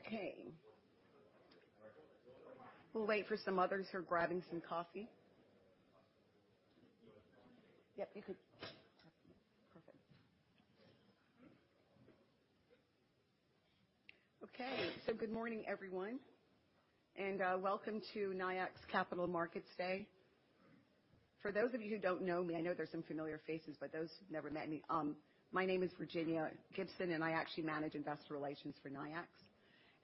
Okay. We'll wait for some others who are grabbing some coffee. Yep, you could pass me. Perfect. Okay. Good morning, everyone, and welcome to Nayax Capital Markets Day. For those of you who don't know me, I know there's some familiar faces, but those who've never met me, my name is Virginea Gibson, and I actually manage investor relations for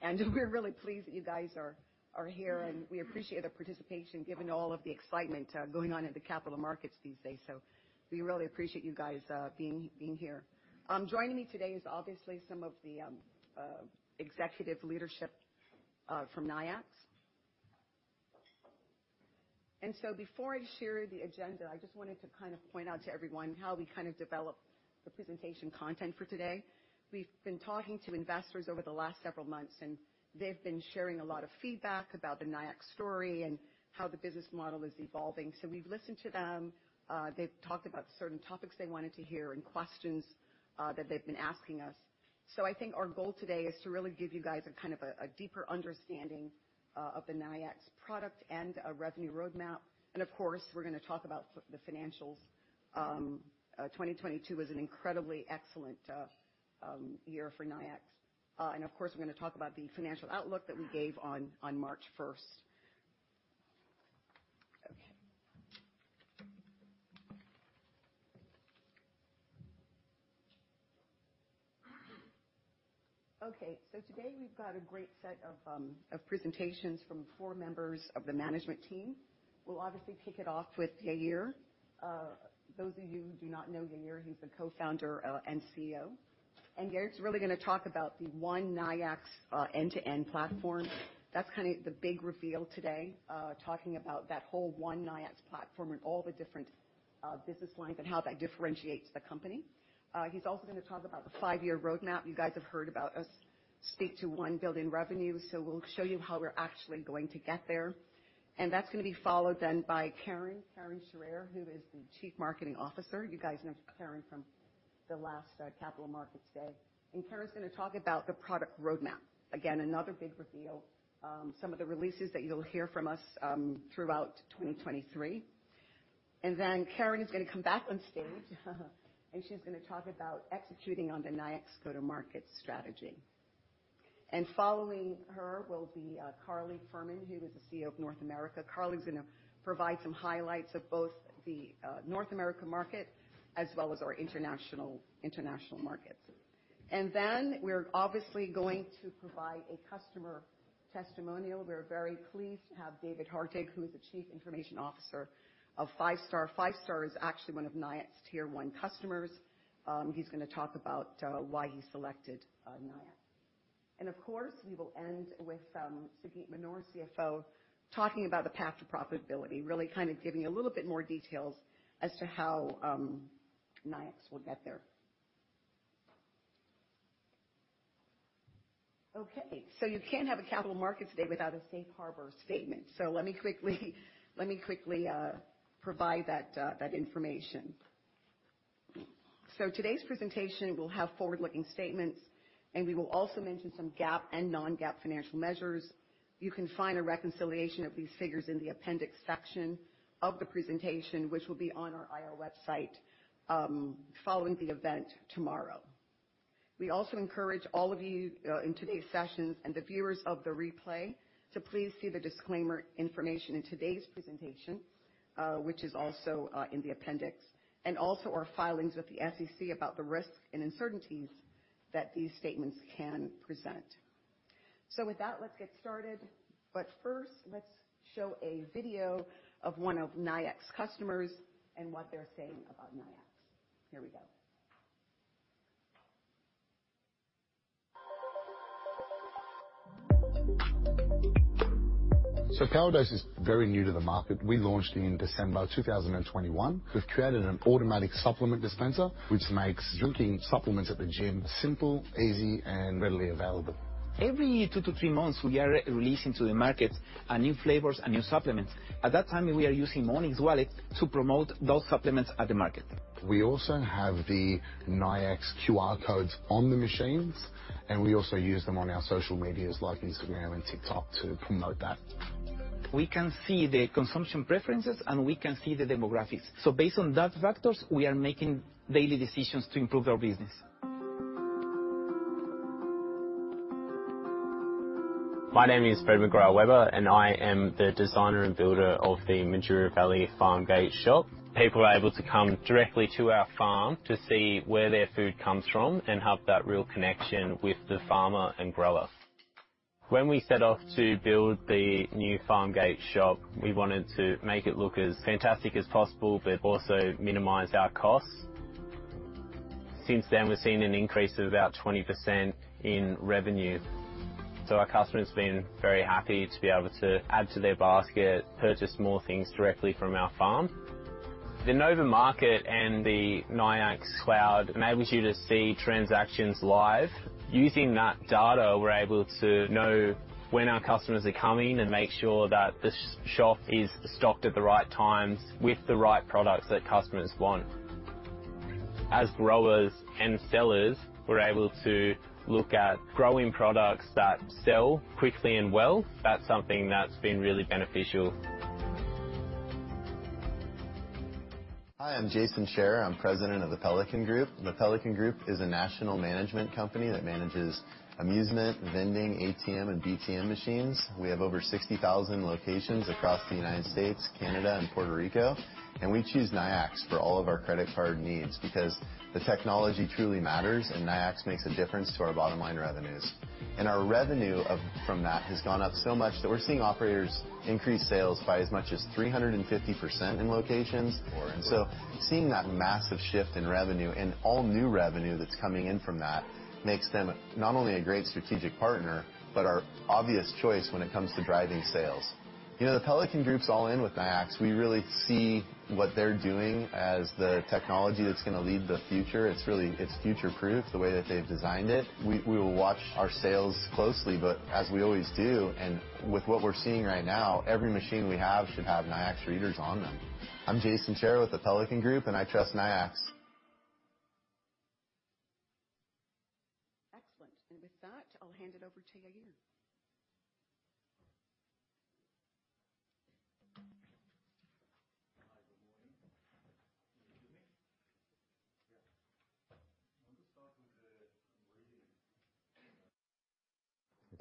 Nayax. We're really pleased that you guys are here, and we appreciate the participation, given all of the excitement going on in the capital markets these days. We really appreciate you guys being here. Joining me today is obviously some of the executive leadership from Nayax. Before I share the agenda, I just wanted to kind of point out to everyone how we kind of developed the presentation content for today. We've been talking to investors over the last several months, and they've been sharing a lot of feedback about the Nayax story and how the business model is evolving. We've listened to them. They've talked about certain topics they wanted to hear and questions that they've been asking us. I think our goal today is to really give you guys a kind of a deeper understanding of the Nayax product and our revenue roadmap. Of course, we're gonna talk about the financials. 2022 was an incredibly excellent year for Nayax. Of course, we're gonna talk about the financial outlook that we gave on March 1st. Okay. Okay, today we've got a great set of presentations from four members of the management team. We'll obviously kick it off with Yair. Those of you who do not know Yair, he's the Co-Founder and CEO. Yair's really gonna talk about the One Nayax end-to-end platform. That's kinda the big reveal today, talking about that whole One Nayax platform and all the different business lines and how that differentiates the company. He's also gonna talk about the five-year roadmap. You guys have heard about us speak to one building revenue, so we'll show you how we're actually going to get there. That's gonna be followed then by Keren Sharir, who is the Chief Marketing Officer. You guys know Keren from the last Capital Markets Day. Keren's gonna talk about the product roadmap. Again, another big reveal, some of the releases that you'll hear from us throughout 2023. Then Karen is gonna come back on stage and she's gonna talk about executing on the Nayax go-to-market strategy. Following her will be Carly Furman, who is the CEO of Nayax North America. Carly's gonna provide some highlights of both the North America market as well as our international markets. Then we're obviously going to provide a customer testimonial. We're very pleased to have David Hartig, who is the Chief Information Officer of Five Star Food Service. Five Star Food Service is actually one of Nayax's tier one customers. He's gonna talk about why he selected Nayax. Of course, we will end with Sagit Manor, CFO, talking about the path to profitability, really kind of giving a little bit more details as to how Nayax will get there. You can't have a Capital Markets Day without a safe harbor statement. Let me quickly provide that information. Today's presentation will have forward-looking statements, and we will also mention some GAAP and non-GAAP financial measures. You can find a reconciliation of these figures in the appendix section of the presentation, which will be on our IR website following the event tomorrow. We also encourage all of you in today's sessions and the viewers of the replay to please see the disclaimer information in today's presentation, which is also in the appendix, and also our filings with the SEC about the risks and uncertainties that these statements can present. With that, let's get started. First, let's show a video of one of Nayax customers and what they're saying about Nayax. Here we go. Powerdose is very new to the market. We launched in December of 2021. We've created an automatic supplement dispenser, which makes drinking supplements at the gym simple, easy, and readily available. Every 2-3 months, we are releasing to the market new flavors and new supplements. At that time, we are using Monyx Wallet to promote those supplements at the market. We also have the Nayax QR codes on the machines, and we also use them on our social medias like Instagram and TikTok to promote that. We can see the consumption preferences, and we can see the demographics. Based on that factors, we are making daily decisions to improve our business. My name is Fred McGrath-Weber, and I am the designer and builder of the Majura Valley Farm Gate Shop. People are able to come directly to our farm to see where their food comes from and have that real connection with the farmer and grower. When we set off to build the new Farm Gate Shop, we wanted to make it look as fantastic as possible, but also minimize our costs. Since then, we've seen an increase of about 20% in revenue. Our customers have been very happy to be able to add to their basket, purchase more things directly from our farm. The Nova Market and the Nayax Core enables you to see transactions live. Using that data, we're able to know when our customers are coming and make sure that the shop is stocked at the right times with the right products that customers want. As growers and sellers, we're able to look at growing products that sell quickly and well. That's something that's been really beneficial. Hi, I'm Jason Scherer. I'm President of The Pelican Group. The Pelican Group is a national management company that manages amusement, vending, ATM and BTM machines. We have over 60,000 locations across the United States, Canada and Puerto Rico. We choose Nayax for all of our credit card needs because the technology truly matters. Nayax makes a difference to our bottom line revenues. Our revenue of, from that has gone up so much that we're seeing operators increase sales by as much as 350% in locations. Seeing that massive shift in revenue and all new revenue that's coming in from that makes them not only a great strategic partner, but our obvious choice when it comes to driving sales. You know, The Pelican Group's all in with Nayax. We really see what they're doing as the technology that's gonna lead the future. It's really, it's future proof, the way that they've designed it. We, we will watch our sales closely, but as we always do and with what we're seeing right now, every machine we have should have Nayax readers on them. I'm Jason Scherer with The Pelican Group, and I trust Nayax. Excellent. With that, I'll hand it over to Yair. Hi. Good morning. Can you hear me? Yeah.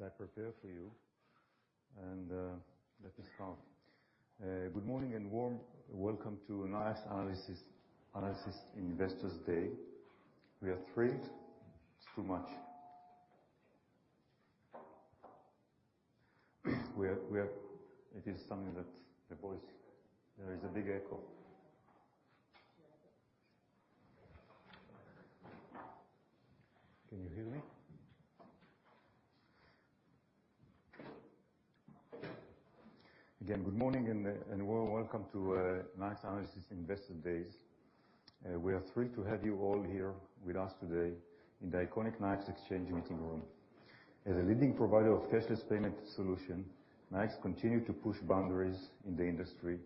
I want to start with the reading that I prepared for you. Let me start. Good morning and warm welcome to Nayax Investors Day. It's too much. It is something that the voice, there is a big echo. Can you hear me? Again, good morning and warm welcome to Nayax Investors Day. We are thrilled to have you all here with us today in the iconic Nasdaq Exchange meeting room. As a leading provider of cashless payment solution, Nayax continue to push boundaries in the industry,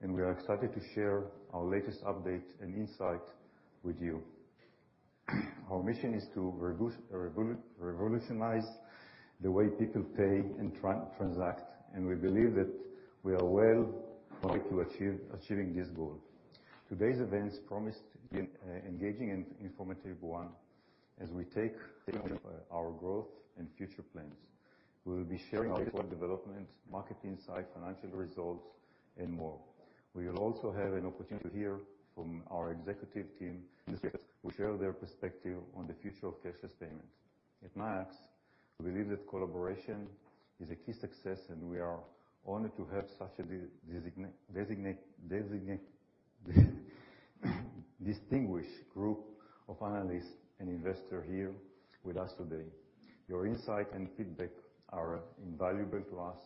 and we are excited to share our latest update and insight with you. Our mission is to revolutionize the way people pay and transact, and we believe that we are well on the way to achieving this goal. Today's events promise to be an engaging and informative one as we take you through our growth and future plans. We will be sharing our latest development, market insight, financial results and more. We will also have an opportunity to hear from our executive team, who share their perspective on the future of cashless payment. At Nayax, we believe that collaboration is a key success, and we are honored to have such a distinguished group of analysts and investor here with us today. Your insight and feedback are invaluable to us,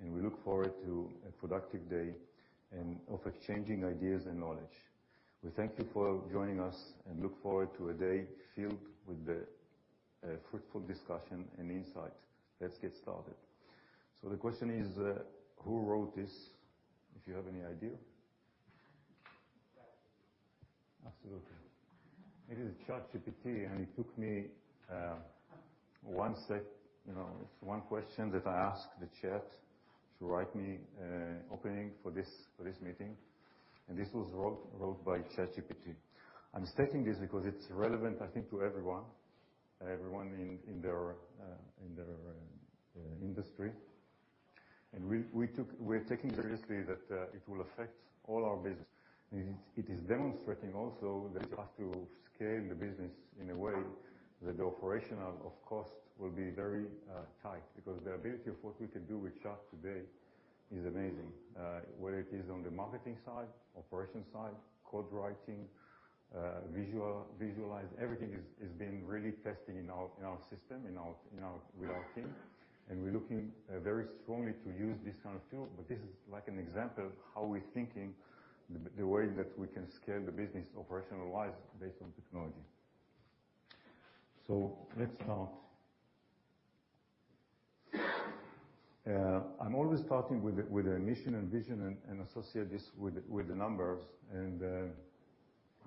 and we look forward to a productive day and of exchanging ideas and knowledge. We thank you for joining us and look forward to a day filled with a fruitful discussion and insight. Let's get started. The question is, who wrote this? If you have any idea. ChatGPT. Absolutely. It is ChatGPT, it took me, one sec, you know, it's 1one question that I asked the chat to write me, opening for this, for this meeting, and this was wrote by ChatGPT. I'm stating this because it's relevant, I think, to everyone in their industry. We're taking seriously that it will affect all our business. It is demonstrating also that it has to scale the business in a way that the operational of cost will be very tight because the ability of what we can do with ChatGPT today is amazing. Whether it is on the marketing side, operations side, code writing, visualize, everything is being really testing in our system, with our team. We're looking very strongly to use this kind of tool. This is like an example of how we're thinking the way that we can scale the business operational-wise based on technology. Let's start. I'm always starting with the mission and vision and associate this with the numbers.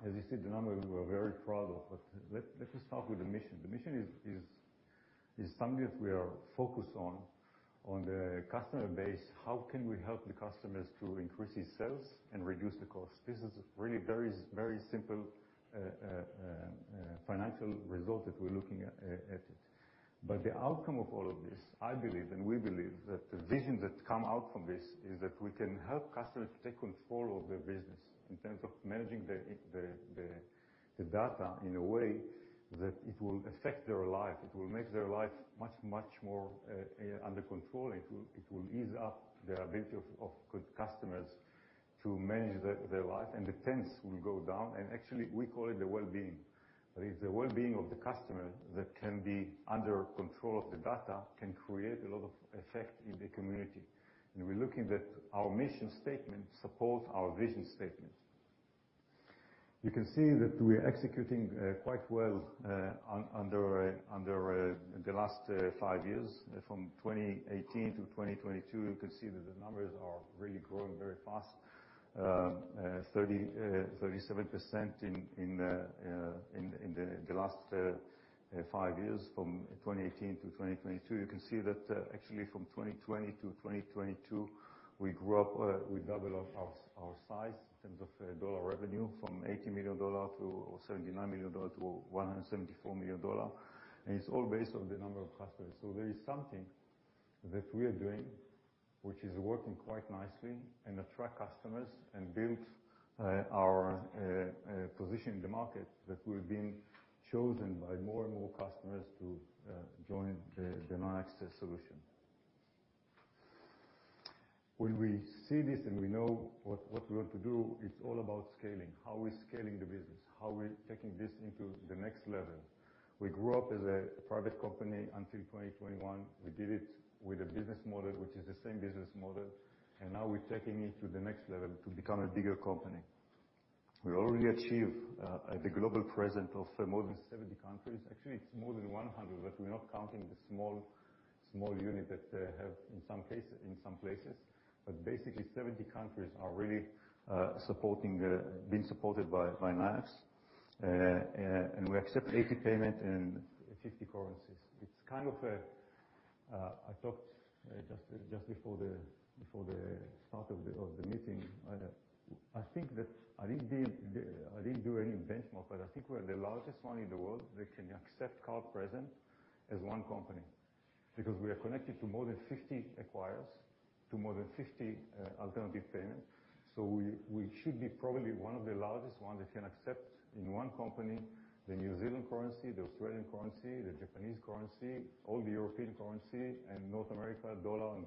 As you see the numbers we're very proud of. Let us start with the mission. The mission is something that we are focused on the customer base. How can we help the customers to increase his sales and reduce the cost? This is really very simple financial result that we're looking at it. The outcome of all of this, I believe, and we believe, that the vision that come out from this is that we can help customers take control of their business in terms of managing the data in a way that it will affect their life. It will make their life much more under control. It will ease up the ability of customers to manage their life, and the tense will go down. Actually, we call it the well-being. If the well-being of the customer that can be under control of the data can create a lot of effect in the community. We're looking that our mission statement supports our vision statement. You can see that we are executing quite well under the last five years. From 2018-2022, you can see that the numbers are really growing very fast. 37% in the last five years from 2018-2022. You can see that actually from 2020-2022, we grew up, we doubled our size in terms of dollar revenue from $80 million-$79 million-$174 million. It's all based on the number of customers. There is something that we are doing which is working quite nicely and attract customers and build our position in the market, that we're being chosen by more and more customers to join the Nayax solution. When we see this and we know what we want to do, it's all about scaling. How we're scaling the business, how we're taking this into the next level. We grew up as a private company until 2021. We did it with a business model, which is the same business model, and now we're taking it to the next level to become a bigger company. We already achieve the global presence of more than 70 countries. Actually, it's more than 100, but we're not counting the small unit that have in some case, in some places. Basically 70 countries are really supporting being supported by Nayax. We accept 80 payment and 50 currencies. It's kind of I talked just before the start of the meeting. I think that I didn't do any benchmark, but I think we're the largest one in the world that can accept card present as one company, because we are connected to more than 50 acquirers, to more than 50 alternative payments. We should be probably one of the largest one that can accept in one company, the New Zealand currency, the Australian currency, the Japanese currency, all the European currency, and North America dollar and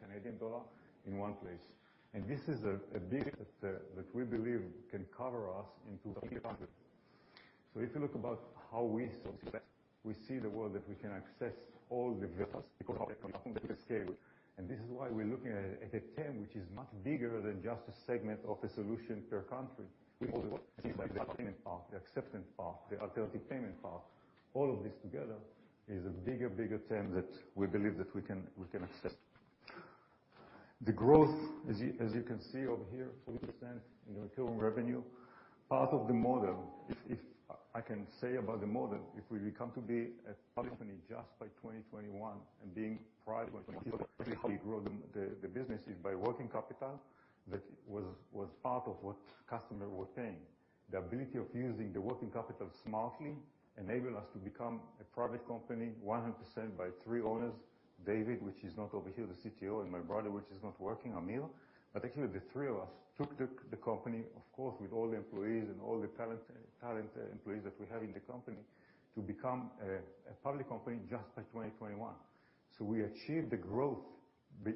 Canadian dollar in one place. This is a big that we believe can cover us into the future countries. If you look about how we success, we see the world that we can access all the because of the scale. This is why we're looking at a TAM, which is much bigger than just a segment of a solution per country. We see the payment part, the acceptance part, the alternative payment part. All of this together is a bigger TAM that we believe that we can access. The growth, as you can see over here, 40% in the recurring revenue. Part of the model, if I can say about the model, if we become to be a public company just by 2021 and being private grow the business is by working capital, that was part of what customer were paying. The ability of using the working capital smartly enabled us to become a private company 100% by three owners. David, which is not over here, the CTO, and my brother, which is not working, Amir. Actually the three of us took the company, of course, with all the employees and all the talent employees that we have in the company, to become a public company just by 2021. We achieved the growth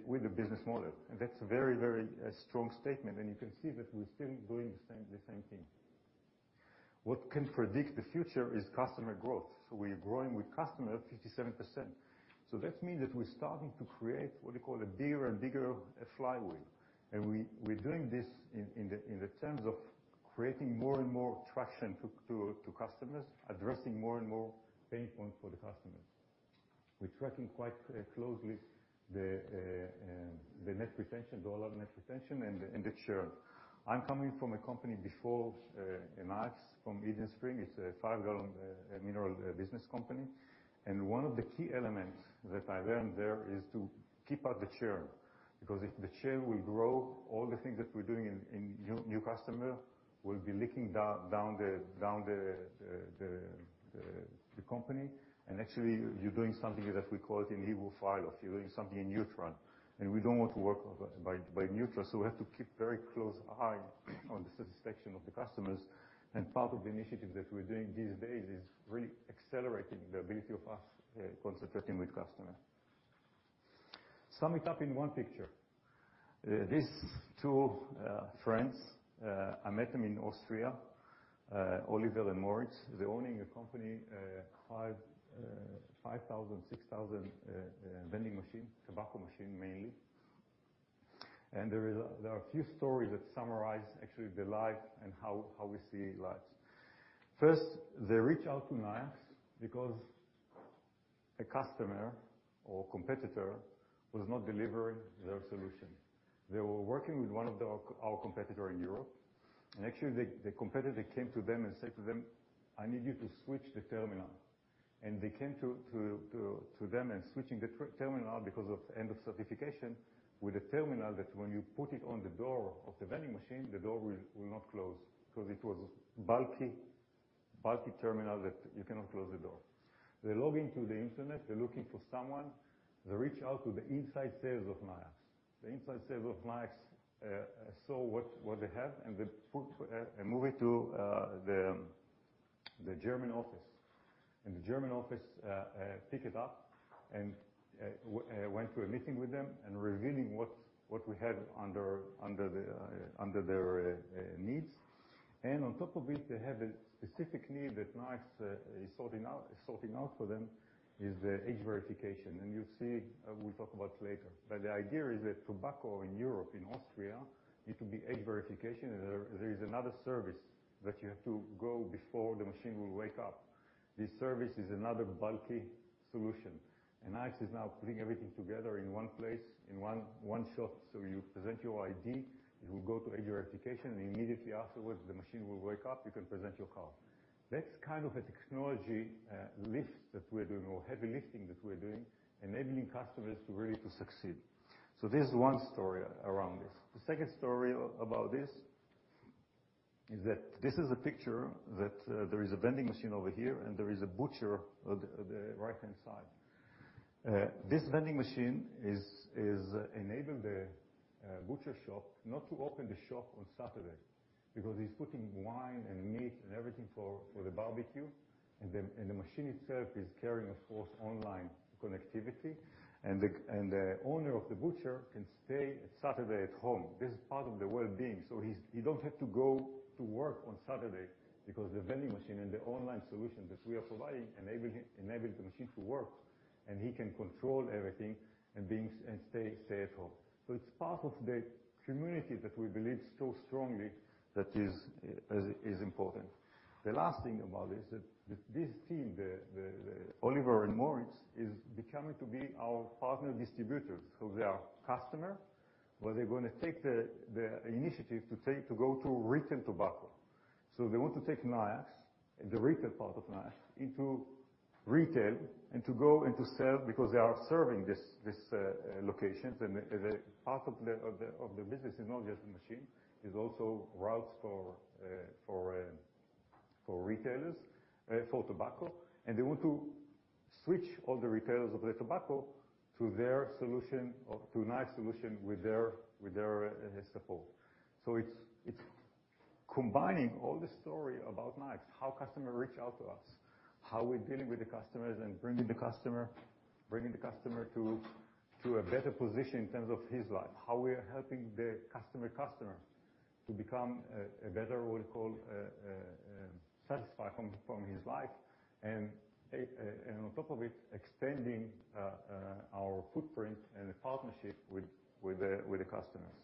with the business model, and that's a very, very strong statement. You can see that we're still doing the same thing. What can predict the future is customer growth. We are growing with customer 57%. That means that we're starting to create what we call a bigger and bigger flywheel. We're doing this in the terms of creating more and more traction to customers, addressing more and more pain points for the customers. We're tracking quite closely the net retention, dollar net retention and the churn. I'm coming from a company before Nayax, from Eden Springs. It's a five gallon mineral business company. One of the key elements that I learned there is to keep out the churn, because if the churn will grow, all the things that we're doing in new customer will be leaking down the company. Actually you're doing something that we call it in Hebrew, This service is another bulky solution. Nayax is now putting everything together in one place, in one shop. You present your ID, it will go to age verification, and immediately afterwards the machine will wake up, you can present your card. That's kind of a technology, lift that we're doing, or heavy lifting that we're doing, enabling customers to really to succeed. This is one story around this. The second story about this is that this is a picture that, there is a vending machine over here, and there is a butcher at the right-hand side. This vending machine is enabling the butcher shop not to open the shop on Saturday, because he's putting wine and meat and everything for the barbecue. The, and the machine itself is carrying of course, online connectivity. The, and the owner of the butcher can stay Saturday at home. This is part of the well-being. He don't have to go to work on Saturday because the vending machine and the online solution that we are providing enable him, enables the machine to work, and he can control everything and being and stay safe at home. It's part of the community that we believe so strongly that is important. The last thing about this, that this team, the Oliver and Moritz, is becoming to be our partner distributors, because they are customer, but they're gonna take the initiative to take to go to retail tobacco. They want to take Nayax, the retail part of Nayax, into retail and to go and to sell because they are serving this locations. The part of the business is not just the machine, it's also routes for retailers, for tobacco. They want to switch all the retailers of the tobacco to their solution or to Nayax solution with their support. It's combining all the story about Nayax, how customer reach out to us, how we're dealing with the customers and bringing the customer to a better position in terms of his life. How we are helping the customer to become a better, what we call, satisfied from his life. On top of it, extending our footprint and the partnership with the customers.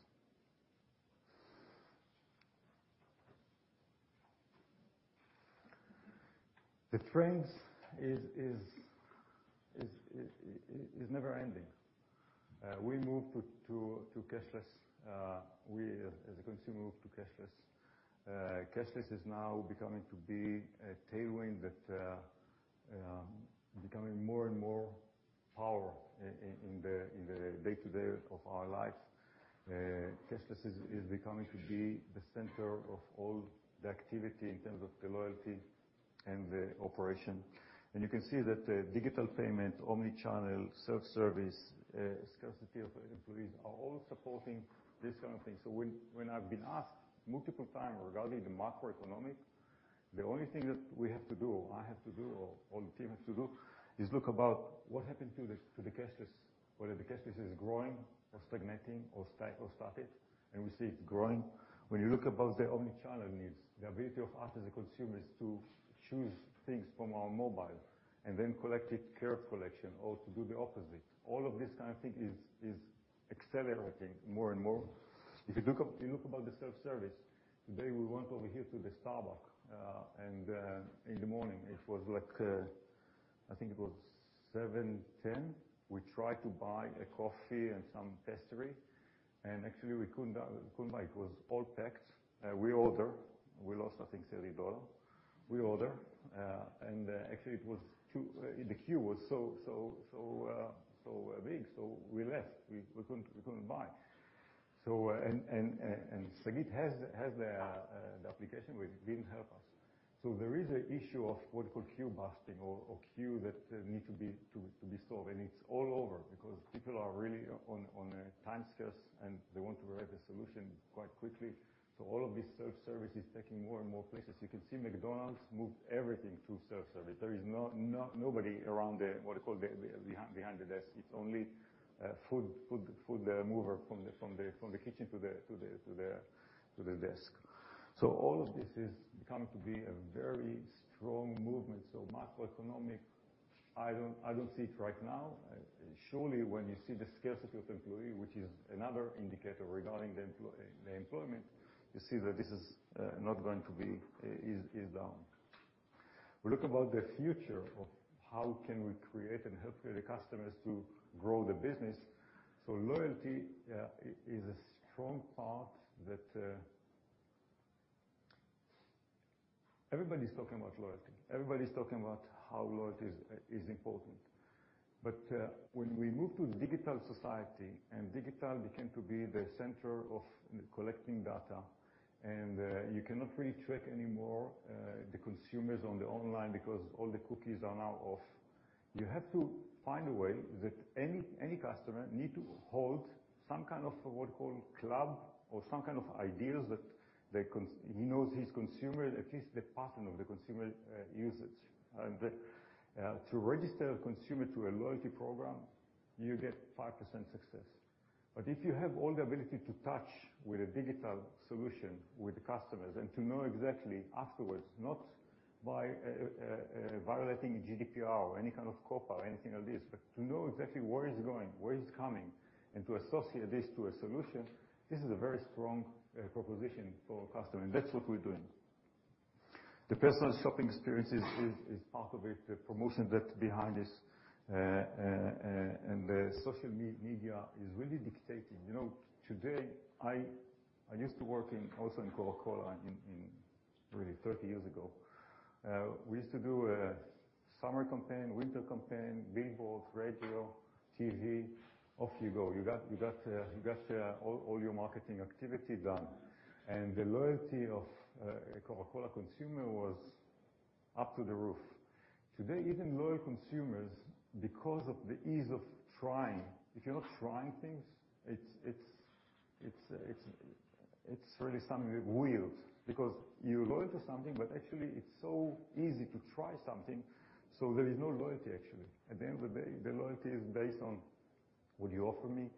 The trends is never ending. We move to cashless. We as a consumer move to cashless. Cashless is now becoming to be a tailwind that becoming more and more power in the day-to-day of our lives. Cashless is becoming to be the center of all the activity in terms of the loyalty and the operation. You can see that digital payments, omni-channel, self-service, scarcity of employees are all supporting this kind of thing. When I've been asked multiple times regarding the macroeconomic, the only thing that we have to do, or I have to do, or all the team has to do is look about what happened to the, to the cashless. Whether the cashless is growing or stagnating or static, and we see it growing. When you look about the omni-channel needs, the ability of us as a consumer is to choose things from our mobile and then collect it, curb collection or to do the opposite. All of this kind of thing is accelerating more and more. If you look up, you look about the self-service, today we went over here to the Starbucks, in the morning it was like, I think it was 7:10. We tried to buy a coffee and some pastry, actually we couldn't buy, it was all packed. We order. We lost, I think $30. We order, actually it was too. The queue was so big, so we left. We couldn't buy. Sagit has the application which didn't help us. There is a issue of what you call queue busting or queue that need to be solved. It's all over because people are really on a time scarce, and they want to have a solution quite quickly. All of this self-service is taking more and more places. You can see McDonald's moved everything to self-service. There is nobody around the, what you call the, behind the desk. It's only food mover from the kitchen to the desk. All of this is coming to be a very strong movement. Macroeconomic, I don't see it right now. Surely when you see the scarcity of employee, which is another indicator regarding the employment, you see that this is not going to be down. We look about the future of how can we create and help the customers to grow the business. Loyalty is a strong part that. Everybody's talking about loyalty. Everybody's talking about how loyalty is important. When we move to digital society and digital began to be the center of collecting data, and you cannot really track anymore the consumers on the online because all the cookies are now off. You have to find a way that any customer need to hold some kind of what we call club or some kind of ideas that he knows his consumer, at least the pattern of the consumer usage. To register a consumer to a loyalty program, you get 5% success. If you have all the ability to touch with a digital solution with the customers and to know exactly afterwards, not by violating GDPR or any kind of COPPA, anything like this, but to know exactly where he's going, where he's coming, and to associate this to a solution, this is a very strong proposition for a customer, and that's what we're doing. The personalized shopping experience is part of it. The promotion that behind this, and the social media is really dictating. You know, today, I used to work in also in Coca-Cola in really 30 years ago. We used to do a summer campaign, winter campaign, billboards, radio, TV. Off you go. You got all your marketing activity done. The loyalty of a Coca-Cola consumer was up to the roof. Today, even loyal consumers, because of the ease of trying, if you're not trying things, it's really something weird. You're loyal to something, but actually it's so easy to try something, there is no loyalty actually. At the end of the day, the loyalty is based on what you offer me,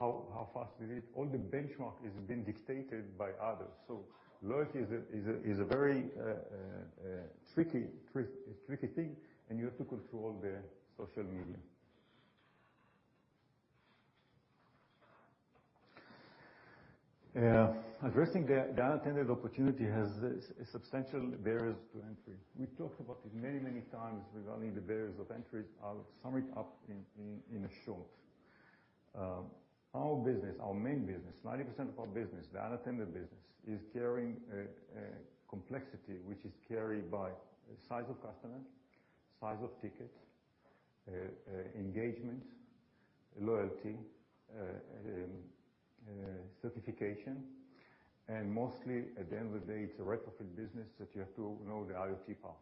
how fast is it. All the benchmark is being dictated by others. Loyalty is a very tricky thing, and you have to control the social media. Addressing the unattended opportunity has substantial barriers to entry. We talked about it many times regarding the barriers of entries. I'll sum it up in a short. Our business, our main business, 90% of our business, the unattended business, is carrying a complexity, which is carried by size of customer, size of ticket, engagement, loyalty, certification, and mostly, at the end of the day, it's a retrofit business that you have to know the IoT part.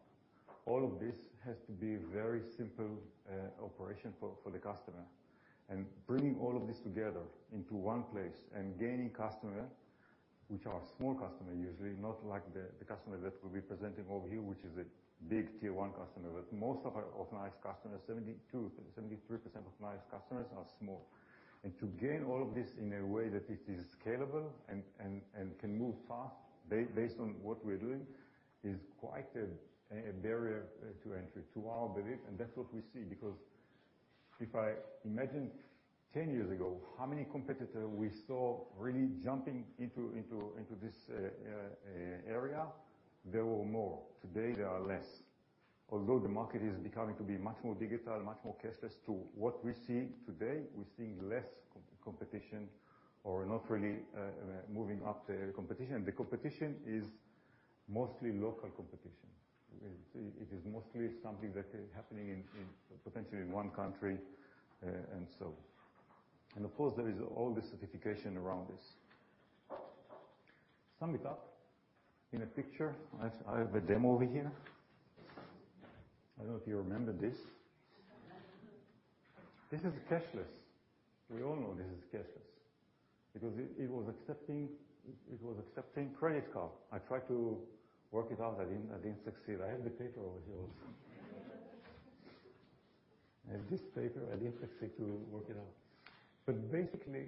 All of this has to be very simple operation for the customer. Bringing all of this together into one place and gaining customer, which are small customer usually, not like the customer that we'll be presenting over here, which is a big tier-one customer. But most of Nayax customers, 72%, 73% of Nayax customers are small. To gain all of this in a way that it is scalable and can move fast based on what we're doing, is quite a barrier to entry, to our belief. That's what we see, because if I imagine 10 years ago how many competitor we saw really jumping into this area, there were more. Today, there are less. Although the market is becoming to be much more digital, much more cashless to what we see today, we're seeing less competition or not really moving up the competition. The competition is mostly local competition. It is mostly something that is happening in potentially in one country, and so. Of course, there is all the certification around this. Sum it up in a picture. I have a demo over here. I don't know if you remember this. This is cashless. We all know this is cashless, because it was accepting credit card. I tried to work it out. I didn't succeed. I have the paper over here also. I have this paper. I didn't succeed to work it out. Basically,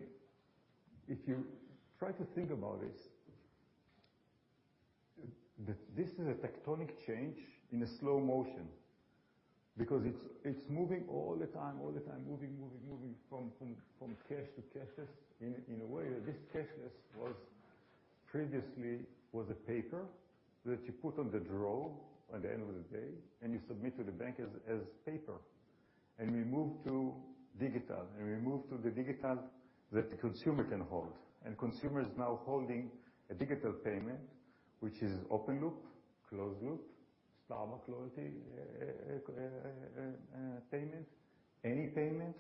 if you try to think about this is a tectonic change in a slow motion, because it's moving all the time, all the time, moving, moving from cash to cashless. In a way that this cashless was previously was a paper that you put on the drawer at the end of the day, and you submit to the bank as paper. We moved to digital, and we moved to the digital that the consumer can hold. Consumer is now holding a digital payment, which is open loop, closed loop, Starbucks loyalty, payment, any payments,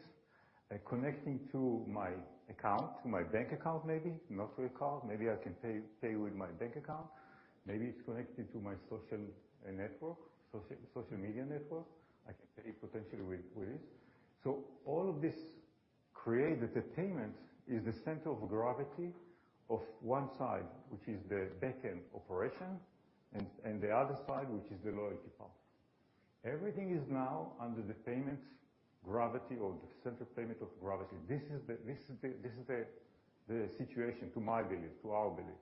connecting to my account, to my bank account, maybe. Not through a card. Maybe I can pay with my bank account. Maybe it's connected to my social network, social media network. I can pay potentially with this. All of this create that the payment is the center of gravity of one side, which is the backend operation, and the other side, which is the loyalty part. Everything is now under the payment gravity or the center payment of gravity. This is the situation to my belief, to our belief.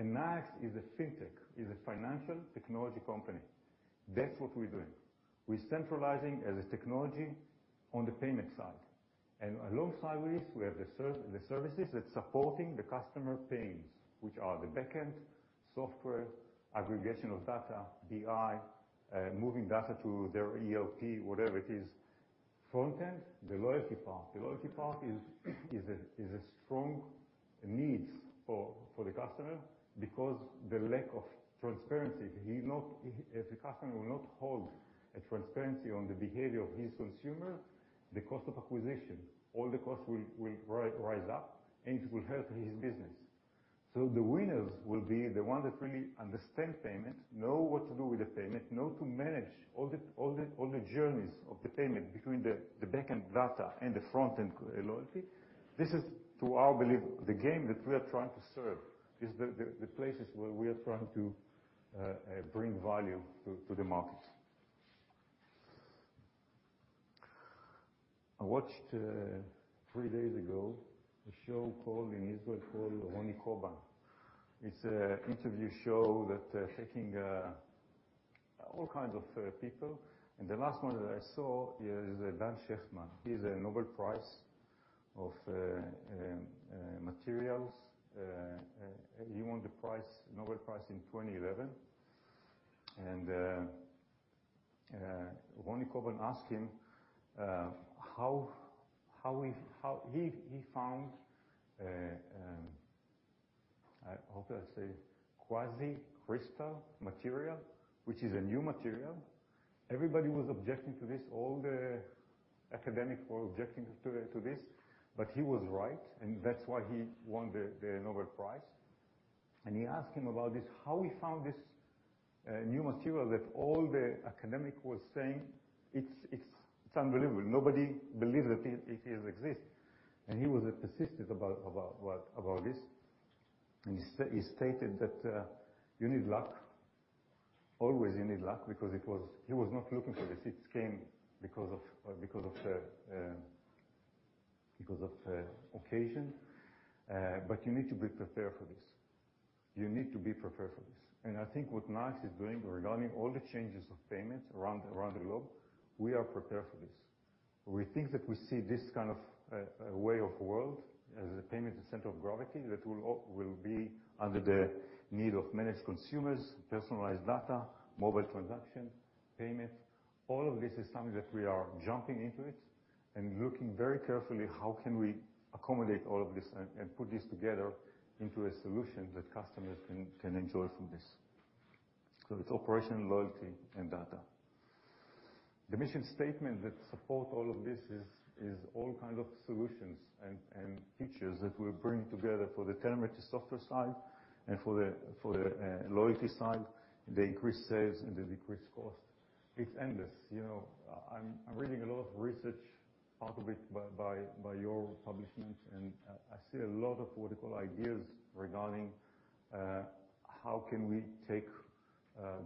Nayax is a fintech, is a financial technology company. That's what we're doing. We're centralizing as a technology on the payment side. Alongside with this, we have the services that's supporting the customer payments, which are the backend software, aggregation of data, BI, moving data to their ELT, whatever it is. Front end, the loyalty part. The loyalty part is a strong needs for the customer, because the lack of transparency. If a customer will not hold a transparency on the behavior of his consumer, the cost of acquisition, all the costs will rise up, and it will hurt his business. The winners will be the one that really understand payment, know what to do with the payment, know to manage all the journeys of the payment between the backend data and the front end loyalty. This is, to our belief, the game that we are trying to serve, is the places where we are trying to bring value to the market. I watched three days ago, a show called, in Israel called Roni Kuban. It's an interview show that taking all kinds of people. The last one that I saw is Dan Shechtman. He's a Nobel Prize of materials. He won the prize, Nobel Prize in 2011. Roni Kuban asked him how he found how can I say, quasicrystal material, which is a new material. Everybody was objecting to this, all the academic were objecting to this, but he was right, and that's why he won the Nobel Prize. He asked him about this, how he found this new material that all the academic was saying it's, it's unbelievable. Nobody believed that it exists. He stated that you need luck. Always you need luck, because he was not looking for this. It came because of because of the because of occasion. You need to be prepared for this. You need to be prepared for this. I think what Nayax is doing regarding all the changes of payments around the globe, we are prepared for this. We think that we see this kind of way of world as a payment center of gravity that will be under the need of managed consumers, personalized data, mobile transaction, payment. All of this is something that we are jumping into it and looking very carefully how can we accommodate all of this and put this together into a solution that customers can enjoy from this. It's operational, loyalty, and data. The mission statement that support all of this is all kind of solutions and features that we're bringing together for the telemetry software side and for the loyalty side, the increased sales and the decreased cost. It's endless. You know, I'm reading a lot of research, part of it by your publishment, and I see a lot of vertical ideas regarding how can we take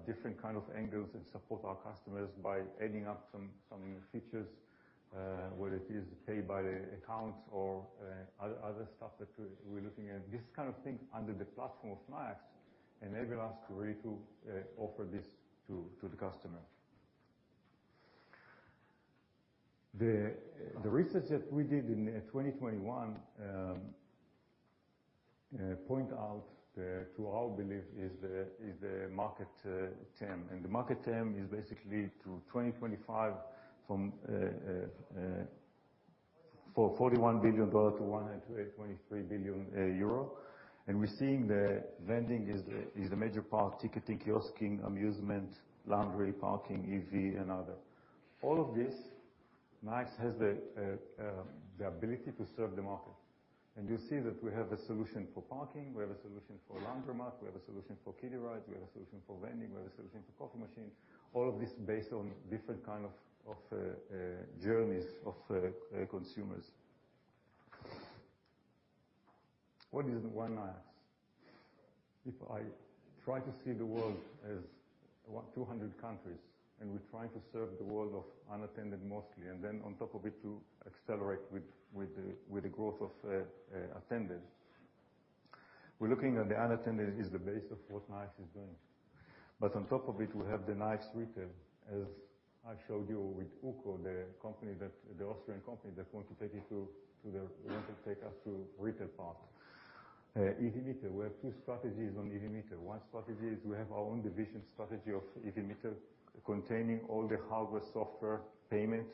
different kind of angles and support our customers by adding up some new features, whether it is pay-by account or other stuff that we're looking at. hing under the platform of Nayax enable us really to offer this to the customer. The research that we did in 2021 point out to our belief is the market TAM. The market TAM is basically to 2025 from $41 billion to 123 billion euro. We're seeing the vending is a major part. Ticketing, kiosking, amusement, laundry, parking, EV, and other. All of this, Nayax has the ability to serve the market. You see that we have a solution for parking. We have a solution for laundromat. We have a solution for kiddie rides. We have a solution for vending. We have a solution for coffee machine. All of this based on different kind of journeys of consumers. What is One Nayax? If I try to see the world as, what? 200 countries, we're trying to serve the world of unattended mostly, then on top of it, to accelerate with the growth of attended. We're looking at the unattended is the base of what Nayax is doing. On top of it, we have the Nayax Retail, as I showed you with UKO Microshops, the Austrian company that's going to take it to, want to take us to retail part. EV Meter. We have two strategies on EV Meter. One strategy is we have our own division strategy of EV Meter containing all the hardware, software, payment,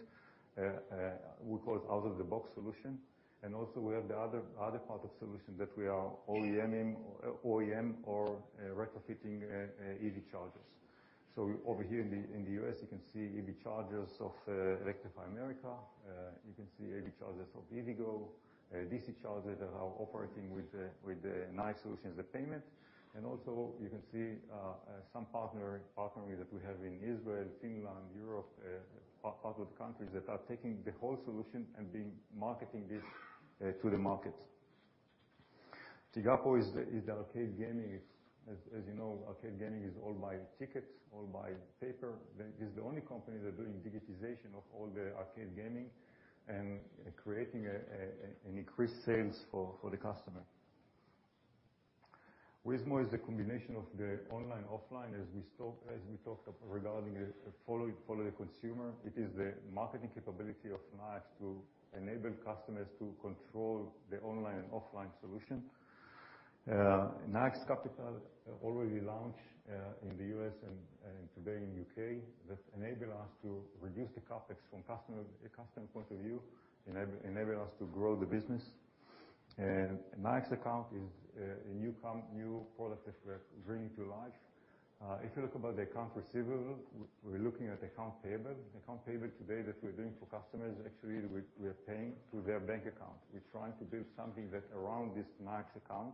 we call it out-of-the-box solution. We have the other part of solution that we are OEM-ing, OEM or retrofitting EV chargers. Over here in the U.S., you can see EV chargers of Electrify America. You can see EV chargers of EVgo, DC chargers that are operating with the Nayax solutions, the payment. You can see some partnering that we have in Israel, Finland, Europe, part with countries that are taking the whole solution and being marketing this to the market. Tigapo is the arcade gaming. As you know, arcade gaming is all by tickets, all by paper. They is the only company that are doing digitization of all the arcade gaming and creating an increased sales for the customer. Weezmo is the combination of the online/offline, as we spoke, as we talked regarding, follow the consumer. It is the marketing capability of Nayax to enable customers to control the online and offline solution. Nayax Capital already launched in the U.S. and today in U.K., that enable us to reduce the CapEx from customer, a customer point of view, enabling us to grow the business. Nayax Account is a new product that we're bringing to life. If you look about the accounts receivable, we're looking at account payable. Account payable today that we're doing for customers, actually, we are paying through their bank account. We're trying to build something that around this Nayax Account,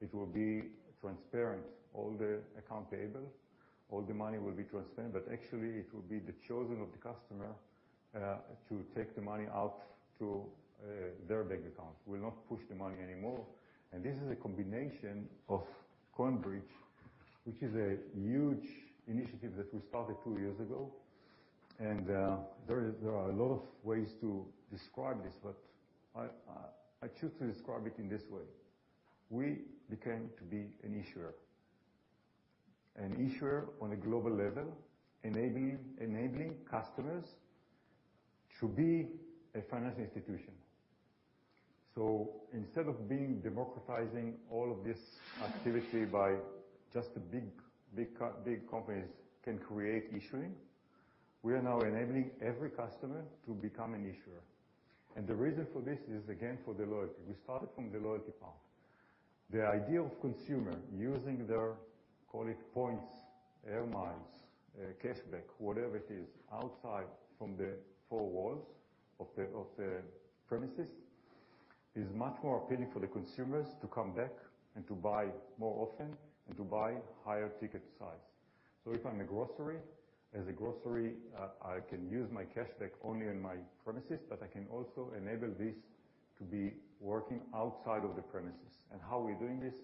it will be transparent. All the account payable, all the money will be transparent. Actually, it will be the chosen of the customer to take the money out to their bank account. We'll not push the money anymore. This is a combination of CoinBridge, which is a huge initiative that we started two years ago. There are a lot of ways to describe this, but I choose to describe it in this way. We became to be an issuer. An issuer on a global level, enabling customers to be a financial institution. Instead of being democratizing all of this activity by just the big companies can create issuing, we are now enabling every customer to become an issuer. The reason for this is again, for the loyalty. We started from the loyalty part. The idea of consumer using their, call it points, air miles, cashback, whatever it is, outside from the four walls of the premises, is much more appealing for the consumers to come back and to buy more often, and to buy higher ticket size. If I'm a grocery, as a grocery, I can use my cashback only on my premises, but I can also enable this to be working outside of the premises. How we're doing this,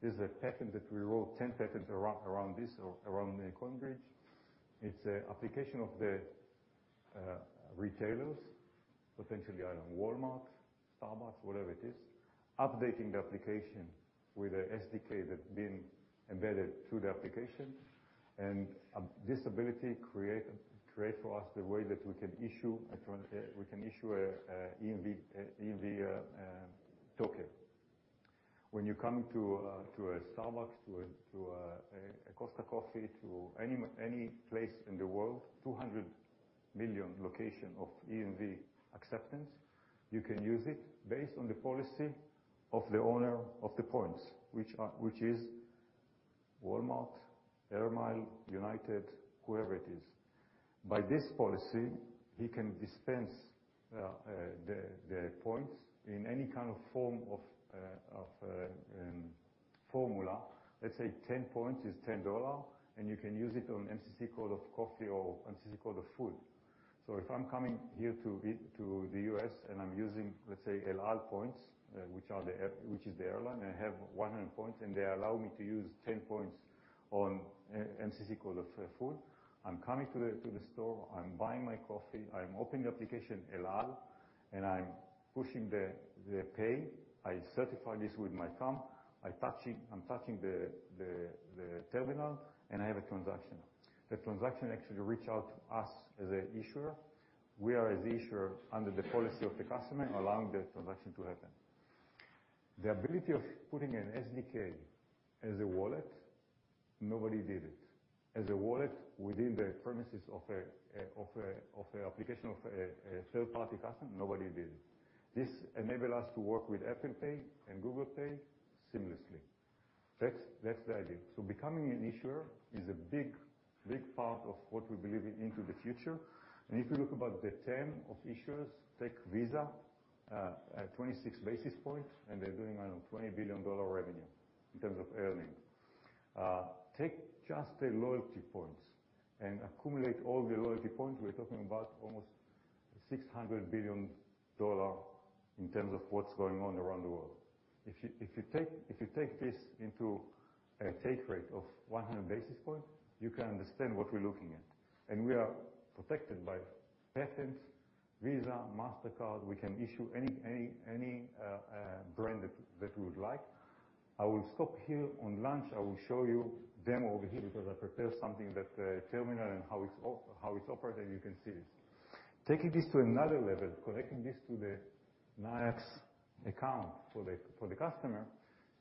there's a patent that we wrote, 10 patents around this or around the CoinBridge. It's a application of the retailers, potentially either Walmart, Starbucks, whatever it is, updating the application with a SDK that's been embedded to the application. This ability create for us the way that we can issue a EMV token. When you come to a Starbucks, to a Costa Coffee, to any place in the world, 200 million location of EMV acceptance, you can use it based on the policy of the owner of the points, which is Walmart, Air Mile, United, whoever it is. By this policy, he can dispense the points in any kind of form of formula. Let's say 10 points is $10, and you can use it on MCC code of coffee or MCC code of food. If I'm coming here to the U.S. and I'm using, let's say El Al points, which is the airline, I have 100 points, and they allow me to use 10 points on MCC code of food. I'm coming to the store, I'm buying my coffee, I'm opening the application, El Al, I'm pushing the pay. I certify this with my thumb, I'm touching the terminal, and I have a transaction. The transaction actually reach out to us as a issuer. We are as the issuer under the policy of the customer, allowing that transaction to happen. The ability of putting an SDK as a wallet, nobody did it. As a wallet within the premises of a application of a third-party customer, nobody did it. This enable us to work with Apple Pay and Google Pay seamlessly. That's, that's the idea. Becoming an issuer is a big, big part of what we believe in into the future. If you look about the TAM of issuers, take Visa, at 26 basis points, and they're doing around $20 billion revenue in terms of earning. Take just the loyalty points and accumulate all the loyalty points. We're talking about almost $600 billion in terms of what's going on around the world. If you take this into a take rate of 100 basis point, you can understand what we're looking at. We are protected by patents, Visa, Mastercard. We can issue any brand that we would like. I will stop here. On lunch, I will show you demo over here because I prepared something that terminal and how it's operate, and you can see this. Taking this to another level, connecting this to the Nayax account for the customer,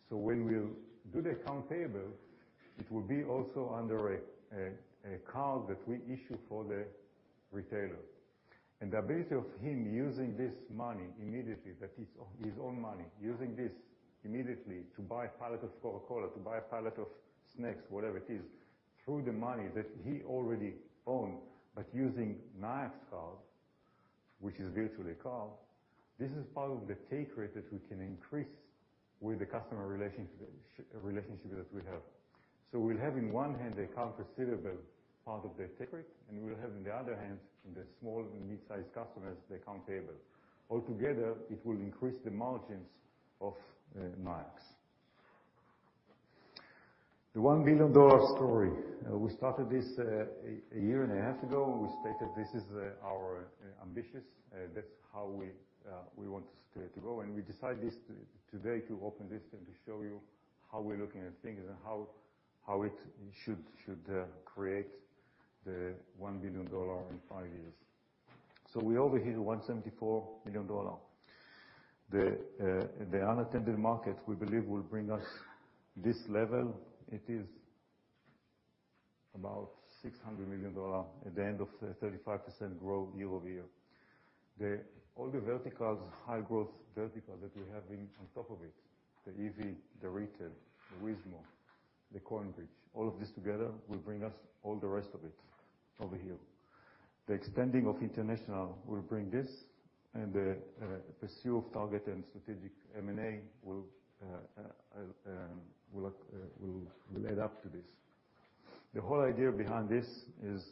when we'll do the account payable, it will be also under a card that we issue for the retailer. The ability of him using this money immediately, that is his own money, using this immediately to buy a pallet of Coca-Cola, to buy a pallet of snacks, whatever it is, through the money that he already own, but using Nayax card, which is virtually a card, this is part of the take rate that we can increase with the customer relationship that we have. We'll have in one hand the account receivable, part of the take rate, and we'll have in the other hand, in the small and mid-size customers, the account payable. Altogether, it will increase the margins of Nayax. The $1 billion story. We started this a year and a half ago, we stated this is our ambitions. That's how we want to go. We decide today to open this and to show you how we're looking at things and how it should create the $1 billion in five years. We're over here, $174 million. The unattended market, we believe will bring us this level. It is about $600 million at the end of 35% growth year-over-year. All the verticals, high growth vertical that we have been on top of it, the EV, the retail, the Weezmo, the CoinBridge, all of this together will bring us all the rest of it over here. The extending of international will bring this, and the pursue of target and strategic M&A will add up to this. The whole idea behind this is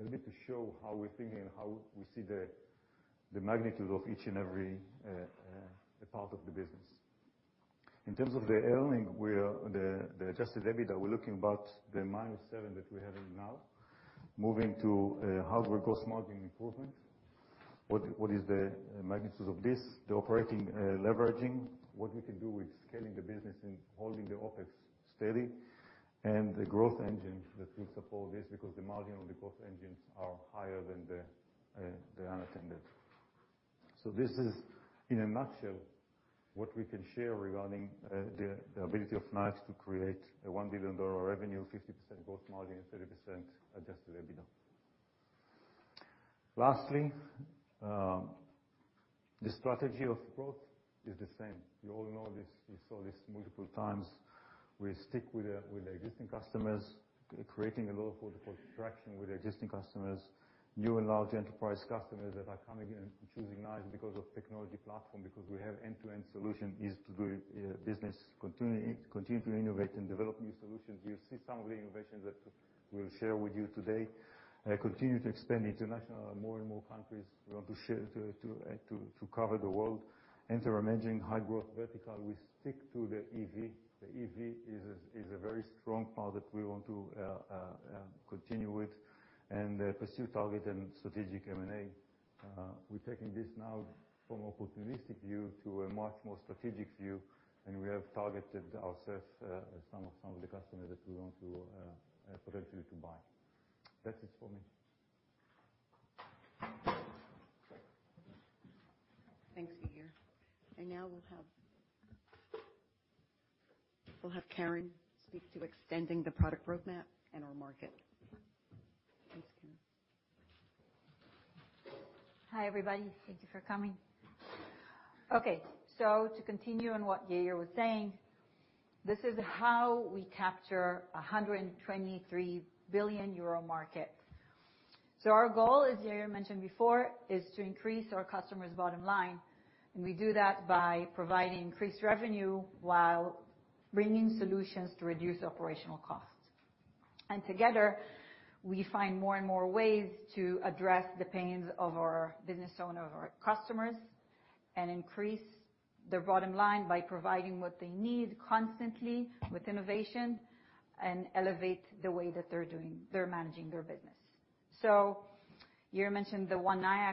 a bit to show how we're thinking and how we see the magnitude of each and every part of the business. In terms of the earnings, The adjusted EBITDA, we're looking about the -$7 that we're having now, moving to a hardware gross margin improvement. What is the magnitude of this? The operating leveraging, what we can do with scaling the business and holding the OpEx steady, and the growth engine that will support this because the margin on the growth engines are higher than the unattended. This is in a nutshell what we can share regarding the ability of Nayax to create a $1 billion revenue, 50% growth margin, 30% adjusted EBITDA. Lastly, the strategy of growth is the same. You all know this. You saw this multiple times. We stick with the existing customers, creating a lot of traction with existing customers, new and large enterprise customers that are coming in and choosing Nayax because of technology platform, because we have end-to-end solution is to do business, continue to innovate and develop new solutions. You'll see some of the innovations that we'll share with you today. Continue to expand international. More and more countries want to share to cover the world. Enter emerging high-growth vertical. We stick to the EV. The EV is a very strong part that we want to continue with. Pursue target and strategic M&A. We're taking this now from opportunistic view to a much more strategic view, and we have targeted ourselves some of the customers that we want to potentially to buy. That's it for me. Thanks, Yair. Now we'll have Keren speak to extending the product roadmap and our market. Thanks, Keren. Hi, everybody. Thank you for coming. To continue on what Yair was saying, this is how we capture a 123 billion euro market. Our goal, as Yair mentioned before, is to increase our customers' bottom line, and we do that by providing increased revenue while bringing solutions to reduce operational costs. Together, we find more and more ways to address the pains of our business owners or our customers and increase their bottom line by providing what they need constantly with innovation and elevate the way that they're managing their business. Yair mentioned the One Nayax.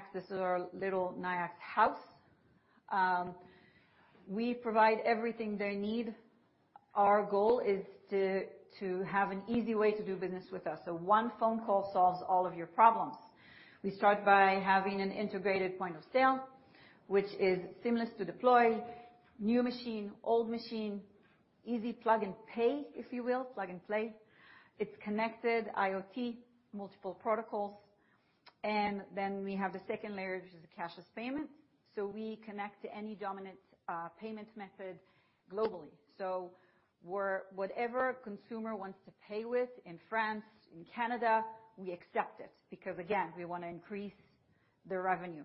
We provide everything they need. Our goal is to have an easy way to do business with us. One phone call solves all of your problems. We start by having an integrated point of sale, which is seamless to deploy. New machine, old machine, easy plug and pay, if you will. Plug and play. It's connected IoT, multiple protocols. Then we have the second layer, which is the cashless payment. We connect to any dominant payment method globally. Whatever a consumer wants to pay with in France, in Canada, we accept it, because again, we wanna increase the revenue.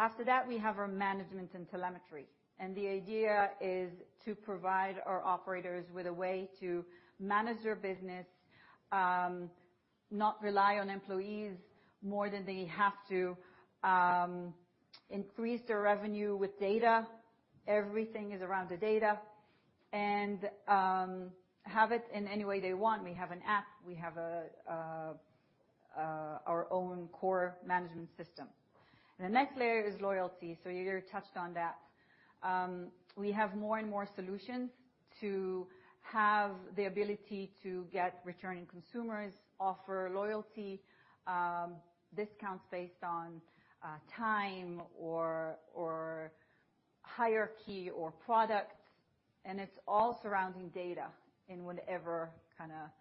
After that, we have our management and telemetry, and the idea is to provide our operators with a way to manage their business, not rely on employees more than they have to, increase their revenue with data. Everything is around the data. Have it in any way they want. We have an app, we have our own core management system. The next layer is loyalty. Yair touched on that. We have more and more solutions to have the ability to get returning consumers, offer loyalty, discounts based on time or hierarchy or product, and it's all surrounding data in whatever kinda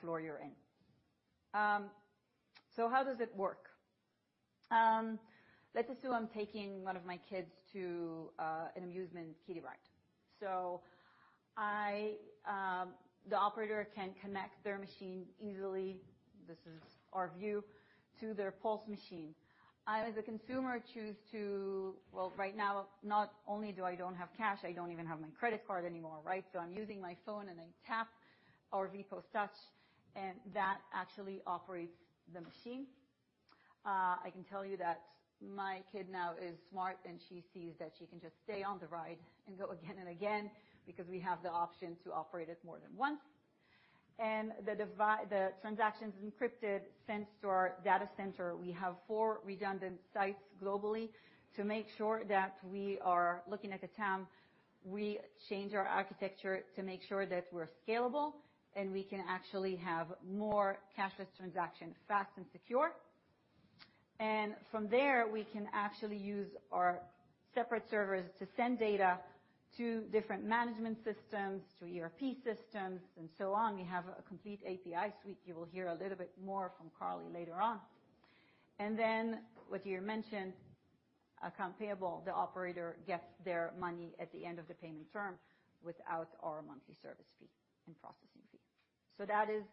floor you're in. How does it work? Let's assume I'm taking one of my kids to an amusement kiddie ride. The operator can connect their machine easily, this is our view, to their pulse machine. I, as a consumer. Well, right now, not only do I don't have cash, I don't even have my credit card anymore, right? I'm using my phone and I tap our VPOS Touch, and that actually operates the machine. I can tell you that my kid now is smart, and she sees that she can just stay on the ride and go again and again because we have the option to operate it more than once. The transaction is encrypted, sent to our data center. We have four redundant sites globally to make sure that we are looking at the time, we change our architecture to make sure that we're scalable and we can actually have more cashless transactions fast and secure. From there, we can actually use our separate servers to send data to different management systems, to ERP systems, and so on. We have a complete API suite. You will hear a little bit more from Carly later on. What Yair mentioned, account payable, the operator gets their money at the end of the payment term without our monthly service fee and processing fee. That is,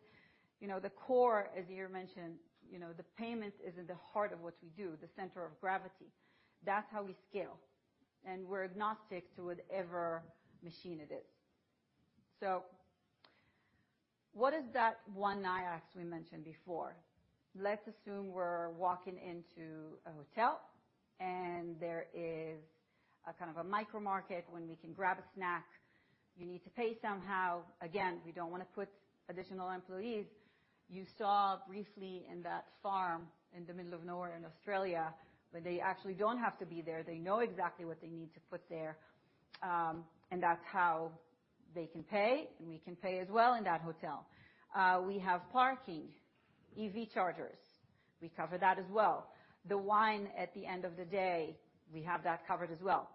you know, the core, as Yair mentioned, you know, the payment is in the heart of what we do, the center of gravity. That's how we scale. We're agnostic to whatever machine it is. What is that One Nayax we mentioned before? Let's assume we're walking into a hotel and there is a kind of a micro market when we can grab a snack. You need to pay somehow. Again, we don't wanna put additional employees. You saw briefly in that farm in the middle of nowhere in Australia, where they actually don't have to be there, they know exactly what they need to put there, and that's how they can pay, and we can pay as well in that hotel. We have parking, EV chargers, we cover that as well. The wine at the end of the day, we have that covered as well.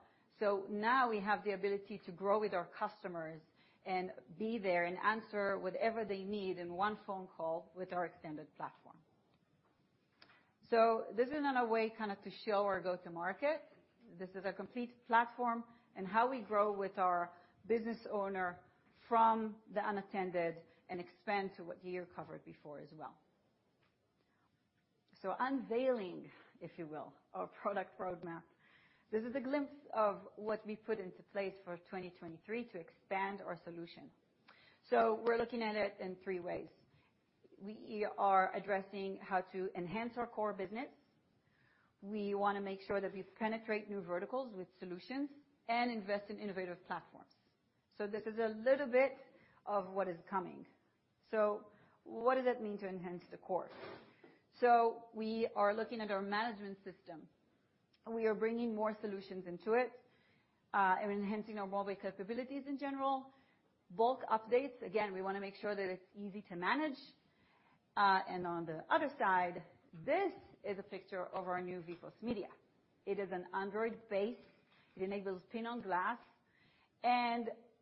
Now we have the ability to grow with our customers and be there and answer whatever they need in one phone call with our extended platform. This is another way kind of to show our go-to market. This is a complete platform and how we grow with our business owner from the unattended and expand to what Yair covered before as well. Unveiling, if you will, our product roadmap. This is a glimpse of what we put into place for 2023 to expand our solution. We're looking at it in three ways. We are addressing how to enhance our core business. We wanna make sure that we penetrate new verticals with solutions and invest in innovative platforms. This is a little bit of what is coming. What does that mean to enhance the core? We are looking at our management system. We are bringing more solutions into it and enhancing our mobile capabilities in general. Bulk updates, again, we wanna make sure that it's easy to manage. And on the other side, this is a picture of our new VPOS Media. It is an Android base. It enables PIN on Glass.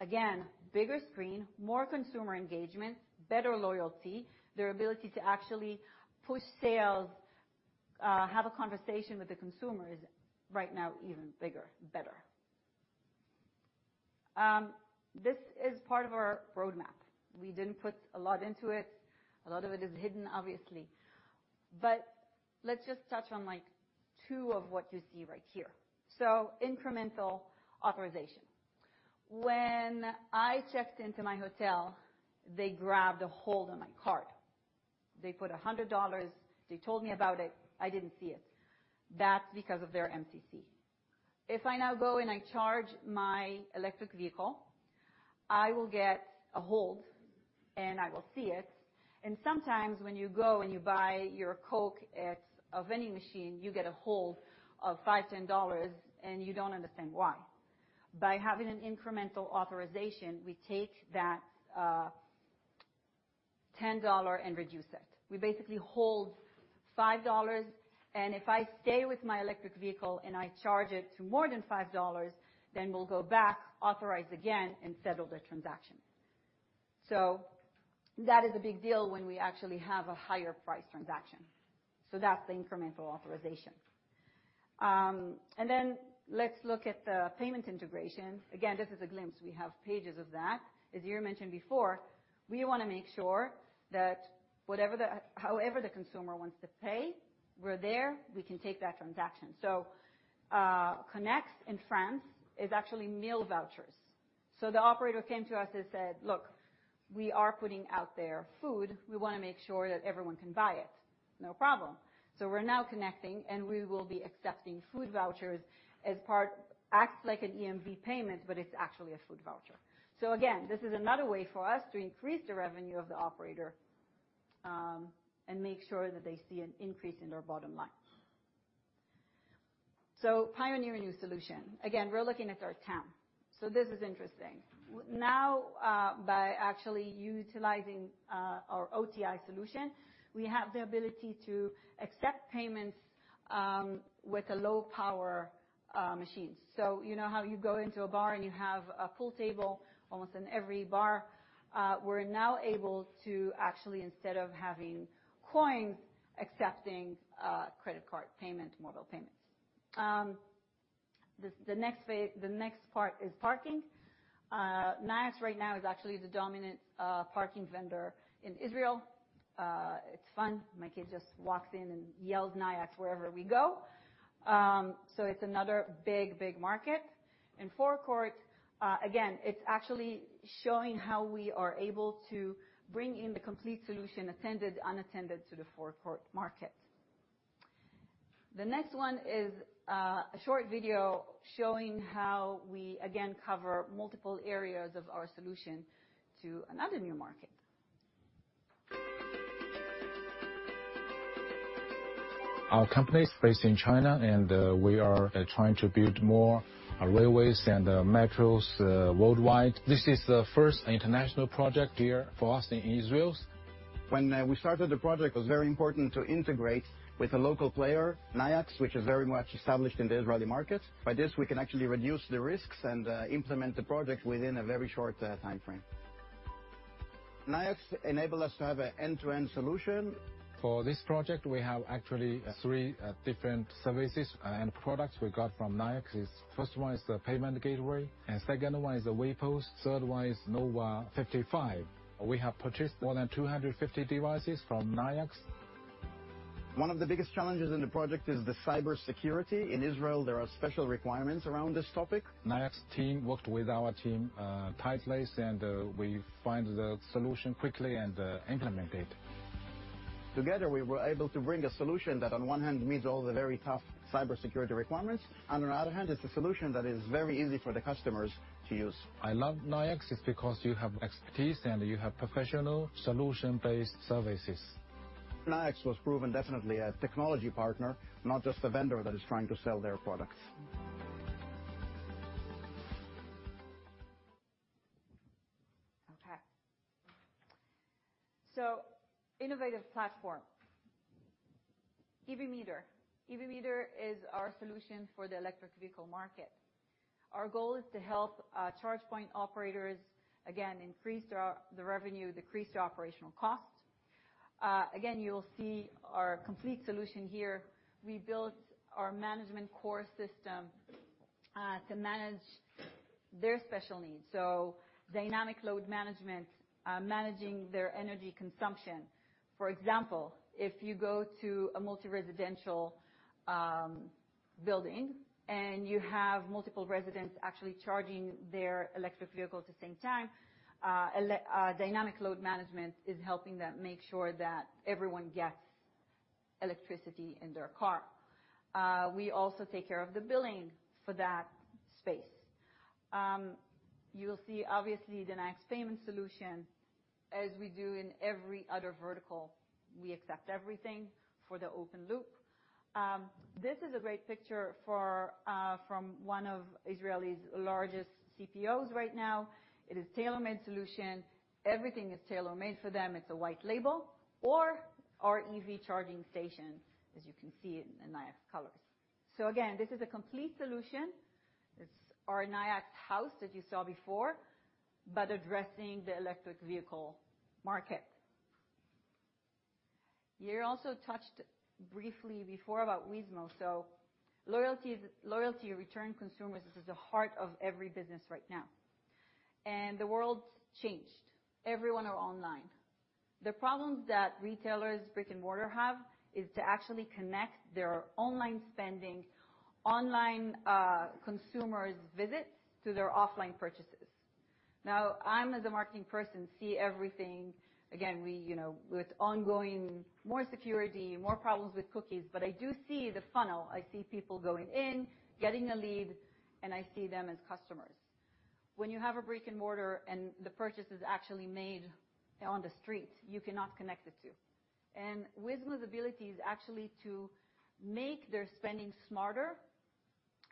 Again, bigger screen, more consumer engagement, better loyalty, their ability to actually push sales, have a conversation with the consumer is right now even bigger, better. This is part of our roadmap. We didn't put a lot into it. A lot of it is hidden, obviously. Let's just touch on like two of what you see right here. Incremental authorization. When I checked into my hotel, they grabbed a hold on my card. They put $100, they told me about it, I didn't see it. That's because of their MCC. If I now go and I charge my electric vehicle, I will get a hold and I will see it. Sometimes when you go and you buy your Coke at a vending machine, you get a hold of $5, $10, and you don't understand why. By having an incremental authorization, we take that $10 and reduce it. We basically hold $5. If I stay with my electric vehicle and I charge it to more than $5, we'll go back, authorize again, and settle the transaction. That is a big deal when we actually have a higher price transaction. That's the incremental authorization. Let's look at the payment integration. Again, this is a glimpse. We have pages of that. As Yair mentioned before, we wanna make sure that however the consumer wants to pay, we're there, we can take that transaction. CONECS in France is actually meal vouchers. The operator came to us and said, "Look, we are putting out there food, we wanna make sure that everyone can buy it." No problem. We're now connecting, and we will be accepting food vouchers as part. Acts like an EMV payment, but it's actually a food voucher. Again, this is another way for us to increase the revenue of the operator, and make sure that they see an increase in their bottom line. Pioneering new solution. Again, we're looking at our TAM. This is interesting. Now, by actually utilizing our OTI solution, we have the ability to accept payments with a low power machine. You know how you go into a bar and you have a pool table almost in every bar, we're now able to actually, instead of having coin, accepting credit card payment, mobile payments. The next part is parking. Nayax right now is actually the dominant parking vendor in Israel. It's fun. My kid just walks in and yells Nayax wherever we go. It's another big, big market. In forecourt, again, it's actually showing how we are able to bring in the complete solution attended, unattended to the forecourt market. The next one is a short video showing how we again cover multiple areas of our solution to another new market. Our company is based in China, and we are trying to build more railways and metros worldwide. This is the first international project here for us in Israel. When we started the project, it was very important to integrate with a local player, Nayax, which is very much established in the Israeli market. By this, we can actually reduce the risks and implement the project within a very short timeframe. Nayax enable us to have an end-to-end solution. For this project, we have actually three different services and products we got from Nayax. First one is the payment gateway, and second one is the VPOS, third one is Nova 55. We have purchased more than 250 devices from Nayax. One of the biggest challenges in the project is the cybersecurity. In Israel, there are special requirements around this topic. Nayax team worked with our team, tightly, and, we find the solution quickly and, implement it. Together, we were able to bring a solution that on one hand meets all the very tough cybersecurity requirements, and on the other hand, it's a solution that is very easy for the customers to use. I love Nayax is because you have expertise and you have professional solution-based services. Nayax was proven definitely a technology partner, not just a vendor that is trying to sell their products. Innovative platform. EV Meter. EV Meter is our solution for the electric vehicle market. Our goal is to help charge point operators, again, increase the revenue, decrease the operational cost. Again, you'll see our complete solution here. We built our management core system to manage their special needs, so dynamic load management, managing their energy consumption. For example, if you go to a multi-residential building, and you have multiple residents actually charging their electric vehicle at the same time, dynamic load management is helping them make sure that everyone gets electricity in their car. We also take care of the billing for that space. You'll see obviously the Nayax payment solution as we do in every other vertical. We accept everything for the open loop. This is a great picture for from one of Israel's largest CPOs right now. It is tailor-made solution. Everything is tailor-made for them. It's a white label or our EV charging station, as you can see in Nayax colors. Again, this is a complete solution. It's our Nayax house that you saw before, but addressing the electric vehicle market. Yair also touched briefly before about Weezmo. Loyalty return consumers is the heart of every business right now. The world's changed. Everyone are online. The problems that retailers brick-and-mortar have is to actually connect their online spending, online consumers' visits to their offline purchases. Now, I'm as a marketing person, see everything. Again, we, you know, with ongoing more security, more problems with cookies, but I do see the funnel. I see people going in, getting a lead, and I see them as customers. When you have a brick-and-mortar and the purchase is actually made on the street, you cannot connect the two. Weezmo's ability is actually to make their spending smarter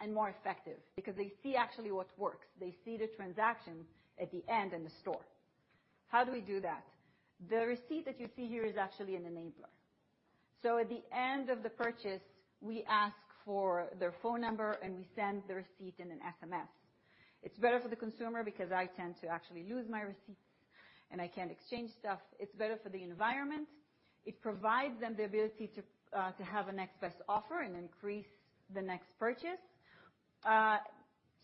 and more effective because they see actually what works. They see the transaction at the end in the store. How do we do that? The receipt that you see here is actually an enabler. At the end of the purchase, we ask for their phone number, and we send the receipt in an SMS. It's better for the consumer because I tend to actually lose my receipts, and I can't exchange stuff. It's better for the environment. It provides them the ability to have a next best offer and increase the next purchase.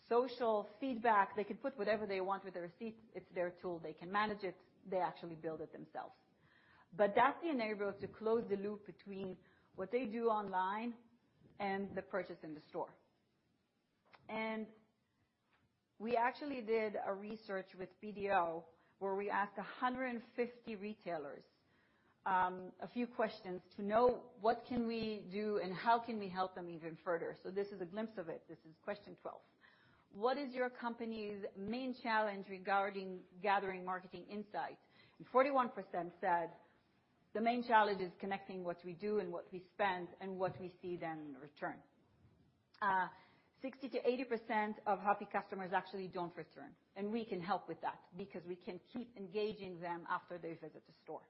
Social feedback, they can put whatever they want with the receipt. It's their tool. They can manage it. They actually build it themselves. That's the enabler to close the loop between what they do online and the purchase in the store. We actually did a research with BDO, where we asked 150 retailers a few questions to know what can we do and how can we help them even further. This is a glimpse of it. This is question 12: What is your company's main challenge regarding gathering marketing insight? 41% said, "The main challenge is connecting what we do and what we spend and what we see then in return." 60%-80% of happy customers actually don't return, and we can help with that because we can keep engaging them after they visit the store.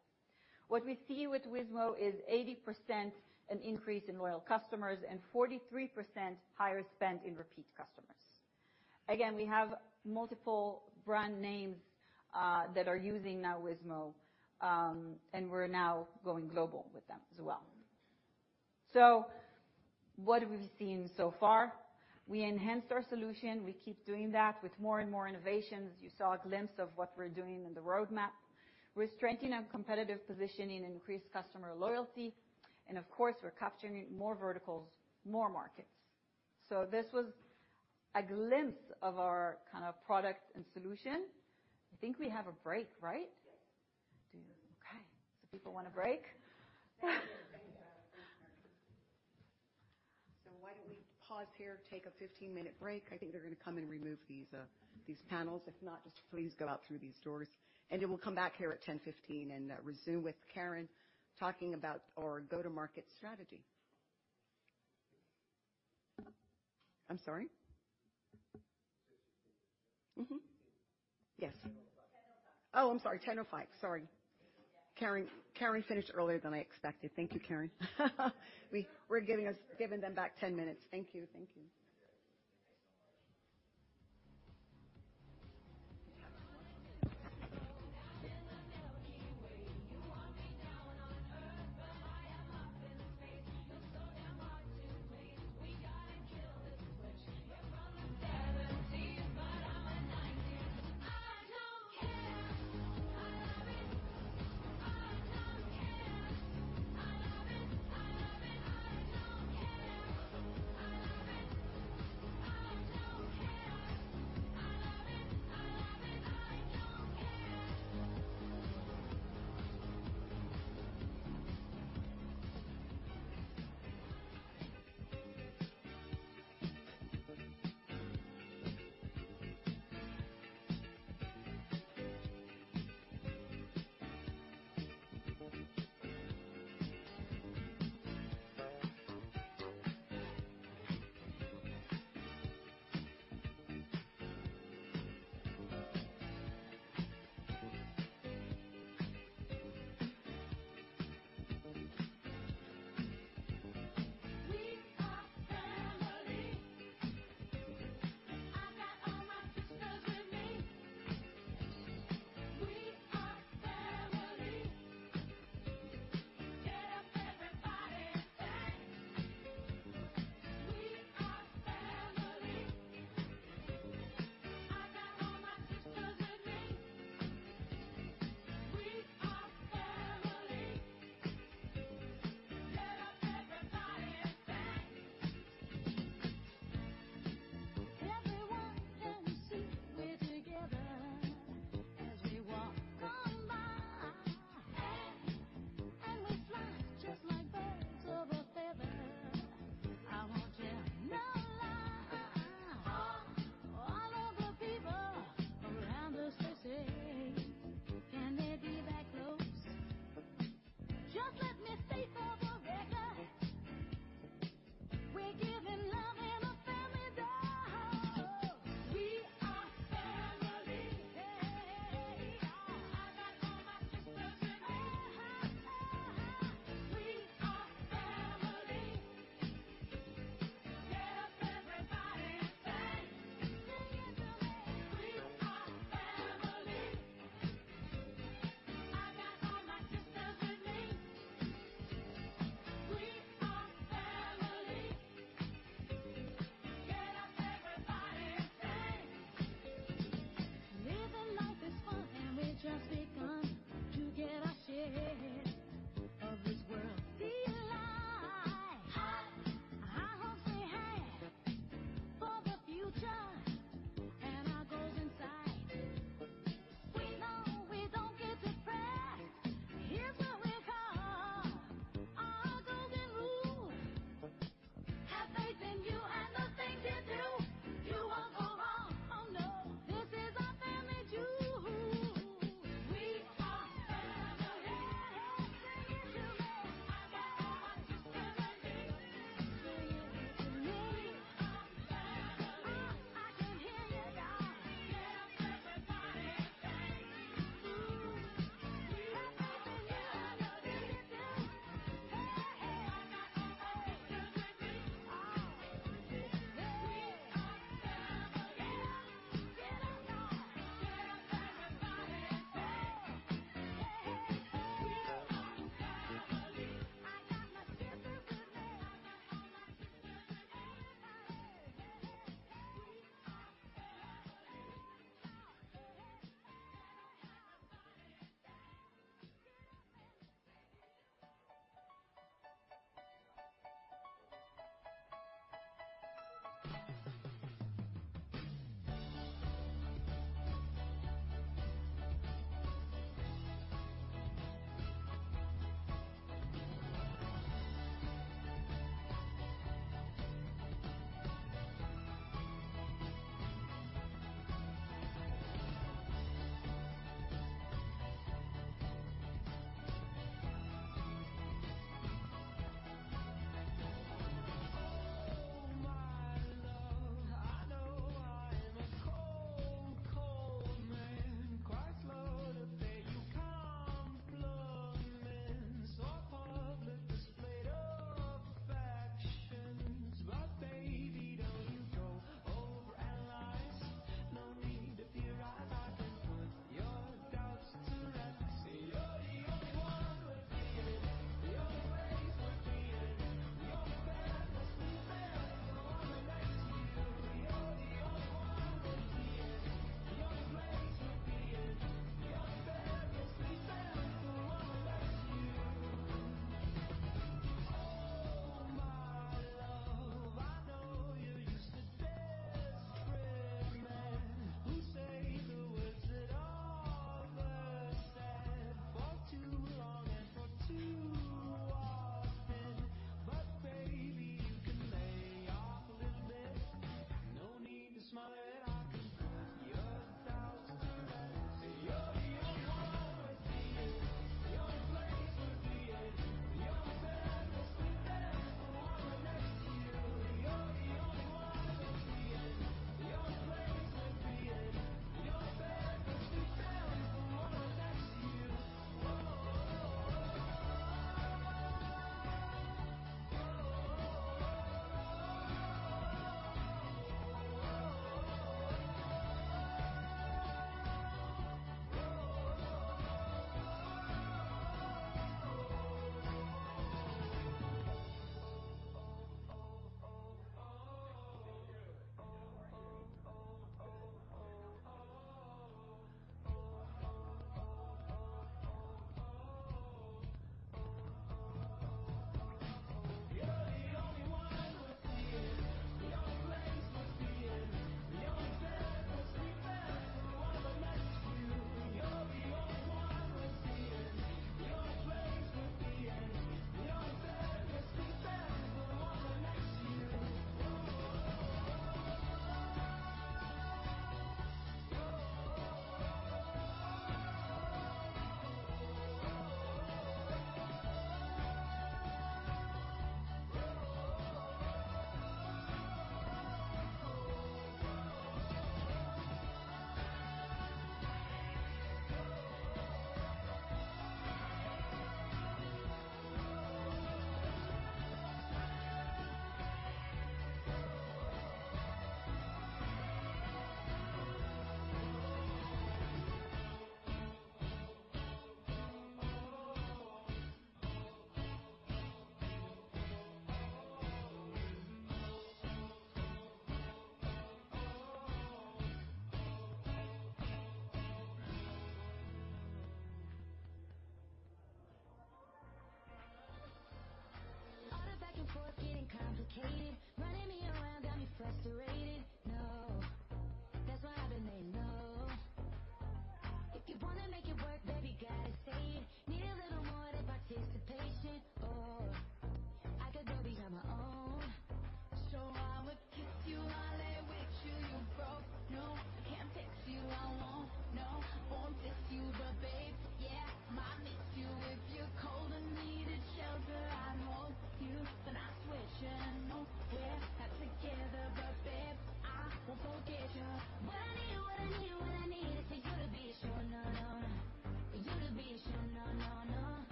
What we see with Weezmo is 80% an increase in loyal customers and 43% higher spend in repeat customers. Again, we have multiple brand names that are using now Weezmo, and we're now going global with them as well. What have we seen so far? We enhanced our solution. We keep doing that with more and more innovations. You saw a glimpse of what we're doing in the roadmap. We're strengthening our competitive positioning, increased customer loyalty, and of course, we're capturing more verticals, more markets. This was a glimpse of our kind of product and solution. I think we have a break, right? Yes. Do you? Okay. People want a break. Why don't we pause here, take a 15-minute break. I think they're gonna come and remove these panels. If not, just please go out through these doors, and then we'll come back here at 10:15 and resume with Keren talking about our go-to-market strategy. I'm sorry? Mm-hmm. Yes. 10:05. Oh, I'm sorry. 10:05. Sorry. Keren finished earlier than I expected. Thank you, Keren. We're giving them back 10 minutes. Thank you. Thank you.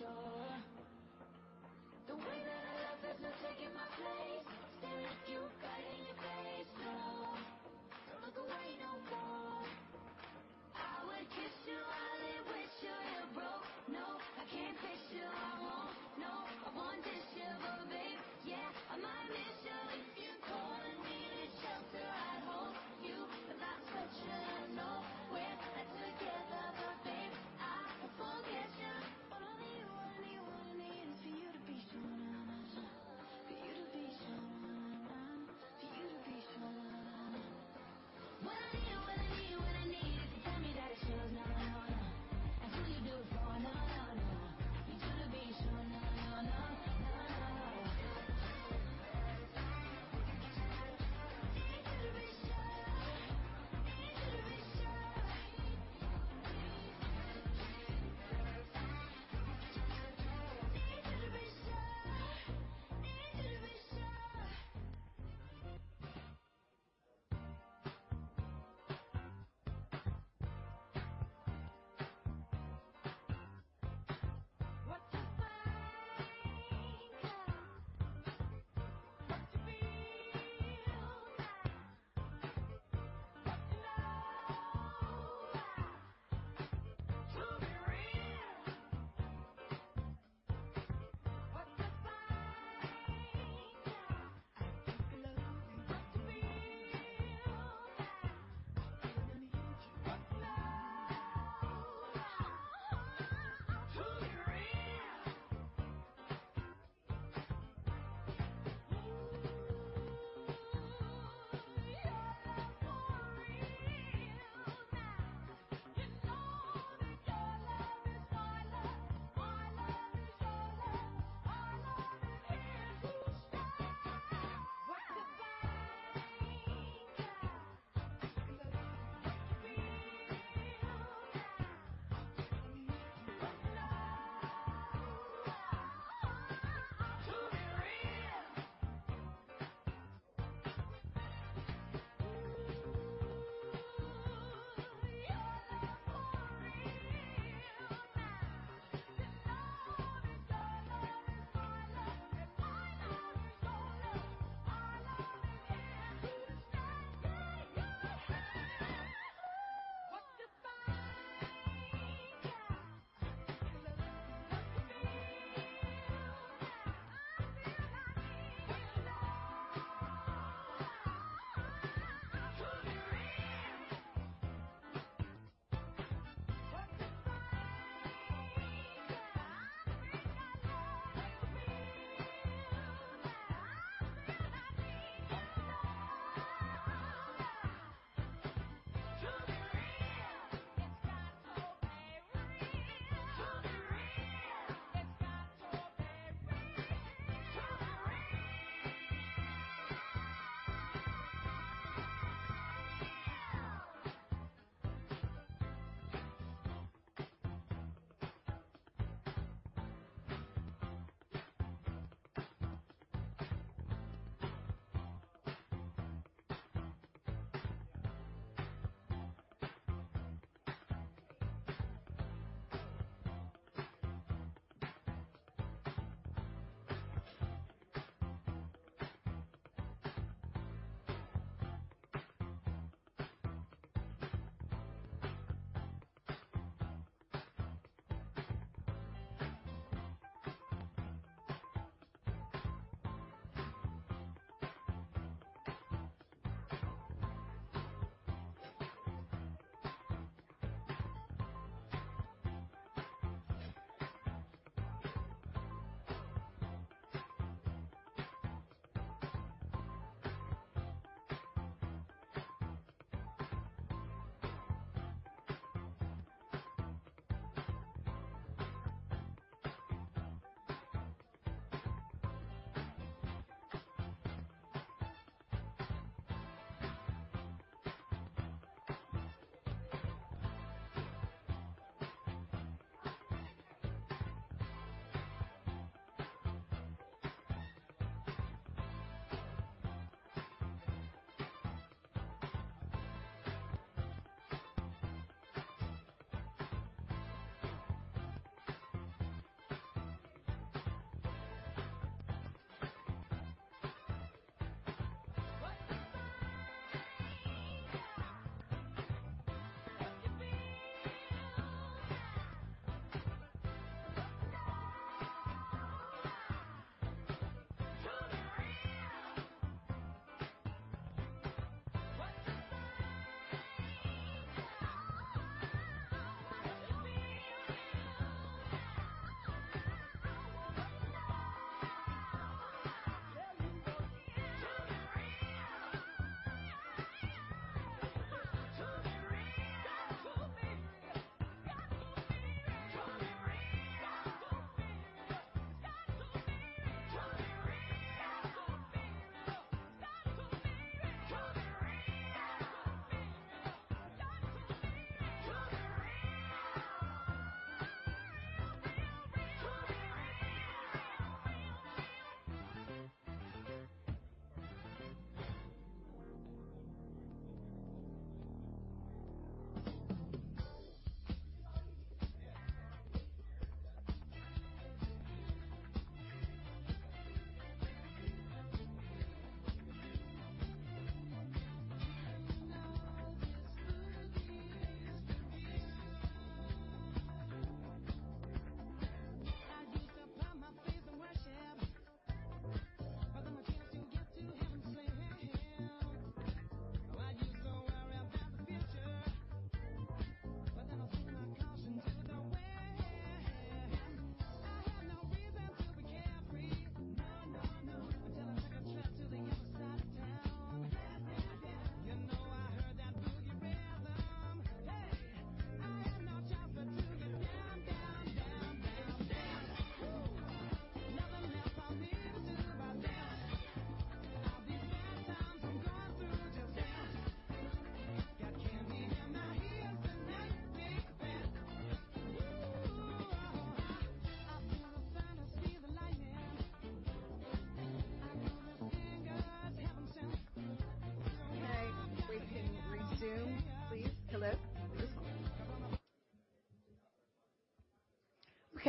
We can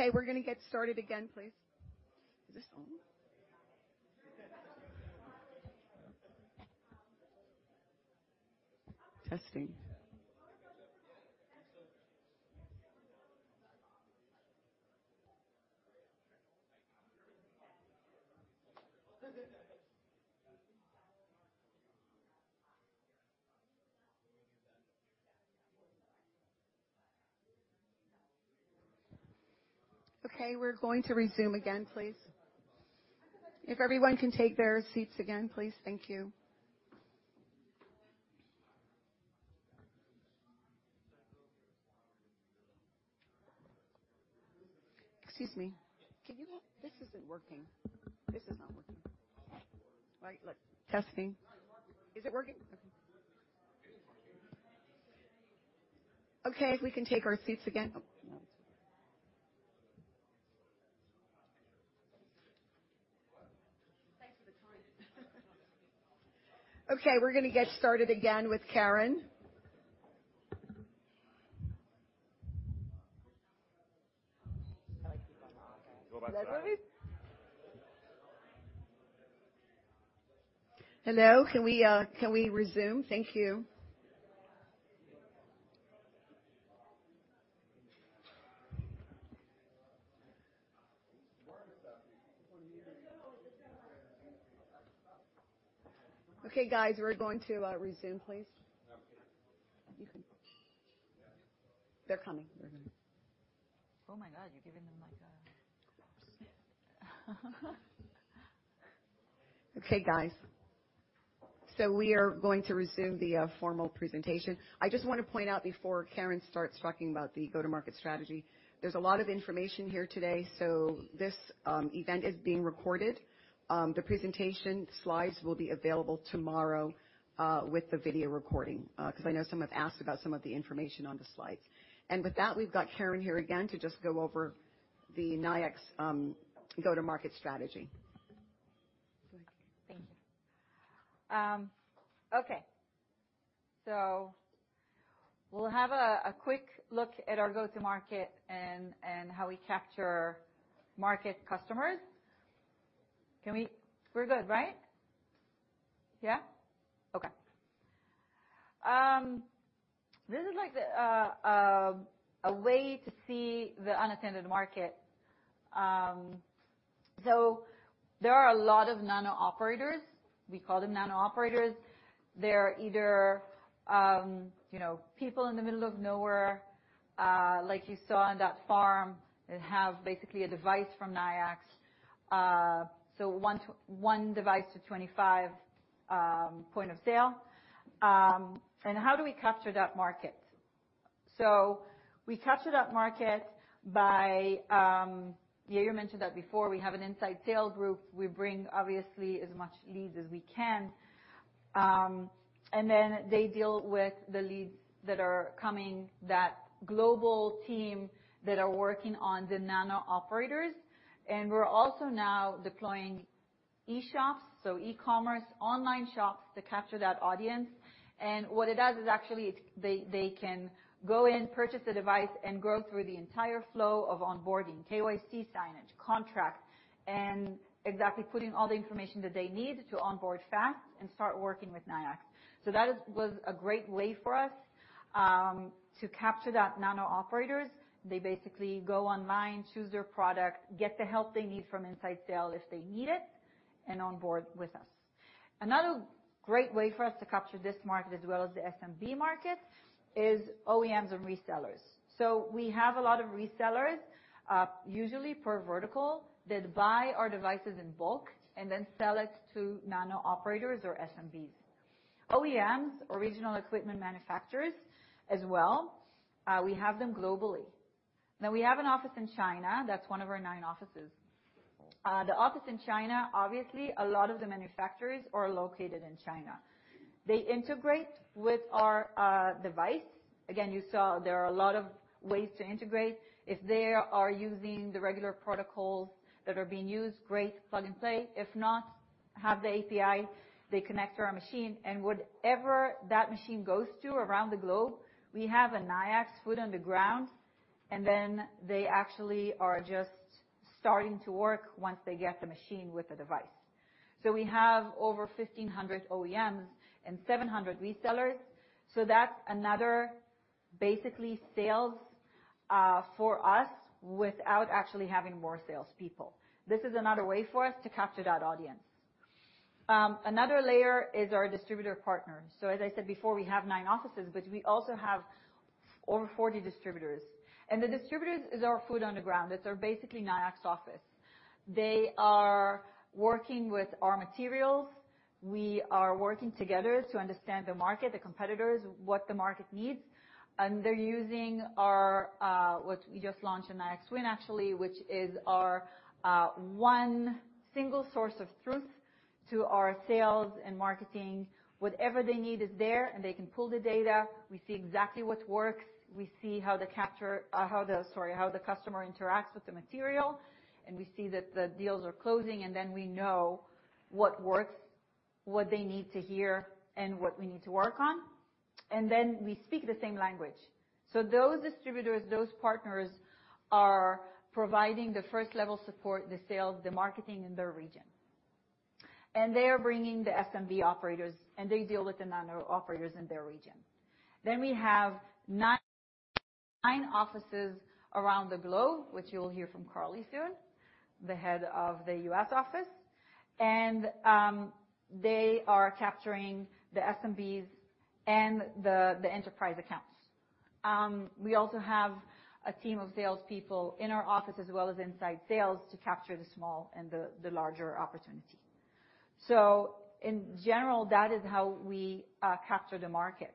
resume, please. Hello? Is this on? We're going to get started again, please. Is this on? Testing. We're going to resume again, please. If everyone can take their seats again, please. Thank you. Excuse me. This isn't working. This is not working. Right. Testing. Is it working? Okay. If we can take our seats again. Thanks for the time. We're going to get started again with Keren. That's okay. Hello, can we resume? Thank you. Where is that? Okay, guys, we're going to resume, please. Okay. They're coming. Oh, my God, you're giving them like a... Okay, guys. We are going to resume the formal presentation. I just wanna point out before Keren starts talking about the go-to-market strategy. There's a lot of information here today, so this event is being recorded. The presentation slides will be available tomorrow with the video recording, 'cause I know some have asked about some of the information on the slides. With that, we've got Keren here again to just go over the Nayax go-to-market strategy. Thank you. Okay. We'll have a quick look at our go-to market and how we capture market customers. We're good, right? Yeah? Okay. This is like the a way to see the unattended market. There are a lot of nano operators. We call them nano operators. They're either, you know, people in the middle of nowhere, like you saw on that farm, that have basically a device from Nayax. One device to 25 point of sale. How do we capture that market? We capture that market by Yair mentioned that before. We have an inside sales group. We bring obviously as much leads as we can. Then they deal with the leads that are coming, that global team that are working on the nano operators. We're also now deploying eshops, so e-commerce online shops to capture that audience. What it does is actually they can go in, purchase the device, and go through the entire flow of onboarding, KYC signage, contract, and exactly putting all the information that they need to onboard fast and start working with Nayax. That was a great way for us to capture that nano operators. They basically go online, choose their product, get the help they need from inside sale if they need it, and onboard with us. Another great way for us to capture this market as well as the SMB market is OEMs and resellers. We have a lot of resellers, usually per vertical, that buy our devices in bulk and then sell it to nano operators or SMBs. OEMs or original equipment manufacturers as well, we have them globally. We have an office in China, that's one of our nine offices. The office in China, obviously, a lot of the manufacturers are located in China. They integrate with our device. Again, you saw there are a lot of ways to integrate. If they are using the regular protocols that are being used, great plug-and-play. If not, have the API, they connect to our machine, and wherever that machine goes to around the globe, we have a Nayax foot on the ground, and then they actually are just starting to work once they get the machine with the device. We have over 1,500 OEMs and 700 resellers, so that's another basically sales for us without actually having more salespeople. This is another way for us to capture that audience. Another layer is our distributor partner. As I said before, we have nine offices, but we also have over 40 distributors. The distributors is our foot on the ground. It's our basically Nayax office. They are working with our materials. We are working together to understand the market, the competitors, what the market needs, and they're using our what we just launched in Nayax Win, actually, which is our one single source of truth to our sales and marketing. Whatever they need is there, and they can pull the data. We see exactly what works. We see how the capture, sorry, how the customer interacts with the material, and we see that the deals are closing, and then we know what works, what they need to hear, and what we need to work on. We speak the same language. Those distributors, those partners are providing the first level support, the sales, the marketing in their region. They are bringing the SMB operators, and they deal with the nano operators in their region. We have nine offices around the globe, which you'll hear from Carly soon, the head of the U.S. office. They are capturing the SMBs and the enterprise accounts. We also have a team of salespeople in our office as well as inside sales to capture the small and the larger opportunity. In general, that is how we capture the market.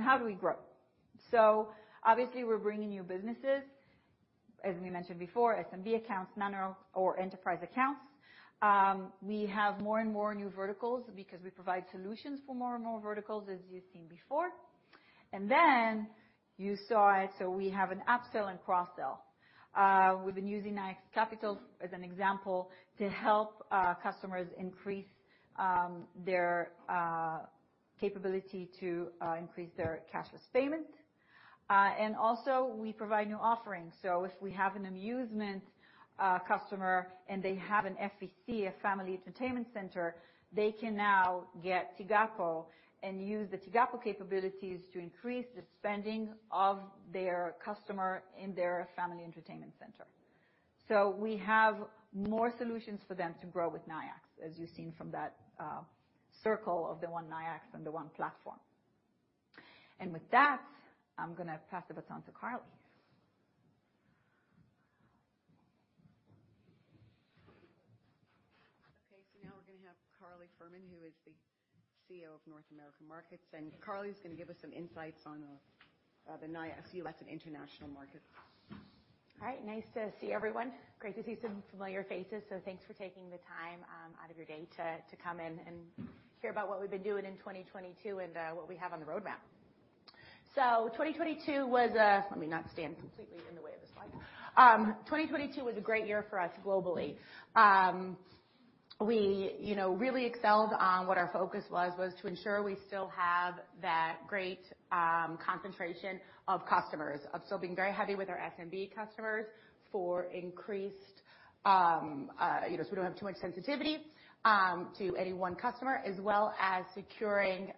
How do we grow? Obviously we're bringing new businesses, as we mentioned before, SMB accounts, nano or enterprise accounts. We have more and more new verticals because we provide solutions for more and more verticals, as you've seen before. You saw it, we have an upsell and cross-sell with the Nayax Capital as an example, to help customers increase their capability to increase their cashless payment. We provide new offerings. If we have an amusement customer and they have an FEC, a family entertainment center, they can now get Tigapo and use the Tigapo capabilities to increase the spending of their customer in their family entertainment center. We have more solutions for them to grow with Nayax, as you've seen from that circle of the One Nayax and the one platform. With that, I'm gonna pass the baton to Carly. We're gonna have Carly Furman, who is the CEO of North American markets, and Carly is gonna give us some insights on the Nayax U.S. and international markets. All right. Nice to see everyone. Great to see some familiar faces. Thanks for taking the time out of your day to come in and hear about what we've been doing in 2022 and what we have on the roadmap. 2022 was. Let me not stand completely in the way of the slide. 2022 was a great year for us globally. We, you know, really excelled on what our focus was to ensure we still have that great concentration of customers, of still being very heavy with our SMB customers for increased, you know, so we don't have too much sensitivity to any one customer, as well as securing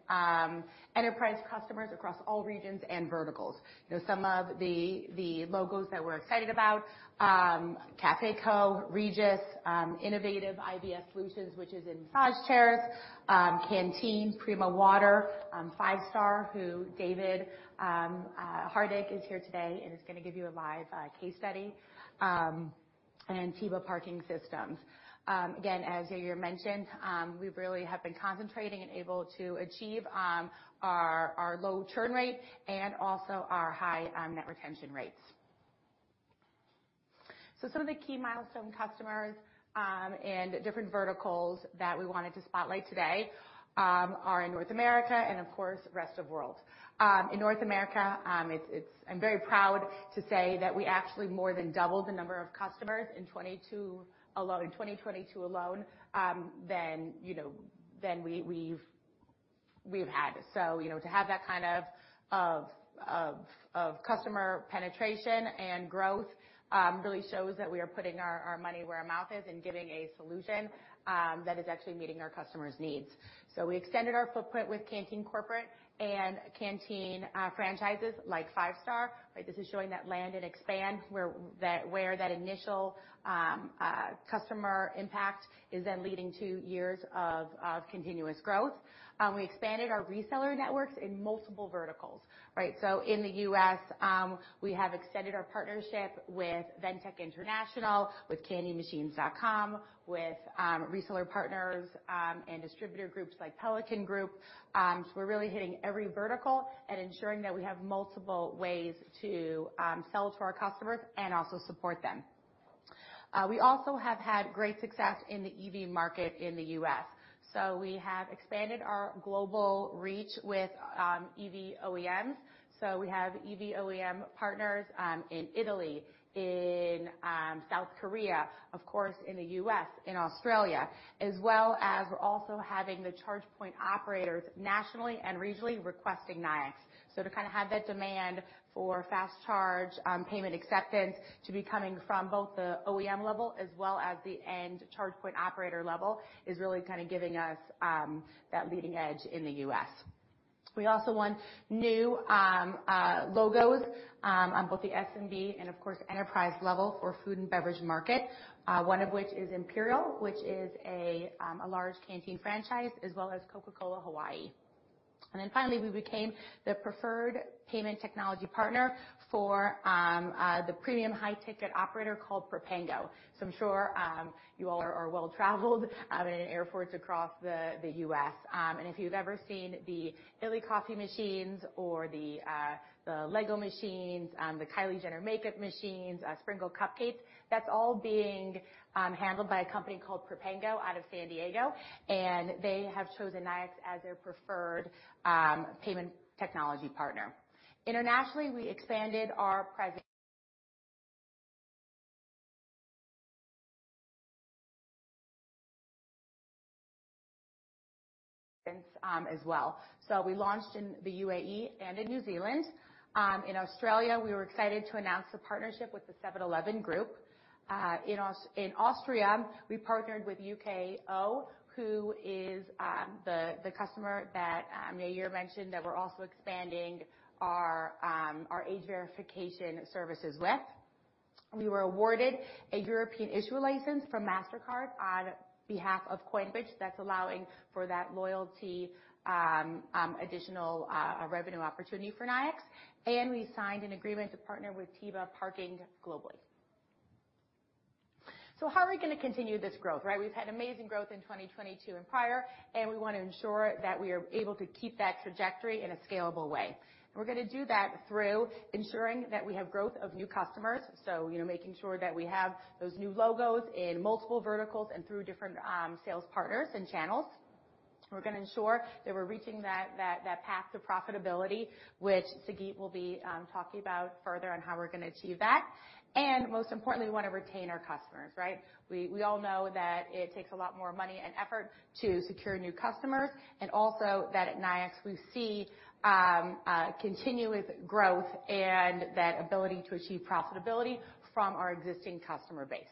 enterprise customers across all regions and verticals. You know, some of the logos that we're excited about, Cafe X, Regis, Innovative IBS Solutions, which is in massage chairs, Canteen, Prima Water, Five Star, who David Hartig is here today and is gonna give you a live case study, and TIBA Parking Systems. Again, as Yair mentioned, we really have been concentrating and able to achieve our low churn rate and also our high net retention rates. Some of the key milestone customers and different verticals that we wanted to spotlight today are in North America and of course rest of world. In North America, I'm very proud to say that we actually more than doubled the number of customers in 2022 alone than, you know, than we've, we've had. You know, to have that kind of customer penetration and growth really shows that we are putting our money where our mouth is and giving a solution that is actually meeting our customers' needs. We extended our footprint with Canteen Corporate and Canteen franchises like Five Star. Right. This is showing that land and expand where that initial customer impact is then leading to years of continuous growth. We expanded our reseller networks in multiple verticals. Right. In the U.S., we have extended our partnership with Ventech International, with CandyMachines.com, with reseller partners and distributor groups like The Pelican Group. We're really hitting every vertical and ensuring that we have multiple ways to sell to our customers and also support them. We also have had great success in the EV market in the U.S. We have expanded our global reach with EV OEMs. We have EV OEM partners in Italy, in South Korea, of course, in the U.S., in Australia, as well as we're also having the charge point operators nationally and regionally requesting Nayax. To kinda have that demand for fast charge payment acceptance to be coming from both the OEM level as well as the end charge point operator level is really kinda giving us that leading edge in the U.S. We also won new logos on both the SMB and of course enterprise level for food and beverage market, one of which is Imperial, which is a large Canteen franchise, as well as Coca-Cola Hawaii. Finally, we became the preferred payment technology partner for the premium high ticket operator called Prepango. I'm sure you all are well-traveled in airports across the U.S. If you've ever seen the illy coffee machines or the LEGO machines, the Kylie Cosmetics makeup machines, Sprinkles Cupcakes, that's all being handled by a company called Prepango out of San Diego, and they have chosen Nayax as their preferred payment technology partner. Internationally, we expanded our presence as well. We launched in the UAE and in New Zealand. In Australia, we were excited to announce the partnership with the 7-Eleven Group. In Austria, we partnered with UKO, who is the customer that Yair mentioned that we're also expanding our age verification services with. We were awarded a European issuer license from Mastercard on behalf of CoinBridge that's allowing for that loyalty, additional revenue opportunity for Nayax, and we signed an agreement to partner with TIBA Parking Systems globally. How are we gonna continue this growth? Right? We've had amazing growth in 2022 and prior, and we wanna ensure that we are able to keep that trajectory in a scalable way. We're gonna do that through ensuring that we have growth of new customers. You know, making sure that we have those new logos in multiple verticals and through different sales partners and channels. We're gonna ensure that we're reaching that path to profitability, which Sagit will be talking about further on how we're gonna achieve that. Most importantly, we wanna retain our customers, right? We all know that it takes a lot more money and effort to secure new customers, and also that at Nayax we see continuous growth and that ability to achieve profitability from our existing customer base.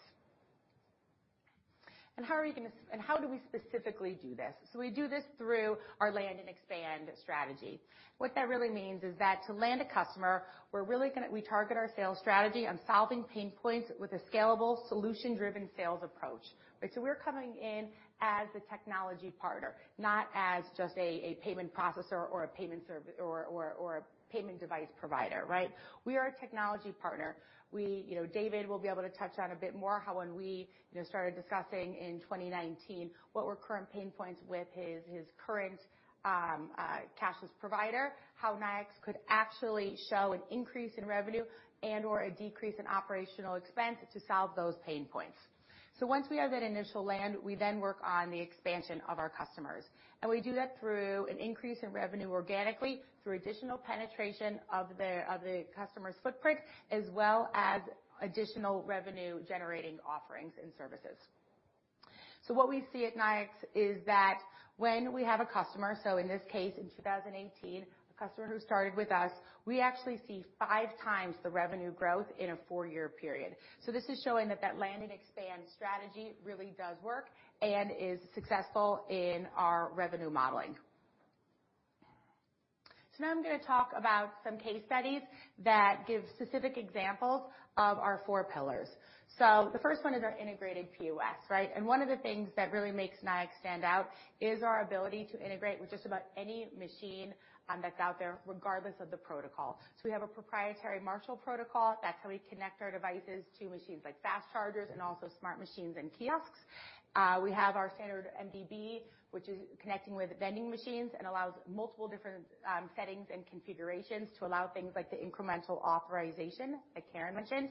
How do we specifically do this? We do this through our land and expand strategy. What that really means is that to land a customer, we're really gonna target our sales strategy on solving pain points with a scalable solution-driven sales approach, right? We're coming in as the technology partner, not as just a payment processor or a payment device provider, right? We are a technology partner. We, you know, David will be able to touch on a bit more how when we, you know, started discussing in 2019 what were current pain points with his current cashless provider, how Nayax could actually show an increase in revenue and/or a decrease in operational expense to solve those pain points. Once we have that initial land, we then work on the expansion of our customers. We do that through an increase in revenue organically, through additional penetration of the customer's footprint, as well as additional revenue-generating offerings and services. What we see at Nayax is that when we have a customer, in this case, in 2018, a customer who started with us, we actually see 5x the revenue growth in a four-year period. This is showing that that land and expand strategy really does work and is successful in our revenue modeling. Now I'm gonna talk about some case studies that give specific examples of our four pillars. The first one is our integrated POS, right? One of the things that really makes Nayax stand out is our ability to integrate with just about any machine that's out there, regardless of the protocol. We have a proprietary Marshall Protocol. That's how we connect our devices to machines like fast chargers and also smart machines and kiosks. We have our standard MDB, which is connecting with vending machines and allows multiple different settings and configurations to allow things like the incremental authorization that Keren mentioned.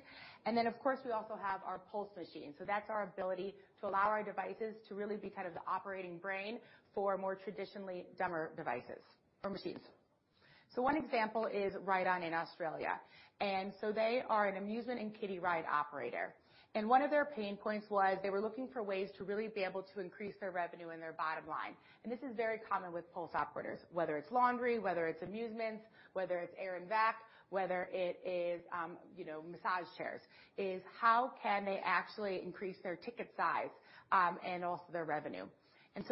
Of course, we also have our pulse machine. That's our ability to allow our devices to really be kind of the operating brain for more traditionally dumber devices or machines. One example is Ride On in Australia. They are an amusement and kiddie ride operator. One of their pain points was they were looking for ways to really be able to increase their revenue and their bottom line. This is very common with pulse operators, whether it's laundry, whether it's amusements, whether it's air and vac, whether it is, you know, massage chairs, is how can they actually increase their ticket size, and also their revenue.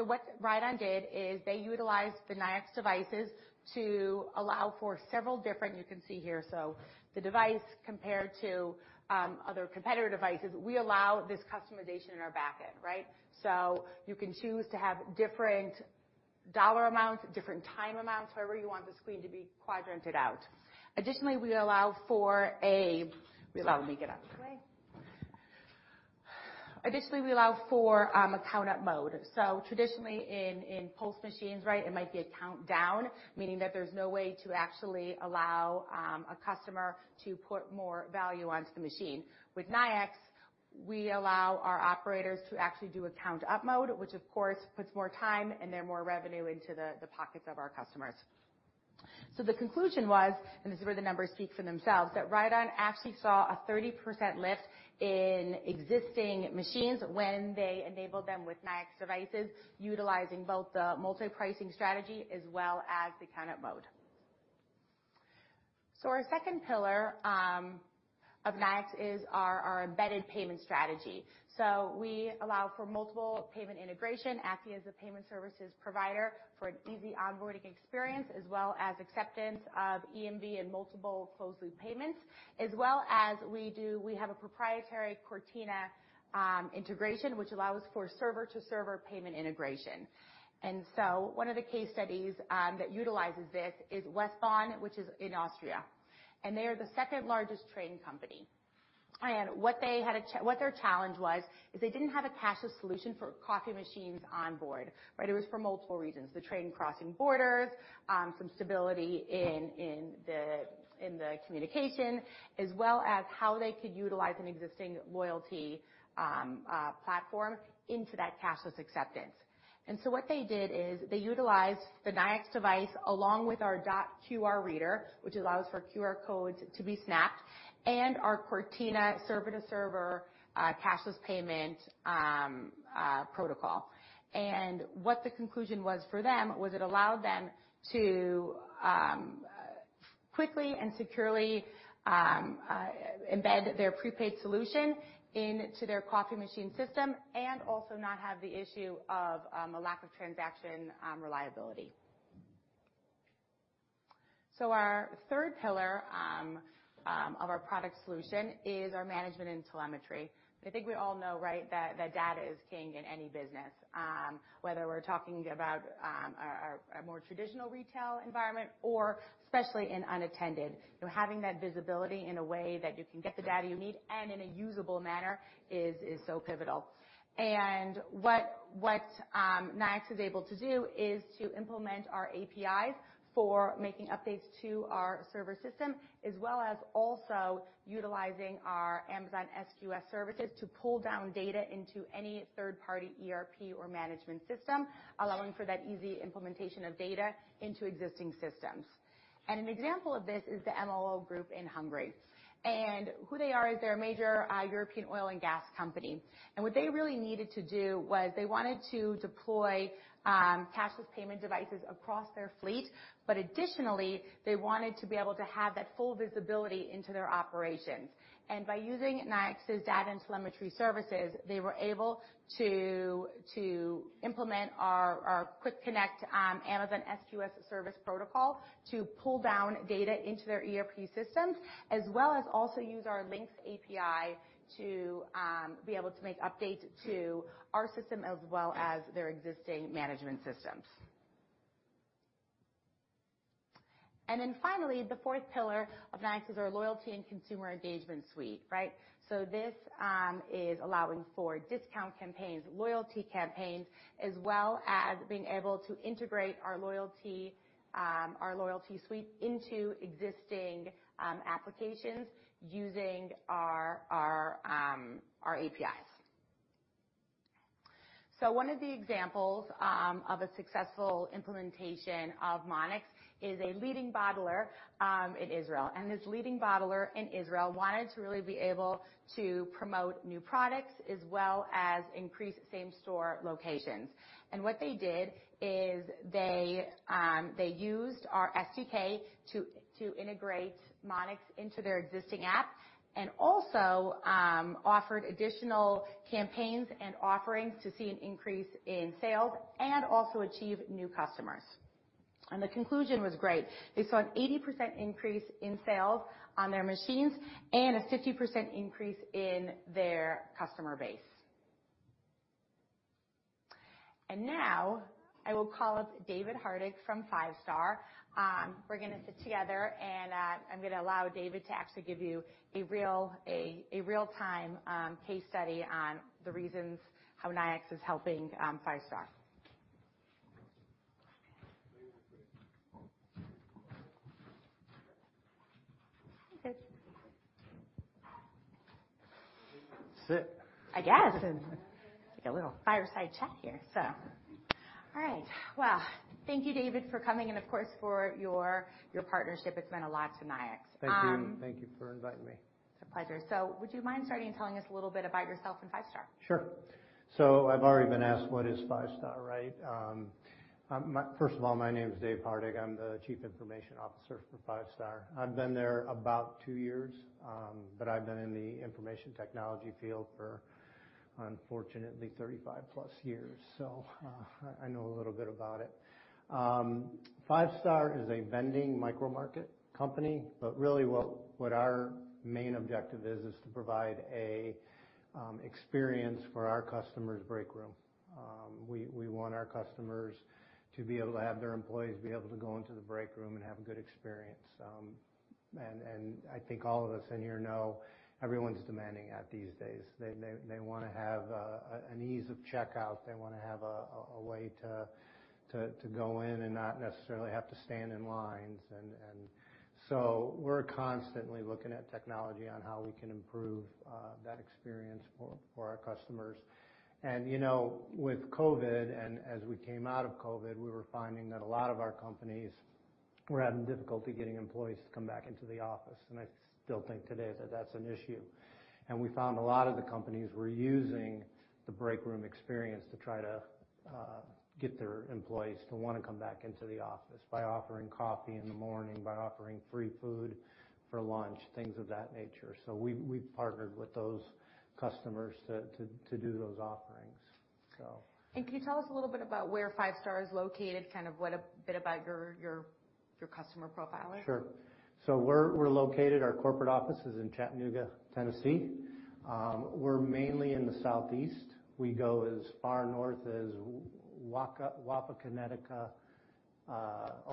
What Ride On did is they utilized the Nayax devices to allow for several different... You can see here, the device compared to other competitor devices. We allow this customization in our back end, right? You can choose to have different dollar amounts, different time amounts, however you want the screen to be quadranted out. Additionally, we allow for a count up mode. Traditionally in pulse machines, right, it might be a countdown, meaning that there's no way to actually allow a customer to put more value onto the machine. With Nayax, we allow our operators to actually do a count up mode, which of course puts more time and then more revenue into the pockets of our customers. The conclusion was, and this is where the numbers speak for themselves, that Ride On actually saw a 30% lift in existing machines when they enabled them with Nayax devices, utilizing both the multi-pricing strategy as well as the count up mode. Our second pillar of Nayax is our embedded payment strategy. We allow for multiple payment integration, actually as a payment services provider for an easy onboarding experience, as well as acceptance of EMV and multiple closed loop payments, as well as we have a proprietary Cortina integration, which allows for server-to-server payment integration. One of the case studies that utilizes this is WESTbahn, which is in Austria, and they are the second largest train company. What their challenge was is they didn't have a cashless solution for coffee machines on board, right? It was for multiple reasons, the train crossing borders, some stability in the communication, as well as how they could utilize an existing loyalty platform into that cashless acceptance. What they did is they utilized the Nayax device along with our DOT QR Reader, which allows for QR codes to be snapped and our Cortina server-to-server cashless payment protocol. What the conclusion was for them was it allowed them to quickly and securely embed their prepaid solution into their coffee machine system and also not have the issue of a lack of transaction reliability. Our third pillar of our product solution is our management and telemetry. I think we all know, right, that data is king in any business, whether we're talking about a more traditional retail environment or especially in unattended. You know, having that visibility in a way that you can get the data you need and in a usable manner is so pivotal. What Nayax is able to do is to implement our APIs for making updates to our server system, as well as also utilizing our Amazon SQS services to pull down data into any third-party ERP or management system, allowing for that easy implementation of data into existing systems. An example of this is the MOL Group in Hungary. Who they are is they're a major European oil and gas company. What they really needed to do was they wanted to deploy cashless payment devices across their fleet, but additionally, they wanted to be able to have that full visibility into their operations. By using Nayax's data and telemetry services, they were able to implement our quick connect Amazon SQS service protocol to pull down data into their ERP systems, as well as also use our Lynx API to be able to make updates to our system as well as their existing management systems. Finally, the fourth pillar of Nayax is our loyalty and consumer engagement suite, right? This is allowing for discount campaigns, loyalty campaigns, as well as being able to integrate our loyalty suite into existing applications using our APIs. One of the examples of a successful implementation of Monyx is a leading bottler in Israel, and this leading bottler in Israel wanted to really be able to promote new products as well as increase same-store locations. What they did is they used our SDK to integrate Monyx into their existing app and also offered additional campaigns and offerings to see an increase in sales and also achieve new customers. The conclusion was great. They saw an 80% increase in sales on their machines and a 50% increase in their customer base. Now I will call up David Hartig from Five Star. We're gonna sit together and I'm gonna allow David to actually give you a real-time case study on the reasons how Nayax is helping Five Star. Okay. Sit? I guess. Take a little fireside chat here. All right. Well, thank you, David, for coming and, of course, for your partnership. It's meant a lot to Nayax. Thank you. Thank you for inviting me. It's a pleasure. Would you mind starting telling us a little bit about yourself and Five Star? Sure. I've already been asked, what is Five Star, right? First of all, my name is Dave Hartig. I'm the Chief Information Officer for Five Star. I've been there about two years, but I've been in the information technology field for, unfortunately, 35+ years, so I know a little bit about it. Five Star is a vending micromarket company, but really what our main objective is to provide a experience for our customer's break room. We want our customers to be able to have their employees be able to go into the break room and have a good experience. I think all of us in here know everyone's demanding that these days. They wanna have an ease of checkout. They wanna have a way to go in and not necessarily have to stand in lines. We're constantly looking at technology on how we can improve that experience for our customers. You know, with COVID and as we came out of COVID, we were finding that a lot of our companies were having difficulty getting employees to come back into the office. I still think today that that's an issue. We found a lot of the companies were using the break room experience to try to get their employees to wanna come back into the office by offering coffee in the morning, by offering free food for lunch, things of that nature. We've partnered with those customers to do those offerings. Can you tell us a little bit about where Five Star is located, kind of what a bit about your customer profile is? Sure. Our corporate office is in Chattanooga, Tennessee. We're mainly in the southeast. We go as far north as Wapakoneta,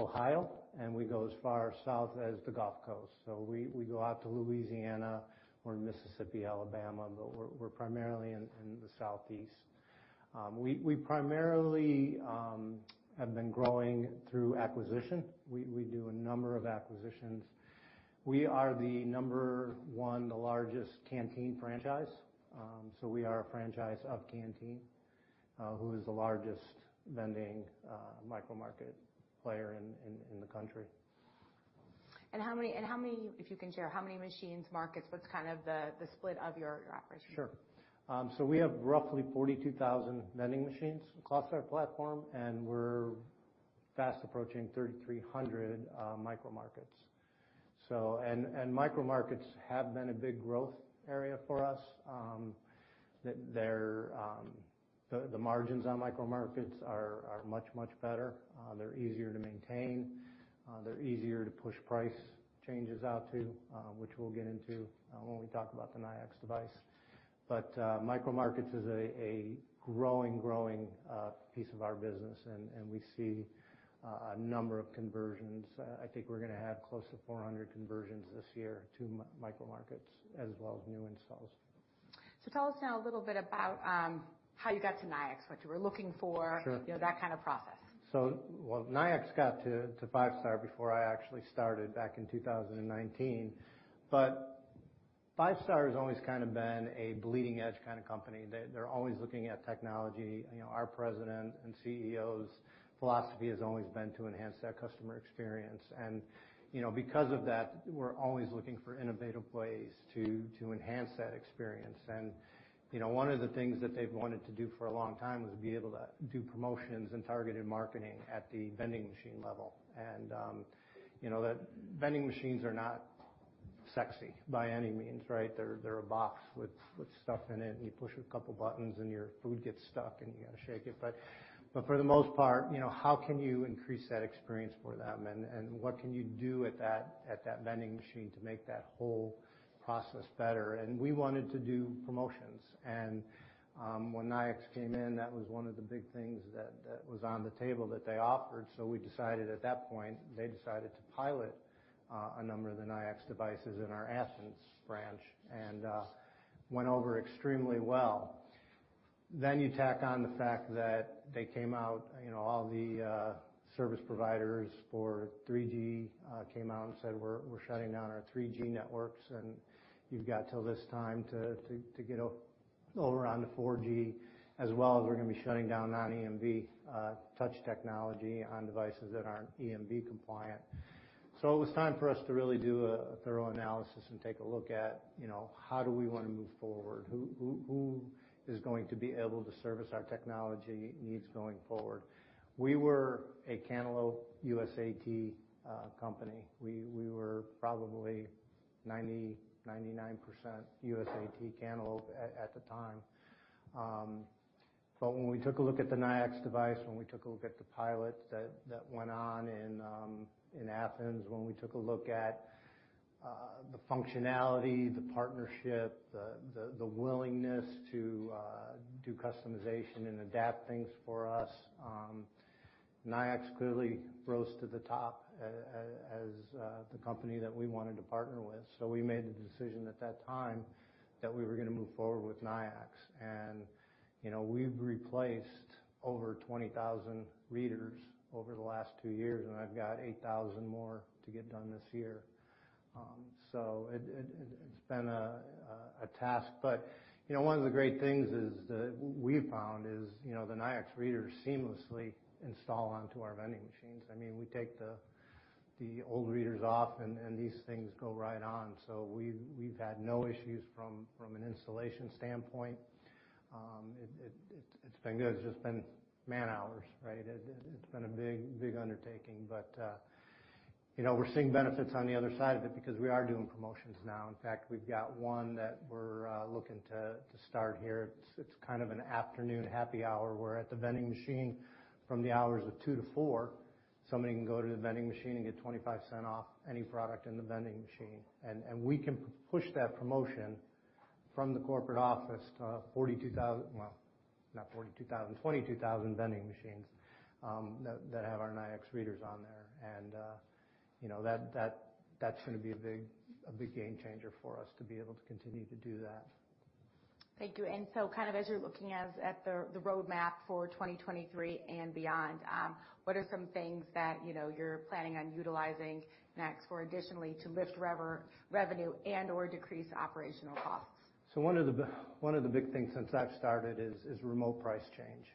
Ohio, and we go as far south as the Gulf Coast. We go out to Louisiana or Mississippi, Alabama, but we're primarily in the Southeast. We primarily have been growing through acquisition. We do a number of acquisitions. We are the number one largest Canteen franchise. We are a franchise of Canteen, who is the largest vending, micromarket player in the country. If you can share, how many machines, markets? What's kind of the split of your operation? Sure. So we have roughly 42,000 vending machines across our platform, and we're fast approaching 3,300 micro markets. Micro markets have been a big growth area for us. The margins on micro markets are much better. They're easier to maintain. They're easier to push price changes out to, which we'll get into, when we talk about the Nayax device. Micro markets is a growing piece of our business, and we see a number of conversions. I think we're gonna have close to 400 conversions this year to micro markets as well as new installs. Tell us now a little bit about how you got to Nayax, what you were looking for. Sure. You know, that kind of process. Well, Nayax got to Five Star before I actually started back in 2019. Five Star has always kind of been a bleeding-edge kind of company. They're always looking at technology. You know, our president and CEO's philosophy has always been to enhance that customer experience, and, you know, because of that, we're always looking for innovative ways to enhance that experience. You know, one of the things that they've wanted to do for a long time was to be able to do promotions and targeted marketing at the vending machine level. You know, the vending machines are not sexy by any means, right? They're a box with stuff in it, and you push a couple buttons, and your food gets stuck, and you gotta shake it. For the most part, you know, how can you increase that experience for them, and what can you do at that vending machine to make that whole process better. We wanted to do promotions, when Nayax came in, that was one of the big things that was on the table that they offered. We decided at that point, they decided to pilot a number of the Nayax devices in our Athens branch, and went over extremely well. You tack on the fact that they came out, you know, all the service providers for 3G came out and said, "We're shutting down our 3G networks, and you've got till this time to get over onto 4G, as well as we're gonna be shutting down non-EMV touch technology on devices that aren't EMV compliant." It was time for us to really do a thorough analysis and take a look at, you know, how do we wanna move forward? Who is going to be able to service our technology needs going forward? We were a Cantaloupe USAT company. We were probably 99% USAT Cantaloupe at the time. When we took a look at the Nayax device, when we took a look at the pilot that went on in Athens, when we took a look at the functionality, the partnership, the willingness to do customization and adapt things for us, Nayax clearly rose to the top as the company that we wanted to partner with. We made the decision at that time that we were gonna move forward with Nayax. You know, we've replaced over 20,000 readers over the last two years, and I've got 8,000 more to get done this year. It's been a task. You know, one of the great things is that we've found is, you know, the Nayax readers seamlessly install onto our vending machines. I mean, we take the old readers off, and these things go right on. We've had no issues from an installation standpoint. It's been good. It's just been man-hours, right? It's been a big undertaking. You know, we're seeing benefits on the other side of it because we are doing promotions now. In fact, we've got one that we're looking to start here. It's kind of an afternoon happy hour, where at the vending machine from the hours of two to four, somebody can go to the vending machine and get $0.25 off any product in the vending machine. We can push that promotion from the corporate office to 42,000... Well, not 42,000, 22,000 vending machines, that have our Nayax readers on there. You know, that's gonna be a big game changer for us to be able to continue to do that. Thank you. Kind of as you're looking at the roadmap for 2023 and beyond, what are some things that, you know, you're planning on utilizing next or additionally to lift revenue and/or decrease operational costs? One of the big things since I've started is remote price change.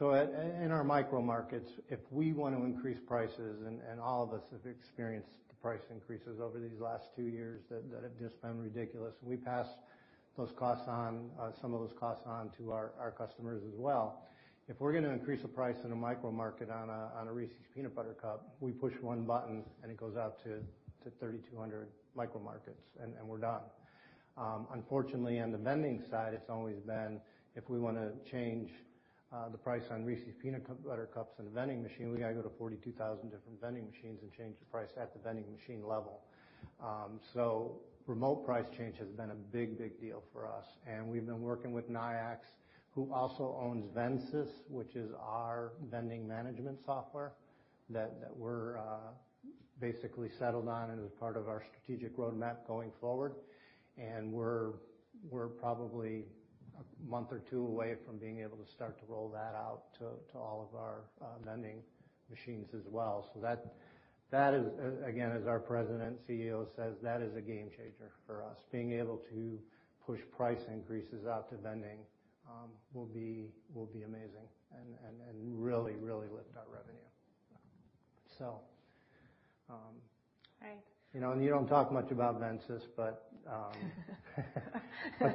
In our micro markets, if we want to increase prices, and all of us have experienced the price increases over these last two years that have just been ridiculous, and we pass those costs on, some of those costs on to our customers as well. If we're gonna increase the price in a micro market on a Reese's Peanut Butter Cup, we push one button, and it goes out to 3,200 micro markets, and we're done. Unfortunately, on the vending side, it's always been, if we wanna change the price on Reese's Peanut Butter Cups in the vending machine, we gotta go to 42,000 different vending machines and change the price at the vending machine level. Remote price change has been a big deal for us. We've been working with Nayax, who also owns VendSys, which is our vending management software that we're basically settled on and is part of our strategic roadmap going forward. We're probably a month or two away from being able to start to roll that out to all of our vending machines as well. That is again, as our president and CEO says, that is a game changer for us. Being able to push price increases out to vending will be amazing and really lift our revenue. Right. You know, you don't talk much about VendSys, but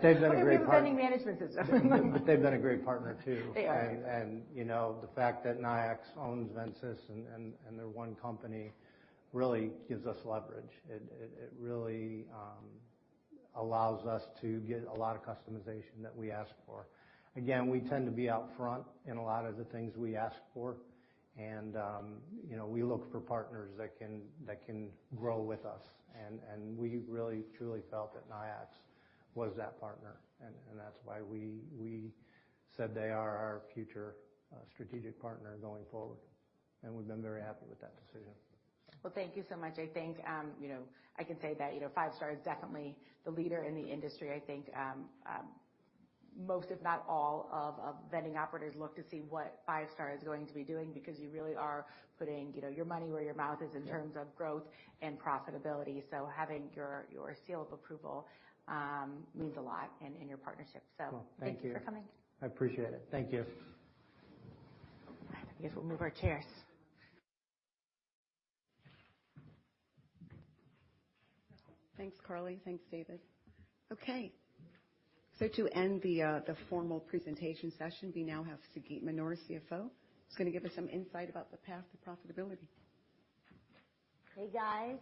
they've been a great partner. Well, they're a vending management system. They've been a great partner too. They are. You know, the fact that Nayax owns VendSys and they're one company. Really gives us leverage. It really allows us to get a lot of customization that we ask for. Again, we tend to be out front in a lot of the things we ask for and, you know, we look for partners that can grow with us, and we really truly felt that Nayax was that partner, and that's why we said they are our future strategic partner going forward. We've been very happy with that decision. Well, thank you so much. I think, you know, I can say that, you know, Five Star is definitely the leader in the industry. I think, most if not all of, vending operators look to see what Five Star is going to be doing because you really are putting, you know, your money where your mouth is. Yeah In terms of growth and profitability. Having your seal of approval means a lot in your partnership. Well, thank you. Thank you for coming. I appreciate it. Thank you. I guess we'll move our chairs. Thanks, Carly. Thanks, David. Okay. To end the formal presentation session, we now have Sagit Manor, CFO, who's gonna give us some insight about the path to profitability. Hey, guys.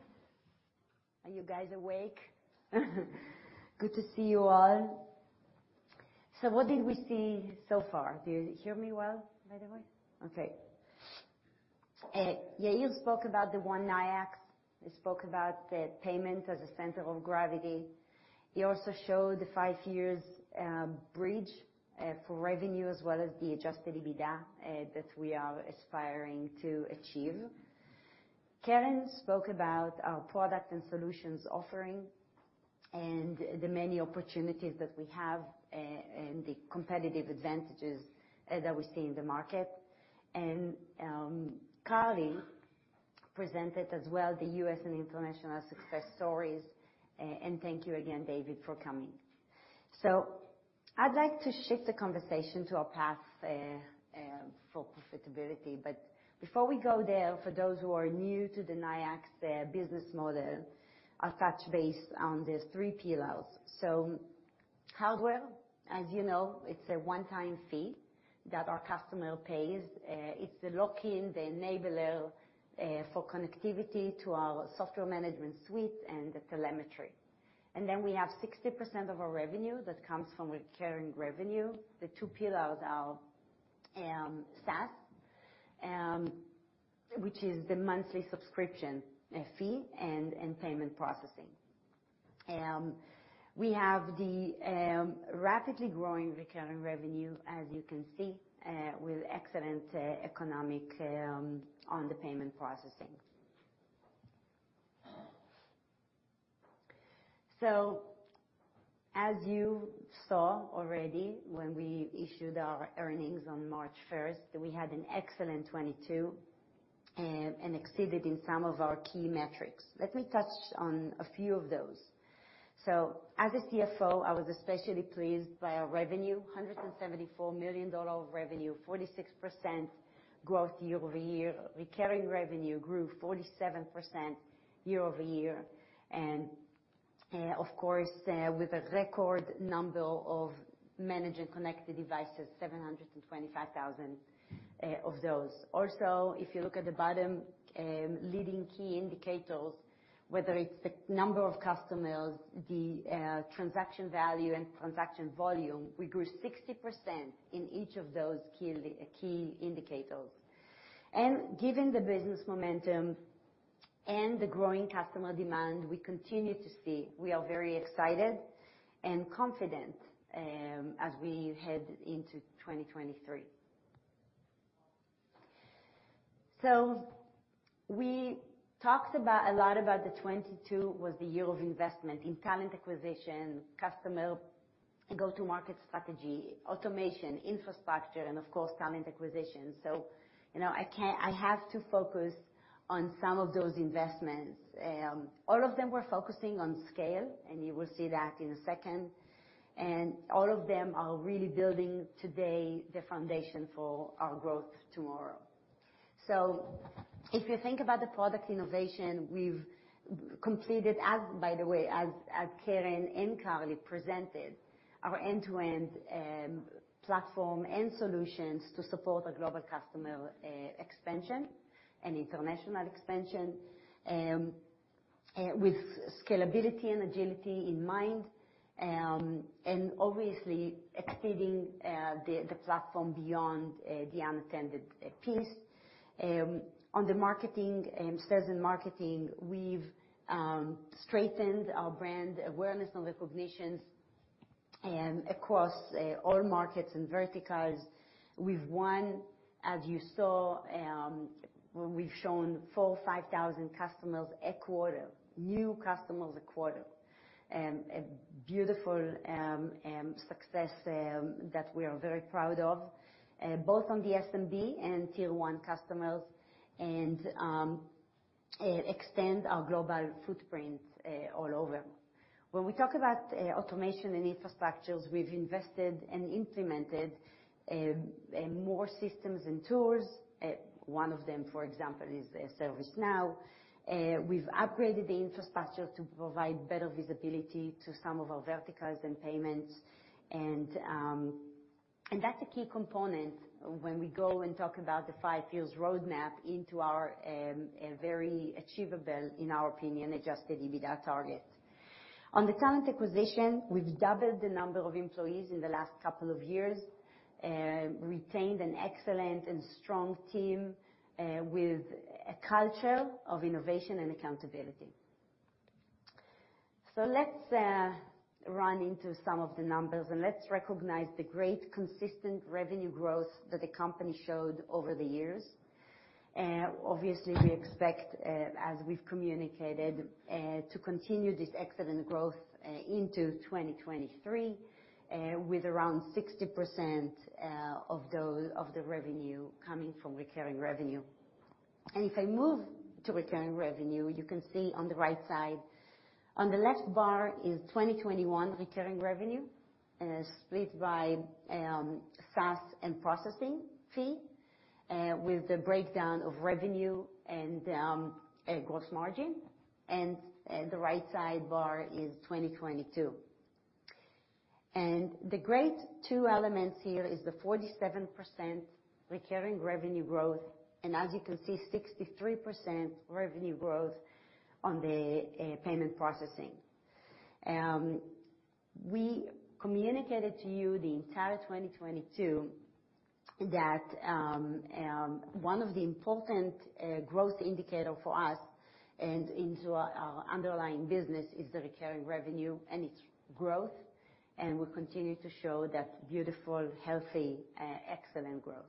Are you guys awake? Good to see you all. What did we see so far? Do you hear me well, by the way? Okay. Yair spoke about the One Nayax. He spoke about the payment as a center of gravity. He also showed the five years bridge for revenue as well as the adjusted EBITDA that we are aspiring to achieve. Keren spoke about our products and solutions offering and the many opportunities that we have and the competitive advantages that we see in the market. Carly presented as well the U.S. and international success stories. Thank you again, David, for coming. I'd like to shift the conversation to our path for profitability. Before we go there, for those who are new to the Nayax business model, I'll touch base on the three pillars. Hardware, as you know, it's a one-time fee that our customer pays. It's the lock-in, the enabler for connectivity to our software management suite and the telemetry. Then we have 60% of our revenue that comes from recurring revenue. The two pillars are SaaS, which is the monthly subscription fee and payment processing. We have the rapidly growing recurring revenue, as you can see, with excellent economic on the payment processing. As you saw already when we issued our earnings on March first, we had an excellent 2022 and exceeded in some of our key metrics. Let me touch on a few of those. As a CFO, I was especially pleased by our revenue, $174 million of revenue, 46% growth year-over-year. Recurring revenue grew 47% year-over-year and, of course, with a record number of managed and connected devices, 725,000 of those. If you look at the bottom, leading key indicators, whether it's the number of customers, the transaction value and transaction volume, we grew 60% in each of those key indicators. Given the business momentum and the growing customer demand we continue to see, we are very excited and confident as we head into 2023. We talked a lot about the 2022 was the year of investment in talent acquisition, customer go-to-market strategy, automation, infrastructure, and of course, talent acquisition. You know, I have to focus on some of those investments. All of them were focusing on scale, and you will see that in a second. All of them are really building today the foundation for our growth tomorrow. If you think about the product innovation, we've completed as by the way, as Keren and Carly presented, our end-to-end platform and solutions to support our global customer expansion and international expansion with scalability and agility in mind, and obviously expanding the platform beyond the unattended piece. On the marketing, sales and marketing, we've strengthened our brand awareness and recognitions across all markets and verticals. We've won, as you saw, we've shown 4,000-5,000 customers a quarter, new customers a quarter. A beautiful success that we are very proud of, both on the SMB and tier one customers and extend our global footprint all over. When we talk about automation and infrastructures, we've invested and implemented more systems and tools. One of them, for example, is ServiceNow. We've upgraded the infrastructure to provide better visibility to some of our verticals and payments. That's a key component when we go and talk about the five pillars roadmap into our very achievable, in our opinion, adjusted EBITDA target. On the talent acquisition, we've doubled the number of employees in the last couple of years, retained an excellent and strong team with a culture of innovation and accountability. Let's run into some of the numbers, let's recognize the great consistent revenue growth that the company showed over the years. Obviously, we expect, as we've communicated, to continue this excellent growth into 2023, with around 60% of the revenue coming from recurring revenue. If I move to recurring revenue, you can see on the right side. On the left bar is 2021 recurring revenue, split by SaaS and processing fee, with the breakdown of revenue and gross margin. The right side bar is 2022. The great two elements here is the 47% recurring revenue growth and as you can see, 63% revenue growth on the payment processing. We communicated to you the entire 2022 that one of the important growth indicator for us and into our underlying business is the recurring revenue and its growth, and we continue to show that beautiful, healthy, excellent growth.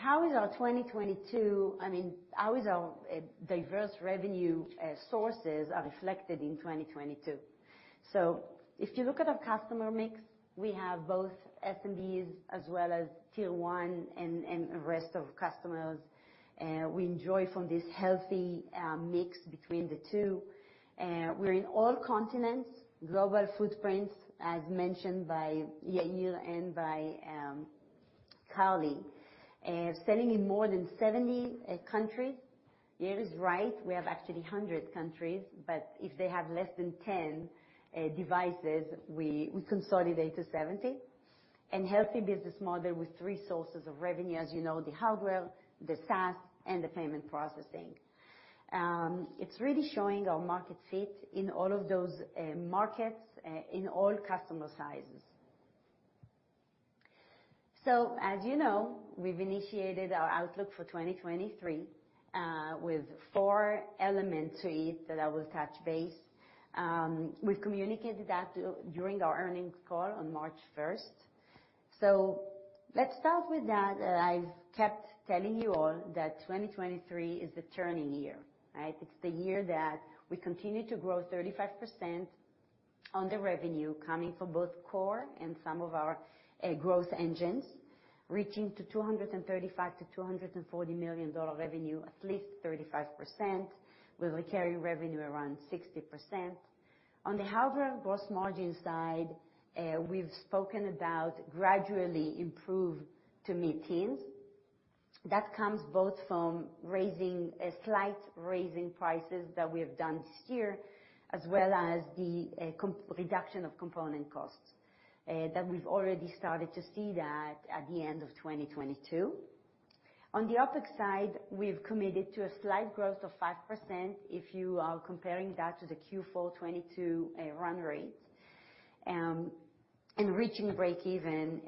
How is our diverse revenue sources are reflected in 2022? If you look at our customer mix, we have both SMBs as well as tier one and rest of customers. We enjoy from this healthy mix between the two. We're in all continents, global footprints, as mentioned by Yair and by Carly Furman. Selling in more than 70 countries. Yair is right, we have actually 100 countries, but if they have less than 10 devices, we consolidate to 70. Healthy business model with three sources of revenue, as you know, the hardware, the SaaS, and the payment processing. It's really showing our market fit in all of those markets in all customer sizes. As you know, we've initiated our outlook for 2023 with four elements to it that I will touch base. We've communicated that during our earnings call on March 1st. Let's start with that. I've kept telling you all that 2023 is the turning year, right? It's the year that we continue to grow 35% on the revenue coming from both core and some of our growth engines, reaching to $235 million-$240 million revenue, at least 35%, with recurring revenue around 60%. On the hardware gross margin side, we've spoken about gradually improve to mid-teens. That comes both from a slight raising prices that we have done this year, as well as the reduction of component costs, that we've already started to see that at the end of 2022. On the OpEx side, we've committed to a slight growth of 5% if you are comparing that to the Q4 2022 run rate, and reaching breakeven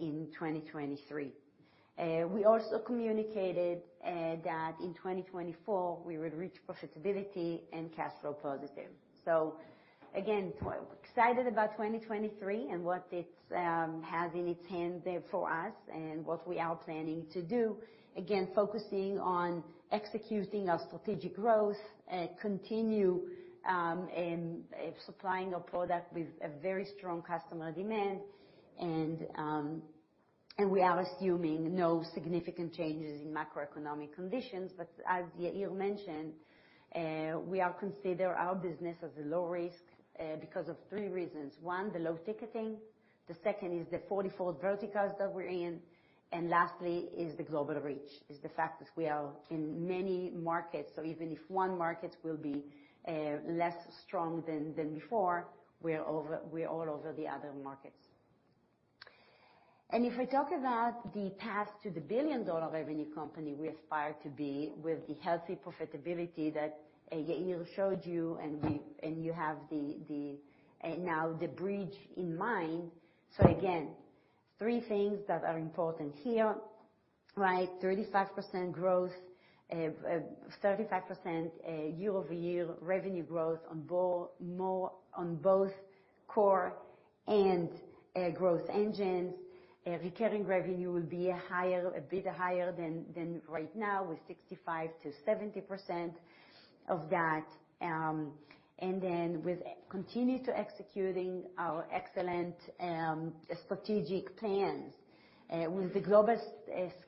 in 2023. We also communicated that in 2024, we would reach profitability and cash flow positive. Again, excited about 2023 and what it has in its hand there for us and what we are planning to do. Again, focusing on executing our strategic growth, continue supplying our product with a very strong customer demand and we are assuming no significant changes in macroeconomic conditions. As Yair mentioned, we are consider our business as a low risk because of three reasons. One, the low ticketing. The second is the 44 verticals that we're in. Lastly is the global reach, is the fact that we are in many markets, so even if one market will be less strong than before, we're all over the other markets. If I talk about the path to the billion-dollar revenue company we aspire to be with the healthy profitability that Yair showed you and you have the bridge in mind. Again, three things that are important here, right? 35% growth, 35% year-over-year revenue growth on both core and growth engines. Recurring revenue will be higher, a bit higher than right now with 65%-70% of that. continue to executing our excellent strategic plans with the global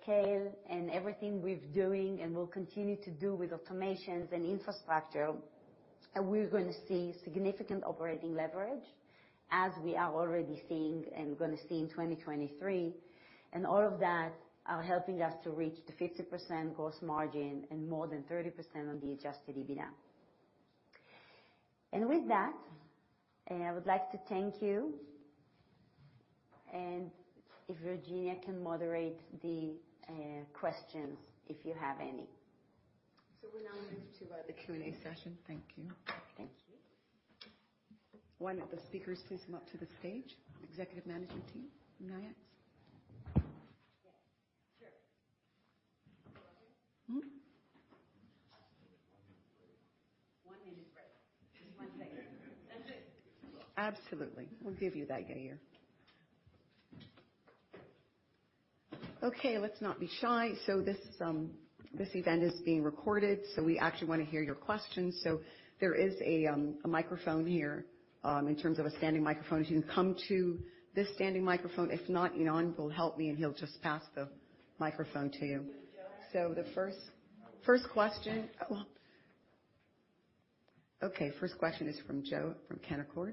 scale and everything we're doing and will continue to do with automations and infrastructure, we're gonna see significant operating leverage as we are already seeing and gonna see in 2023. All of that are helping us to reach the 50% gross margin and more than 30% on the adjusted EBITDA. With that, I would like to thank you. If Virginia can moderate the questions, if you have any. We now move to the Q&A session. Thank you. Thank you. One of the speakers please come up to the stage, executive management team, Nayax. Yes, sure. Mm-hmm. One-minute break. One-minute break. One second. That's it. Absolutely. We'll give you that, Yair. Okay, let's not be shy. This event is being recorded, so we actually wanna hear your questions. There is a microphone here in terms of a standing microphone. As you come to this standing microphone. If not, Yon will help me, and he'll just pass the microphone to you. The first question... Oh, okay. First question is from Joe from Canaccord.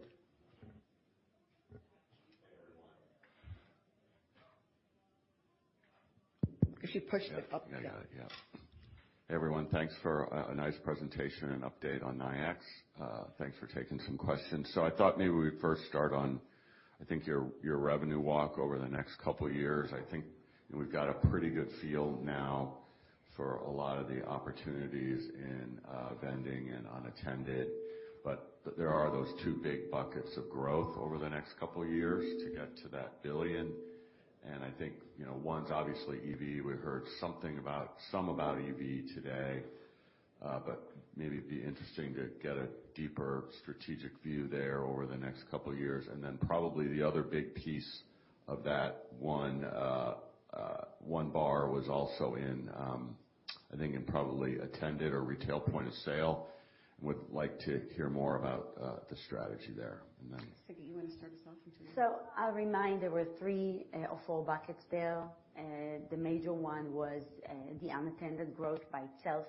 If you push the up yeah. Yeah. Yeah. Yeah. Yeah. Hey, everyone. Thanks for a nice presentation and update on Nayax. Thanks for taking some questions. I thought maybe we'd first start on, I think, your revenue walk over the next couple of years. I think, you know, we've got a pretty good feel now for a lot of the opportunities in vending and unattended. There are those two big buckets of growth over the next couple of years to get to that billion. I think, you know, one's obviously EV. We heard something about EV today. Maybe it'd be interesting to get a deeper strategic view there over the next couple of years. Probably the other big piece of that one bar was also in, I think in probably attended or retail point of sale. Would like to hear more about the strategy there. Sagit, you wanna start us off? I'll remind there were three or four buckets there. The major one was the unattended growth by itself,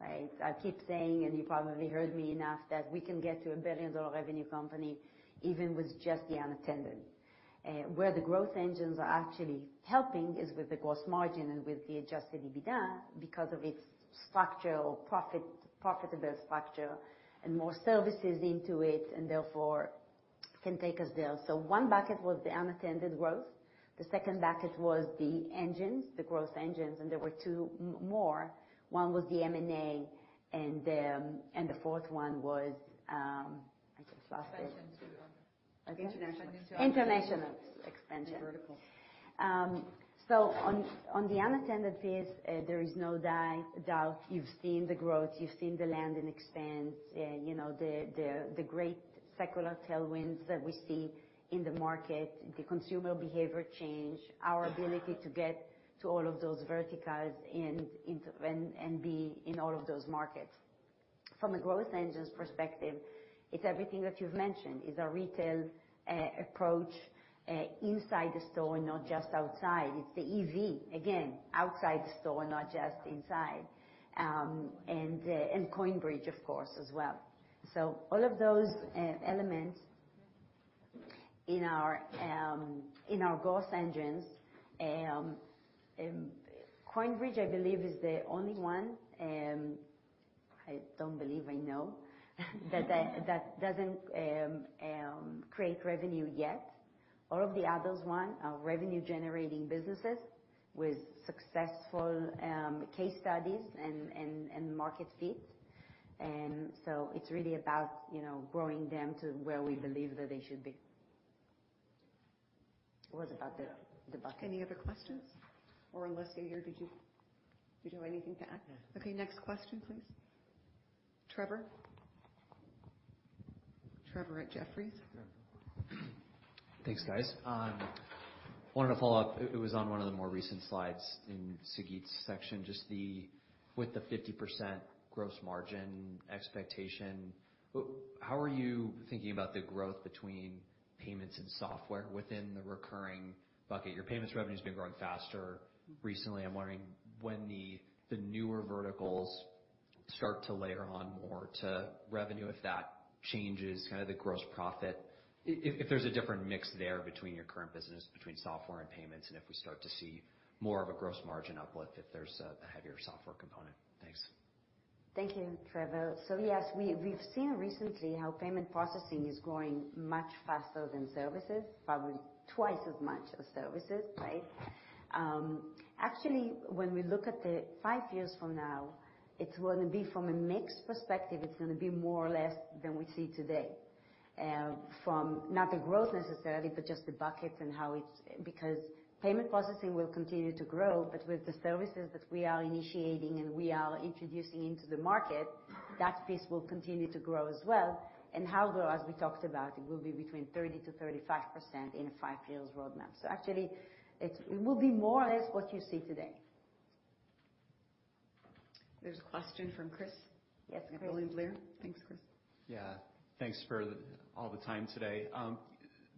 right? I keep saying, and you probably heard me enough, that we can get to a billion-dollar revenue company, even with just the unattended. Where the growth engines are actually helping is with the gross margin and with the adjusted EBITDA because of its structural profitable structure and more services into it, and therefore can take us there. One bucket was the unattended growth. The second bucket was the engines, the growth engines, and there were two more. One was the M&A and the and the fourth one was I just lost it. Expansion to, Okay. International. International expansion. Vertical. On, on the unattended piece, there is no doubt. You've seen the growth, you've seen the land and expand, you know, the, the great secular tailwinds that we see in the market, the consumer behavior change, our ability to get to all of those verticals and be in all of those markets. From a growth engines perspective, it's everything that you've mentioned. It's our retail approach inside the store and not just outside. It's the EV, again, outside the store, not just inside. And the, and CoinBridge, of course, as well. All of those elements in our growth engines, CoinBridge, I believe, is the only one, I don't believe, I know, that doesn't create revenue yet. All of the others one, are revenue generating businesses with successful case studies and market fit. It's really about, you know, growing them to where we believe that they should be. It was about the bucket. Any other questions? Unless, Yair, did you have anything to add? No. Okay, next question, please. Trevor. Trevor at Jefferies. Thanks, guys. Wanted to follow-up. It was on one of the more recent slides in Sagit's section, just with the 50% gross margin expectation, how are you thinking about the growth between payments and software within the recurring bucket? Your payments revenue's been growing faster recently. I'm wondering when the newer verticals start to layer on more to revenue, if that changes kind of the gross profit, if there's a different mix there between your current business, between software and payments, and if we start to see more of a gross margin uplift, if there's a heavier software component. Thanks. Thank you, Trevor. Yes, we've seen recently how payment processing is growing much faster than services, probably twice as much as services, right? Actually, when we look at the five years from now, it's gonna be from a mix perspective, it's gonna be more or less than we see today. From not the growth necessarily, but just the buckets and how it's. Because payment processing will continue to grow, but with the services that we are initiating and we are introducing into the market, that piece will continue to grow as well. How, though, as we talked about, it will be between 30%-35% in a five-year roadmap. Actually, it's, it will be more or less what you see today. There's a question from Chris. Yes, Chris. William Blair. Thanks, Chris. Thanks for the, all the time today.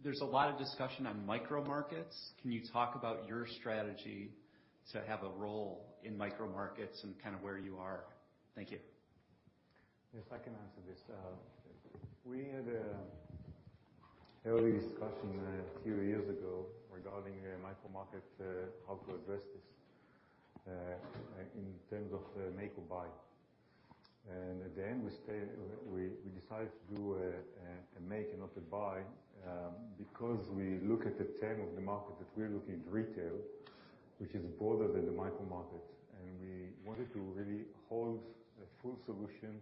There's a lot of discussion on micro markets. Can you talk about your strategy to have a role in micro markets and kind of where you are? Thank you. Yes, I can answer this. Early discussion a few years ago regarding a micro market, how to address this in terms of make or buy. At the end, we decided to do a make and not to buy, because we look at the term of the market that we're looking at retail, which is broader than the micro market. We wanted to really hold a full solution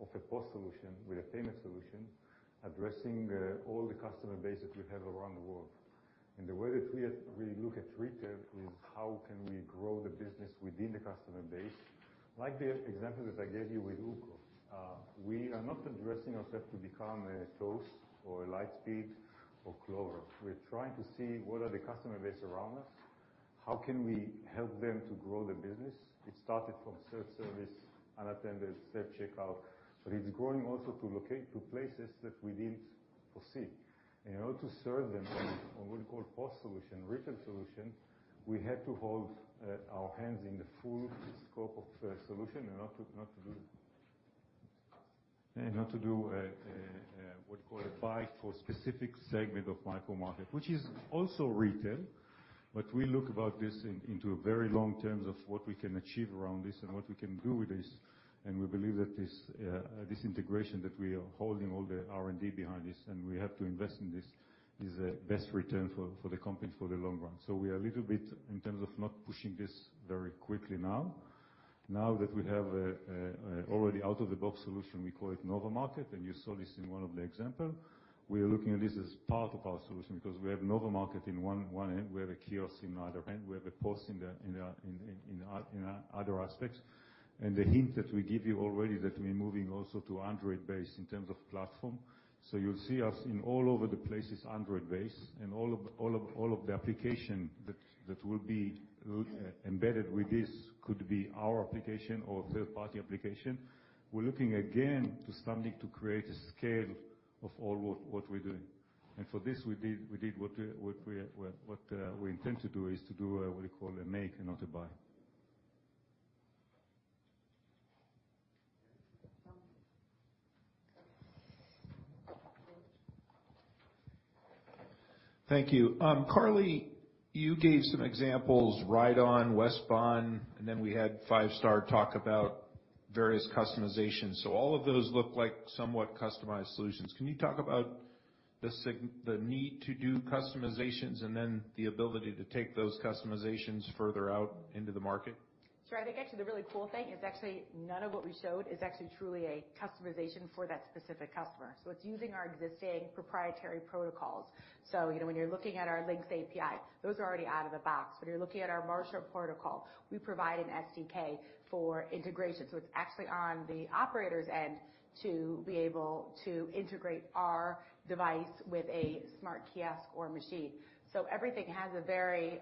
of a POS solution with a payment solution addressing all the customer base that we have around the world. The way that we look at retail is how can we grow the business within the customer base. Like the example that I gave you with UKO. We are not addressing ourself to become a Toast or a Lightspeed or Clover. We're trying to see what are the customer base around us, how can we help them to grow their business. It started from self-service, unattended, self-checkout, it's growing also to locate to places that we didn't foresee. In order to serve them on what we call POS solution, retail solution, we had to hold our hands in the full scope of solution and not to do a buy for a specific segment of micro market, which is also retail. We look about this into very long terms of what we can achieve around this and what we can do with this. We believe that this integration that we are holding all the R&D behind this and we have to invest in this is the best return for the company for the long run. We are a little bit in terms of not pushing this very quickly now. Now that we have already out-of-the-box solution, we call it Nova Market, and you saw this in one of the example. We are looking at this as part of our solution because we have Nova Market in one end, we have a kiosk in the other end, we have a POS in other aspects. The hint that we give you already that we're moving also to Android-based in terms of platform. You'll see us in all over the place is Android-based, and all of the application that will be embedded with this could be our application or third-party application. We're looking again to starting to create a scale of all what we're doing. For this, we did what we intend to do is to do what you call a make and not to buy. Thank you. Carly, you gave some examples, Ride On, WESTbahn, and then we had Five Star talk about various customizations. All of those look like somewhat customized solutions. Can you talk about the need to do customizations and then the ability to take those customizations further out into the market? Sure. I think actually the really cool thing is actually none of what we showed is actually truly a customization for that specific customer. It's using our existing proprietary protocols. You know, when you're looking at our Lynx API, those are already out of the box. When you're looking at our Marshall Protocol, we provide an SDK for integration, it's actually on the operator's end to be able to integrate our device with a smart kiosk or machine. Everything has a very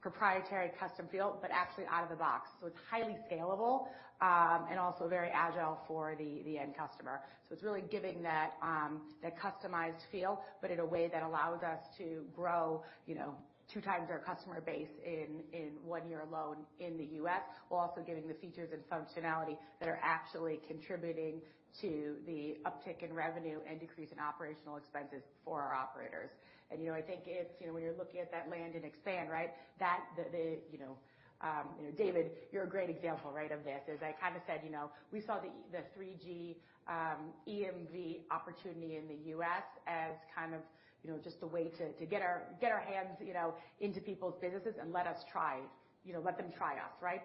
proprietary custom feel but actually out of the box. It's highly scalable and also very agile for the end customer. It's really giving that customized feel, but in a way that allows us to grow, you know, two times our customer base in one year alone in the U.S., while also giving the features and functionality that are actually contributing to the uptick in revenue and decrease in OpEx for our operators. You know, I think it's, you know, when you're looking at that land and expand, right? That the... You know, David, you're a great example, right, of this. As I kind of said, you know, we saw the 3G EMV opportunity in the U.S. as kind of, you know, just a way to get our hands, you know, into people's businesses and let us try. You know, let them try us, right?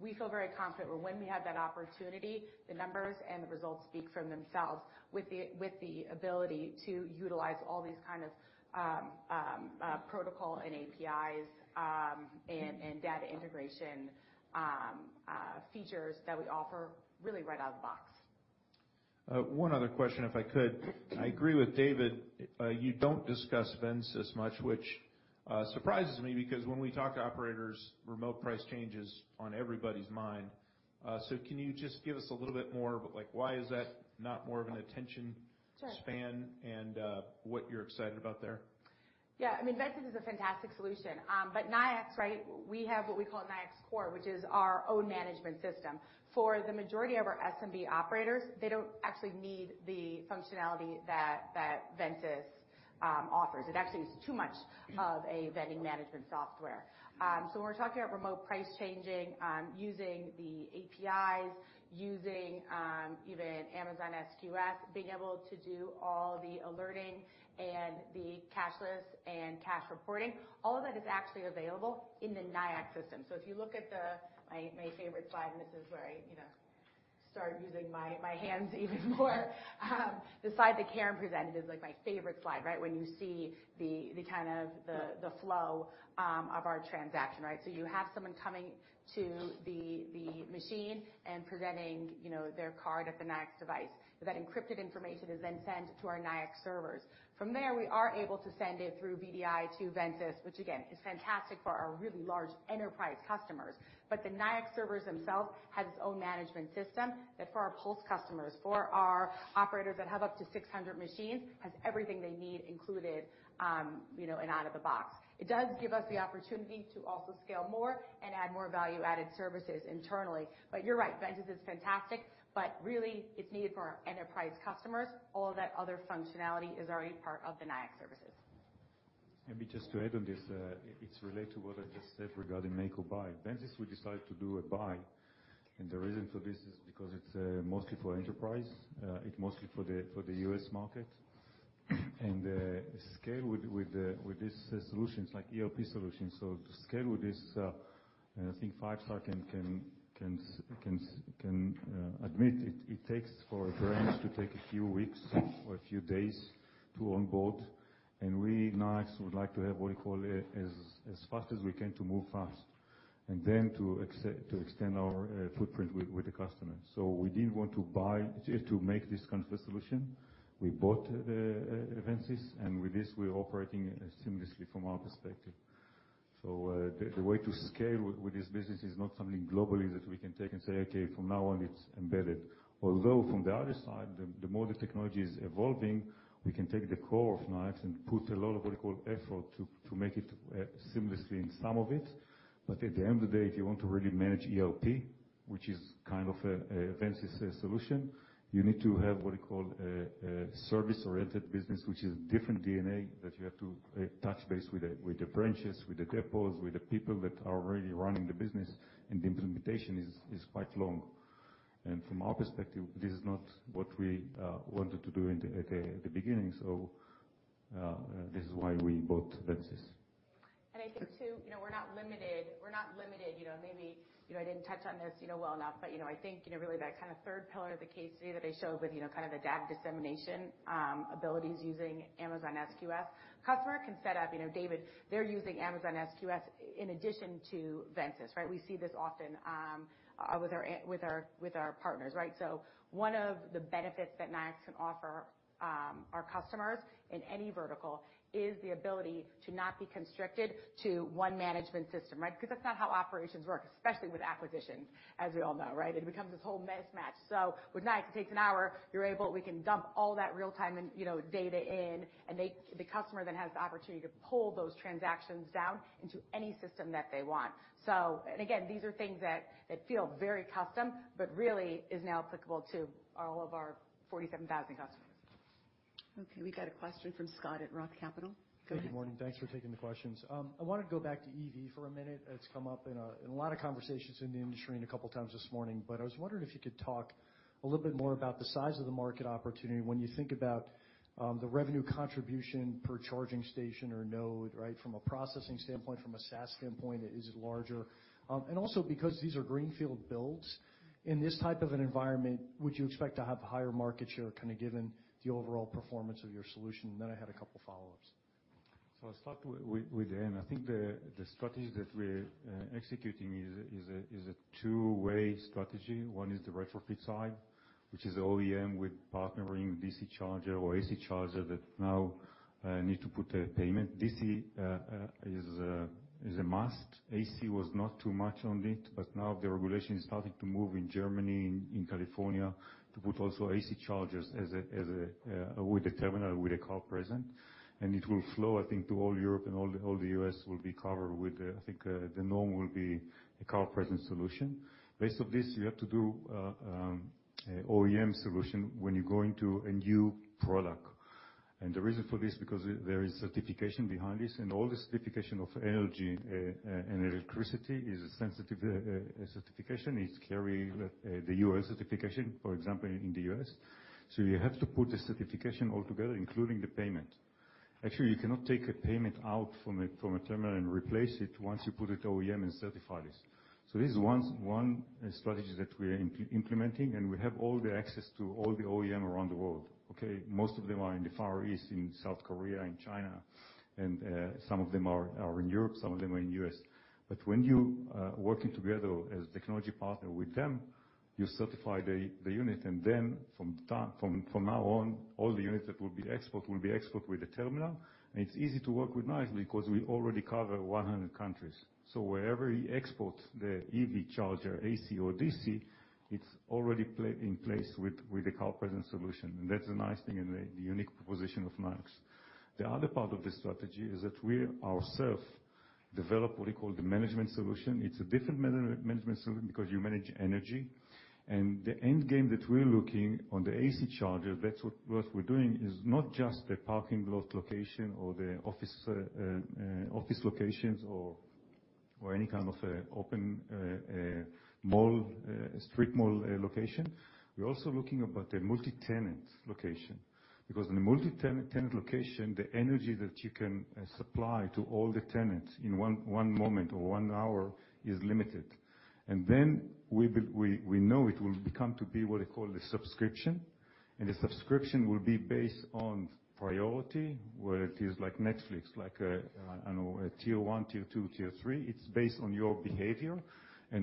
We feel very confident when we have that opportunity, the numbers and the results speak for themselves with the ability to utilize all these kind of protocol and APIs, and data integration features that we offer really right out of the box. One other question, if I could. I agree with David, you don't discuss VendSys much, which surprises me because when we talk to operators, remote price change is on everybody's mind. Can you just give us a little bit more, but like why is that not more of an attention- Sure. -span and, what you're excited about there? Yeah. I mean, VendSys is a fantastic solution. Nayax, right? We have what we call Nayax Core, which is our own management system. For the majority of our SMB operators, they don't actually need the functionality that VendSys offers. It actually is too much of a vending management software. When we're talking about remote price changing, using the APIs, using even Amazon SQS, being able to do all the alerting and the cashless and cash reporting, all of that is actually available in the Nayax system. If you look at My favorite slide, and this is where I, you know, start using my hands even more. The slide that Keren presented is like my favorite slide, right? When you see the kind of the flow of our transaction, right? You have someone coming to the machine and presenting, you know, their card at the Nayax device. That encrypted information is then sent to our Nayax servers. From there, we are able to send it through VDI to VendSys, which again, is fantastic for our really large enterprise customers. The Nayax servers themselves has its own management system that for our pulse customers, for our operators that have up to 600 machines, has everything they need included, you know, and out of the box. It does give us the opportunity to also scale more and add more value-added services internally. You're right, VendSys is fantastic, but really it's needed for our enterprise customers. All that other functionality is already part of the Nayax services. Maybe just to add on this, it's related to what I just said regarding make or buy. VendSys, we decided to do a buy. The reason for this is because it's mostly for enterprise, it mostly for the U.S. market. Scale with this solutions like ERP solutions. To scale with this, I think Five Star Food Service can admit it takes for a branch to take a few weeks or a few days to onboard. We, Nayax would like to have what you call as fast as we can to move fast, and then to extend our footprint with the customer. We didn't want to buy just to make this kind of a solution. We bought VendSys. With this, we're operating seamlessly from our perspective. The way to scale with this business is not something globally that we can take and say, "Okay, from now on, it's embedded." Although from the other side, the more the technology is evolving, we can take the core of Nayax and put a lot of what you call effort to make it seamlessly in some of it. At the end of the day, if you want to really manage ERP, which is kind of a VendSys solution, you need to have what you call service-oriented business, which is different DNA that you have to touch base with the branches, with the depots, with the people that are already running the business. The implementation is quite long. From our perspective, this is not what we wanted to do at the beginning. This is why we bought VendSys. I think too, you know, we're not limited, you know, maybe, you know, I didn't touch on this, you know, well enough, but, you know, I think, you know, really that kinda third pillar of the case study that I showed with, you know, kind of the DAB dissemination abilities using Amazon SQS. Customer can set up, you know, David, they're using Amazon SQS in addition to VendSys, right? We see this often with our partners, right? One of the benefits that Nayax can offer our customers in any vertical is the ability to not be constricted to one management system, right? Because that's not how operations work, especially with acquisitions, as we all know, right? It becomes this whole mismatch. With Nayax, it takes an hour, you're able... we can dump all that real-time and, you know, data in, and the customer then has the opportunity to pull those transactions down into any system that they want. again, these are things that feel very custom, but really is now applicable to all of our 47,000 customers. Okay, we got a question from Scott at Roth Capital. Go ahead. Thank you, Morgan. Thanks for taking the questions. I wanna go back to EV for a minute. It's come up in a, in a lot of conversations in the industry and a couple times this morning, but I was wondering if you could talk a little bit more about the size of the market opportunity when you think about, the revenue contribution per charging station or node, right? From a processing standpoint, from a SaaS standpoint, is it larger? Also because these are greenfield builds, in this type of an environment, would you expect to have higher market share, kinda given the overall performance of your solution? Then I had a couple follow-ups. I'll start with the end. I think the strategy that we're executing is a two-way strategy. One is the retrofit side, which is OEM with partnering DC charger or AC charger that now need to put a payment. DC is a must. AC was not too much on it, now the regulation is starting to move in Germany, in California, to put also AC chargers as a with a terminal, with a card present. It will flow, I think, to all Europe and all the U.S. will be covered with the, I think, the norm will be a card present solution. Based of this, you have to do OEM solution when you go into a new product. The reason for this, because there is certification behind this, and all the certification of energy and electricity is a sensitive certification. It carry the U.S. certification, for example, in the U.S. You have to put the certification all together, including the payment. Actually, you cannot take a payment out from a terminal and replace it once you put it OEM and certify this. This is one strategy that we are implementing, and we have all the access to all the OEM around the world, okay? Most of them are in the Far East, in South Korea, in China, and some of them are in Europe, some of them are in U.S. When you working together as technology partner with them, you certify the unit, and then from now on, all the units that will be export with a terminal, and it's easy to work with Nayax because we already cover 100 countries. Wherever you export the EV charger, AC or DC, it's already in place with the card present solution. That's the nice thing and the unique proposition of Nayax. The other part of this strategy is that we ourselves develop what we call the management solution. It's a different management solution because you manage energy. The end game that we're looking on the AC charger, that's what we're doing, is not just the parking lot location or the office locations or any kind of a open mall, street mall, location. We're also looking about a multi-tenant location. In a multi-tenant location, the energy that you can supply to all the tenants in one moment or one hour is limited. Then we know it will become to be what they call the subscription, and the subscription will be based on priority, where it is like Netflix, like I don't know, a tier one, tier two, tier three. It's based on your behavior.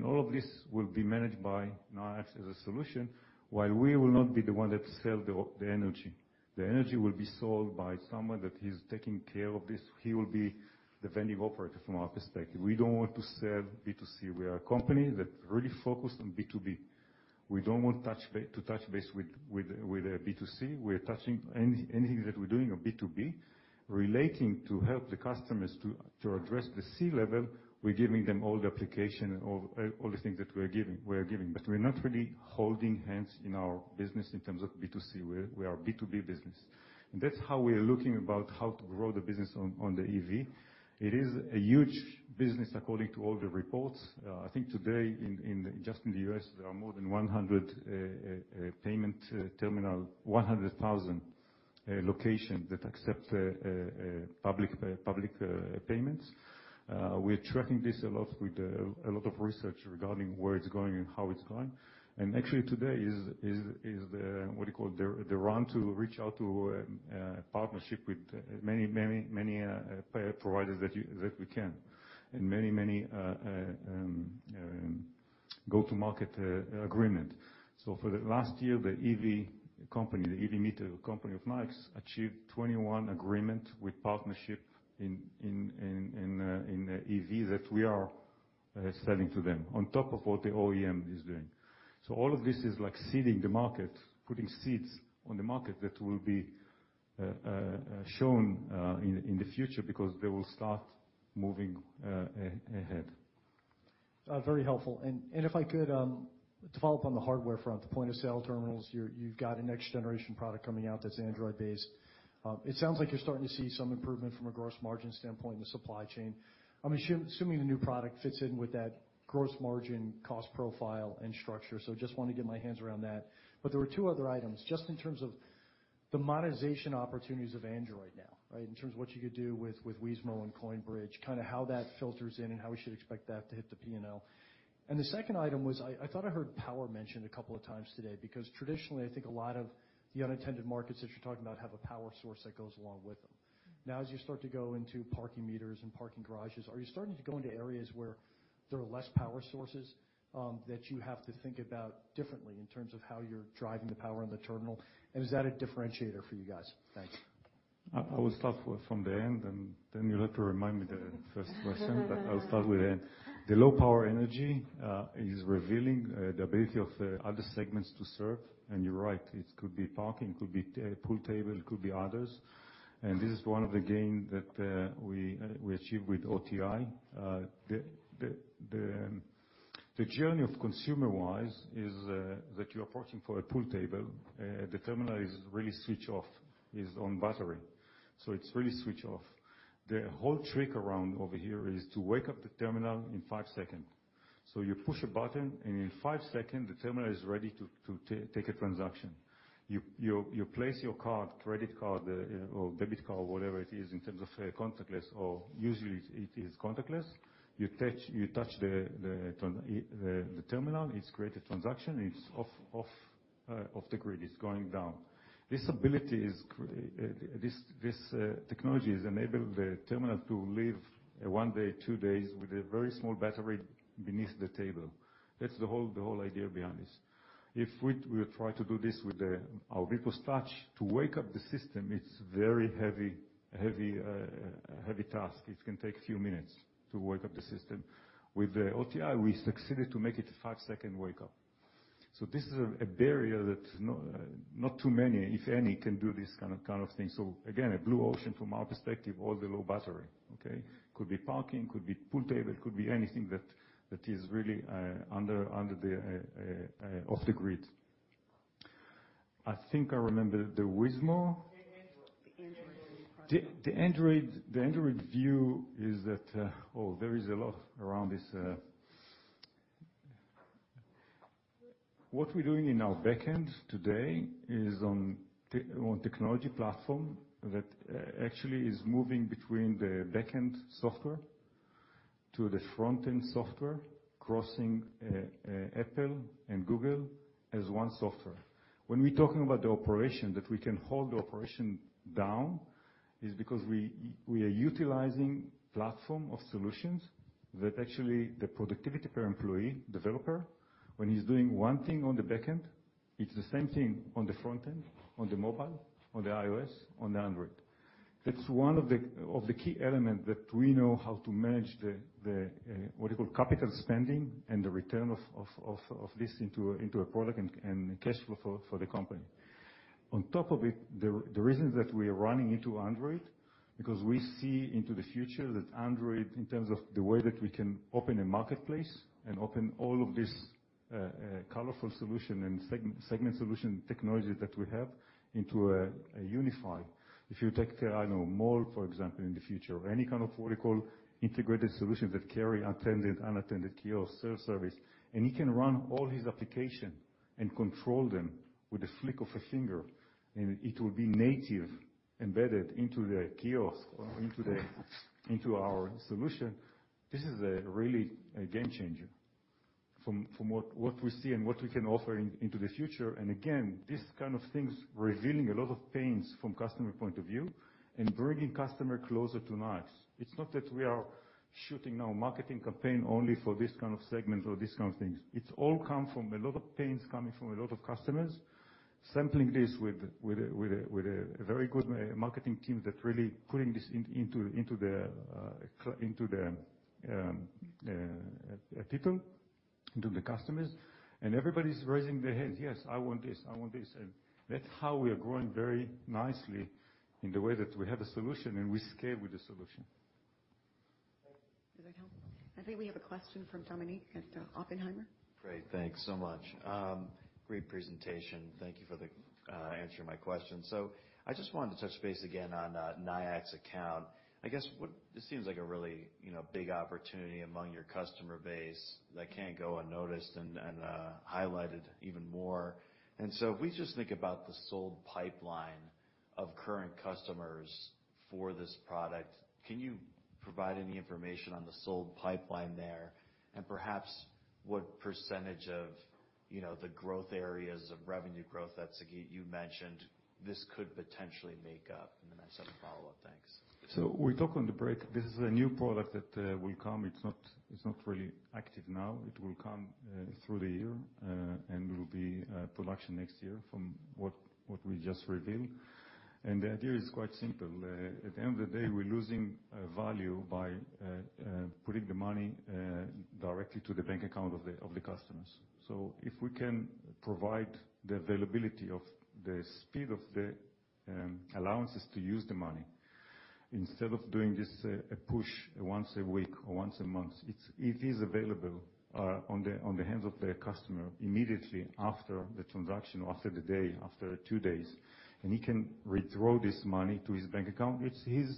All of this will be managed by Nayax as a solution, while we will not be the one that sell the energy. The energy will be sold by someone that is taking care of this. He will be the vending operator from our perspective. We don't want to sell B2C. We are a company that really focused on B2B. We don't want to touch base with B2C. We are touching anything that we're doing on B2B relating to help the customers to address the C level, we're giving them all the application and all the things that we're giving, we are giving. We're not really holding hands in our business in terms of B2C. We are B2B business. That's how we are looking about how to grow the business on the EV. It is a huge business according to all the reports. I think today in just in the U.S., there are more than 100,000 payment terminal locations that accept public payments. We're tracking this a lot with a lot of research regarding where it's going and how it's going. Actually today is the run to reach out to partnership with many pay providers that we can. Many go to market agreement. For the last year, the EV company, the EV Meter company of Nayax achieved 21 agreement with partnership in EV that we are selling to them on top of what the OEM is doing. All of this is like seeding the market, putting seeds on the market that will be shown in the future because they will start moving ahead. Very helpful. If I could, follow up on the hardware front, the point of sale terminals. You've got a next generation product coming out that's Android-based. It sounds like you're starting to see some improvement from a gross margin standpoint in the supply chain. I'm assuming the new product fits in with that gross margin cost profile and structure. Just wanna get my hands around that. There were two other items, just in terms of the monetization opportunities of Android now, right? In terms of what you could do with Weezmo and CoinBridge, kinda how that filters in and how we should expect that to hit the P&L? The second item was, I thought I heard power mentioned 2x today because traditionally, I think a lot of the unattended markets that you're talking about have a power source that goes along with them. Now, as you start to go into parking meters and parking garages, are you starting to go into areas where there are less power sources that you have to think about differently in terms of how you're driving the power on the terminal? Is that a differentiator for you guys? Thanks. I will start from the end, then you'll have to remind me the first question. I'll start with the end. The low power energy is revealing the ability of the other segments to serve. You're right, it could be parking, it could be pool table, it could be others. This is one of the gain that we achieved with OTI. The journey of consumer-wise is that you're approaching for a pool table. The terminal is really switch off, is on battery, it's really switch off. The whole trick around over here is to wake up the terminal in five seconds. You push a button, in five seconds, the terminal is ready to take a transaction. You place your card, credit card, or debit card, whatever it is, in terms of contactless or usually it is contactless. You touch the terminal. It creates a transaction. It's off the grid. It's going down. This ability is, this technology has enabled the terminal to live one day, two days with a very small battery beneath the table. That's the whole idea behind this. If we try to do this with our VPOS Touch to wake up the system, it's very heavy task. It can take a few minutes to wake up the system. With the OTI, we succeeded to make it a five-second wake up. This is a barrier that not too many, if any, can do this kind of thing. Again, a blue ocean from our perspective, all the low battery, okay? Could be parking, could be pool table, could be anything that is really, under the off the grid. I think I remember the Weezmo. The Android. The Android view is that there is a lot around this. What we're doing in our back end today is on technology platform that actually is moving between the back-end software to the front-end software, crossing Apple and Google as one software. When we're talking about the operation, that we can hold the operation down, is because we are utilizing platform of solutions that actually the productivity per employee developer, when he's doing one thing on the back end, it's the same thing on the front end, on the mobile, on the iOS, on the Android. That's one of the key element that we know how to manage the what you call capital spending and the return of this into a product and cash flow for the company. On top of it, the reason that we are running into Android, because we see into the future that Android, in terms of the way that we can open a marketplace and open all of this colorful solution and segment solution technologies that we have into a unified. If you take, I know mall, for example, in the future, or any kind of what you call integrated solutions that carry attended, unattended kiosk self-service, and he can run all his application and control them with a flick of a finger, and it will be native, embedded into the kiosk or into our solution. This is a really a game changer from what we see and what we can offer into the future. Again, these kind of things revealing a lot of pains from customer point of view and bringing customer closer to Nayax. It's not that we are shooting now marketing campaign only for this kind of segment or this kind of things. It's all come from a lot of pains coming from a lot of customers. Sampling this with a very good marketing team that really putting this into the people, into the customers. Everybody's raising their hands. "Yes, I want this, I want this." That's how we are growing very nicely in the way that we have a solution and we scale with the solution. Does that help? I think we have a question from Dominique at Oppenheimer. Great. Thanks so much. Great presentation. Thank you for the answering my question. I just wanted to touch base again on Nayax Account. I guess this seems like a really, you know, big opportunity among your customer base that can't go unnoticed and highlighted even more. If we just think about the sold pipeline of current customers for this product, can you provide any information on the sold pipeline there? Perhaps what percentage of, you know, the growth areas of revenue growth that Sagit you mentioned this could potentially make up? Then I just have a follow-up. Thanks. We talked on the break. This is a new product that will come. It's not, it's not really active now. It will come through the year and will be production next year from what we just revealed. The idea is quite simple. At the end of the day, we're losing value by putting the money directly to the bank account of the customers. If we can provide the availability of the speed of the allowances to use the money, instead of doing this push one week or one month, it is available on the hands of the customer immediately after the transaction, after the day, after two days, and he can withdraw this money to his bank account. It's his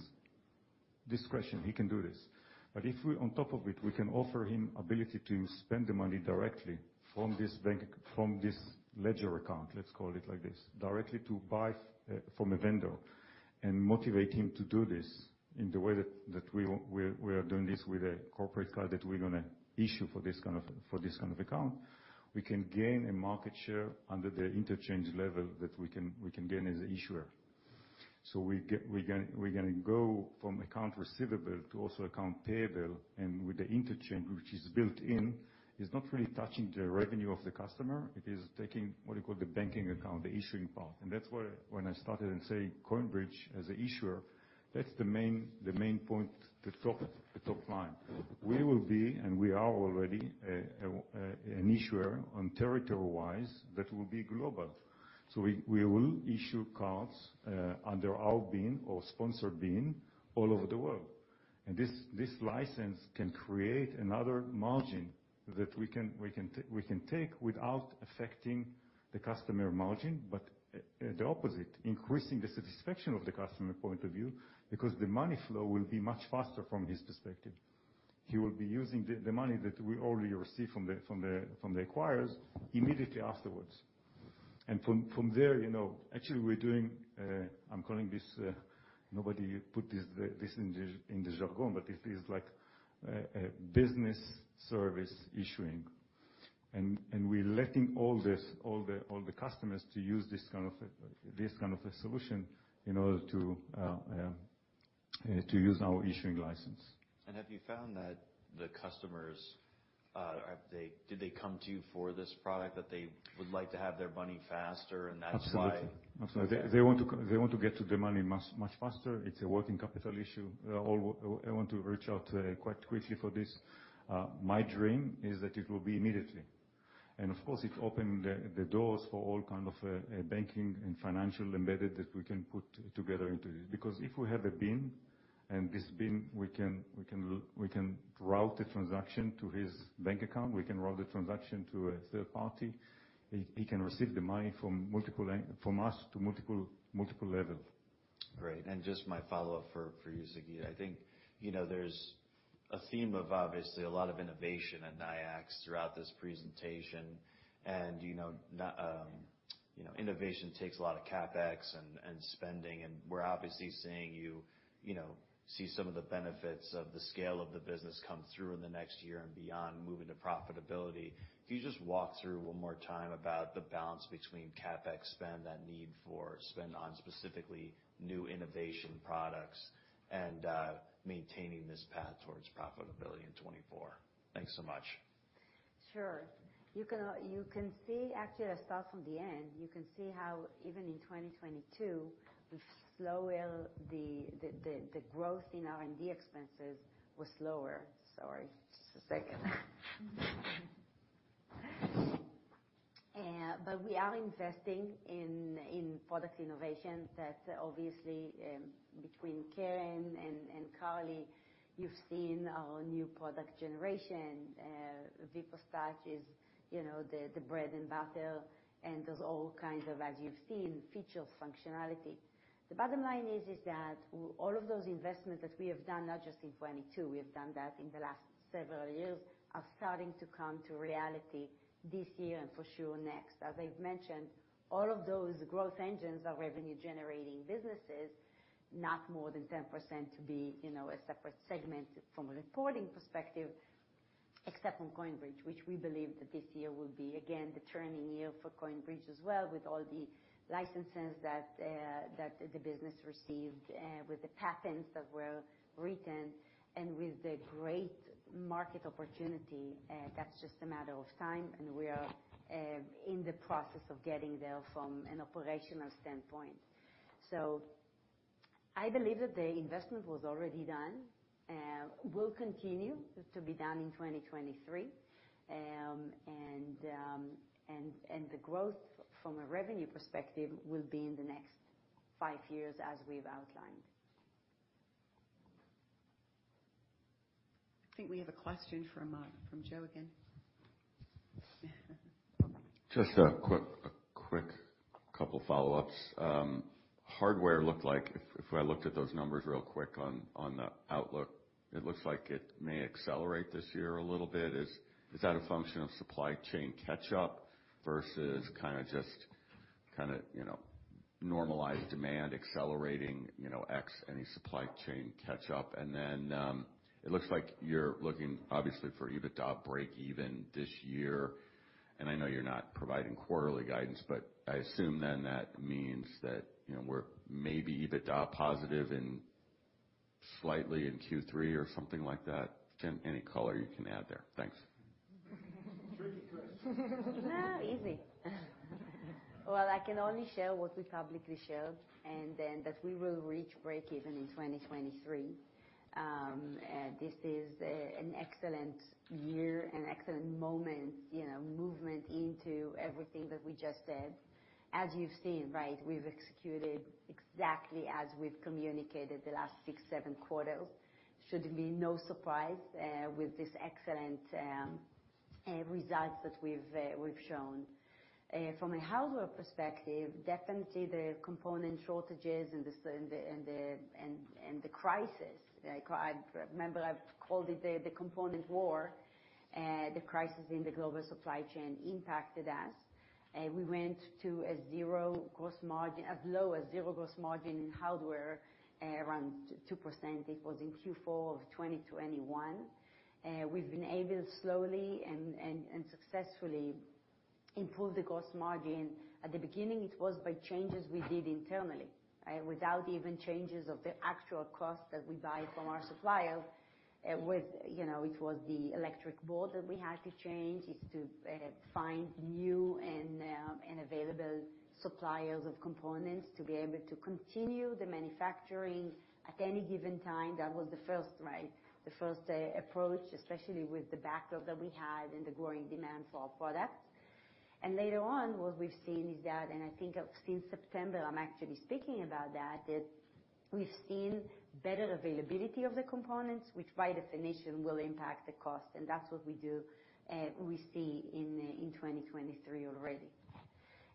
discretion. He can do this. If we on top of it, we can offer him ability to spend the money directly from this bank from this ledger account, let's call it like this, directly to buy from a vendor, and motivate him to do this in the way that we want, we are doing this with a corporate card that we're gonna issue for this kind of account, we can gain a market share under the interchange level that we can gain as an issuer. We're gonna go from account receivable to also account payable. With the interchange, which is built in, it's not really touching the revenue of the customer. It is taking what you call the banking account, the issuing part. That's where when I started and saying CoinBridge as an issuer, that's the main point, the top line. We will be, and we are already a an issuer on territory-wise that will be global. We will issue cards under our BIN or sponsored BIN all over the world. This, this license can create another margin that we can take without affecting the customer margin. The opposite, increasing the satisfaction of the customer point of view, because the money flow will be much faster from his perspective. He will be using the money that we already received from the acquirers immediately afterwards. From there, you know, actually we're doing, I'm calling this, nobody put this in the jargon, but it is like a business service issuing. We're letting all the customers to use this kind of a solution in order to use our issuing license. Have you found that the customers, did they come to you for this product that they would like to have their money faster and that's why... Absolutely. Absolutely. They want to get to the money much, much faster. It's a working capital issue. They all want to reach out quite quickly for this. My dream is that it will be immediately. Of course, it opened the doors for all kind of banking and financial embedded that we can put together into this. If we have a BIN, this BIN, we can route the transaction to his bank account, we can route the transaction to a third party. He can receive the money from multiple from us to multiple levels. Great. Just my follow-up for you, Sagit. I think, you know, there's a theme of obviously a lot of innovation at Nayax throughout this presentation. You know, not, you know, innovation takes a lot of CapEx and spending, and we're obviously seeing you know, see some of the benefits of the scale of the business come through in the next year and beyond moving to profitability. Can you just walk through one more time about the balance between CapEx spend, that need for spend on specifically new innovation products and maintaining this path towards profitability in 2024? Thanks so much. Sure. You can see actually I start from the end. You can see how even in 2022, the slower the growth in R&D expenses was slower. Sorry, just a second. But we are investing in product innovation that obviously, between Keren and Carly, you've seen our new product generation. VPOS Touch is, you know, the bread and butter, and there's all kinds of, as you've seen, features, functionality. The bottom line is that all of those investments that we have done, not just in 2022, we have done that in the last several years, are starting to come to reality this year and for sure next. As I've mentioned, all of those growth engines are revenue generating businesses, not more than 10% to be, you know, a separate segment from a reporting perspective, except from CoinBridge, which we believe that this year will be again the turning year for CoinBridge as well, with all the licenses that the business received, with the patents that were written and with the great market opportunity, that's just a matter of time, and we are in the process of getting there from an operational standpoint. I believe that the investment was already done, will continue to be done in 2023. The growth from a revenue perspective will be in the next five years as we've outlined. I think we have a question from Joe again. Just a quick couple follow-ups. If I looked at those numbers real quick on the outlook, it looks like it may accelerate this year a little bit. Is that a function of supply chain catch-up versus just, you know, normalized demand accelerating, you know, X any supply chain catch-up? It looks like you're looking obviously for EBITDA breakeven this year. I know you're not providing quarterly guidance, I assume then that means that, you know, we're maybe EBITDA positive in slightly in Q3 or something like that. Any color you can add there? Thanks. Tricky question. No, easy. Well, I can only share what we publicly shared that we will reach breakeven in 2023. This is an excellent year and excellent moment, you know, movement into everything that we just said. As you've seen, right, we've executed exactly as we've communicated the last six, seven quarters. Should be no surprise with this excellent results that we've shown. From a hardware perspective, definitely the component shortages and the crisis. Like, I, remember I've called it the component war. The crisis in the global supply chain impacted us. We went to a zero gross margin, as low as zero gross margin in hardware, around 2%. It was in Q4 of 2021. We've been able to slowly and successfully improve the gross margin. At the beginning, it was by changes we did internally, without even changes of the actual cost that we buy from our suppliers. With, you know, it was the electric board that we had to change. It's to find new and available suppliers of components to be able to continue the manufacturing at any given time. That was the first, right, the first approach, especially with the backlog that we had and the growing demand for our products. Later on, what we've seen is that, and I think since September, I'm actually speaking about that we've seen better availability of the components, which by definition will impact the cost, and that's what we do, we see in 2023 already.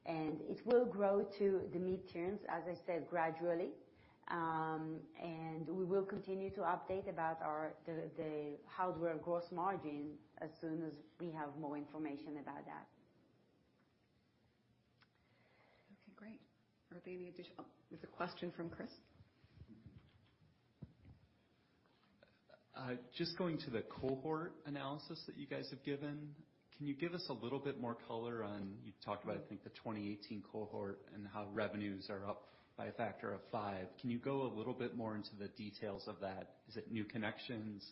It will grow to the midterms, as I said, gradually. We will continue to update about our hardware gross margin as soon as we have more information about that. Okay, great. Are there any addition--. Oh, there's a question from Chris. Just going to the cohort analysis that you guys have given, can you give us a little bit more color on... You talked about, I think, the 2018 cohort and how revenues are up by a factor of five. Can you go a little bit more into the details of that? Is it new connections,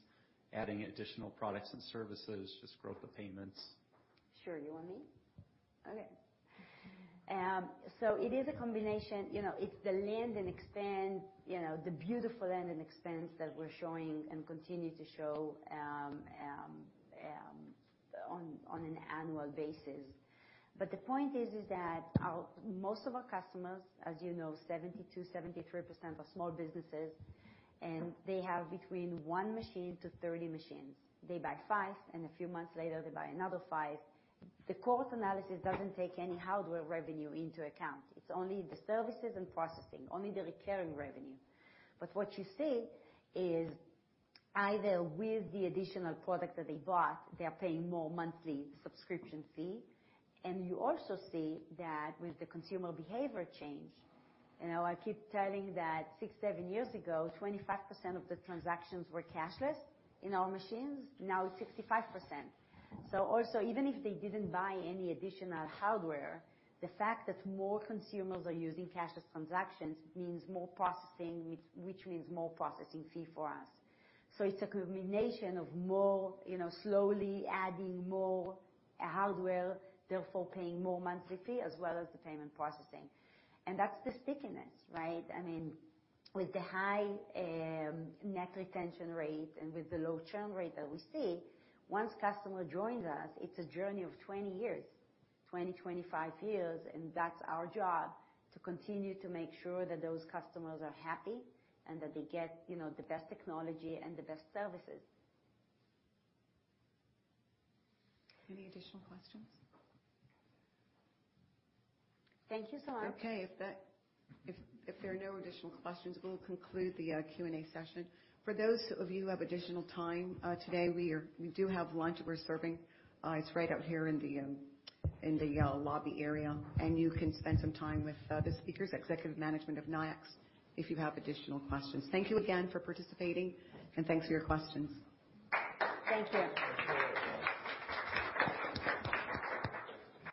adding additional products and services, just growth of payments? Sure. You want me? Okay. It is a combination. You know, it's the land and expand, you know, the beautiful land and expand that we're showing and continue to show on an annual basis. The point is that our, most of our customers, as you know, 72%-73% are small businesses, and they have between one machine to 30 machines. They buy five, and a few months later, they buy another five. The cohort analysis doesn't take any hardware revenue into account. It's only the services and processing, only the recurring revenue. What you see is either with the additional product that they bought, they are paying more monthly subscription fee. You also see that with the consumer behavior change. You know, I keep telling that six, seven years ago, 25% of the transactions were cashless in our machines. Now it's 65%. Also, even if they didn't buy any additional hardware, the fact that more consumers are using cashless transactions means more processing, which means more processing fee for us. It's a combination of more, you know, slowly adding more hardware, therefore paying more monthly fee as well as the payment processing. That's the stickiness, right? I mean, with the high net retention rate and with the low churn rate that we see, once customer joins us, it's a journey of 20 years, 20-25 years, and that's our job to continue to make sure that those customers are happy and that they get, you know, the best technology and the best services. Any additional questions? Thank you so much. Okay. If there are no additional questions, we'll conclude the Q&A session. For those of you who have additional time today, we do have lunch we're serving. It's right out here in the lobby area. You can spend some time with the speakers, executive management of Nayax, if you have additional questions. Thank you again for participating, and thanks for your questions. Thank you.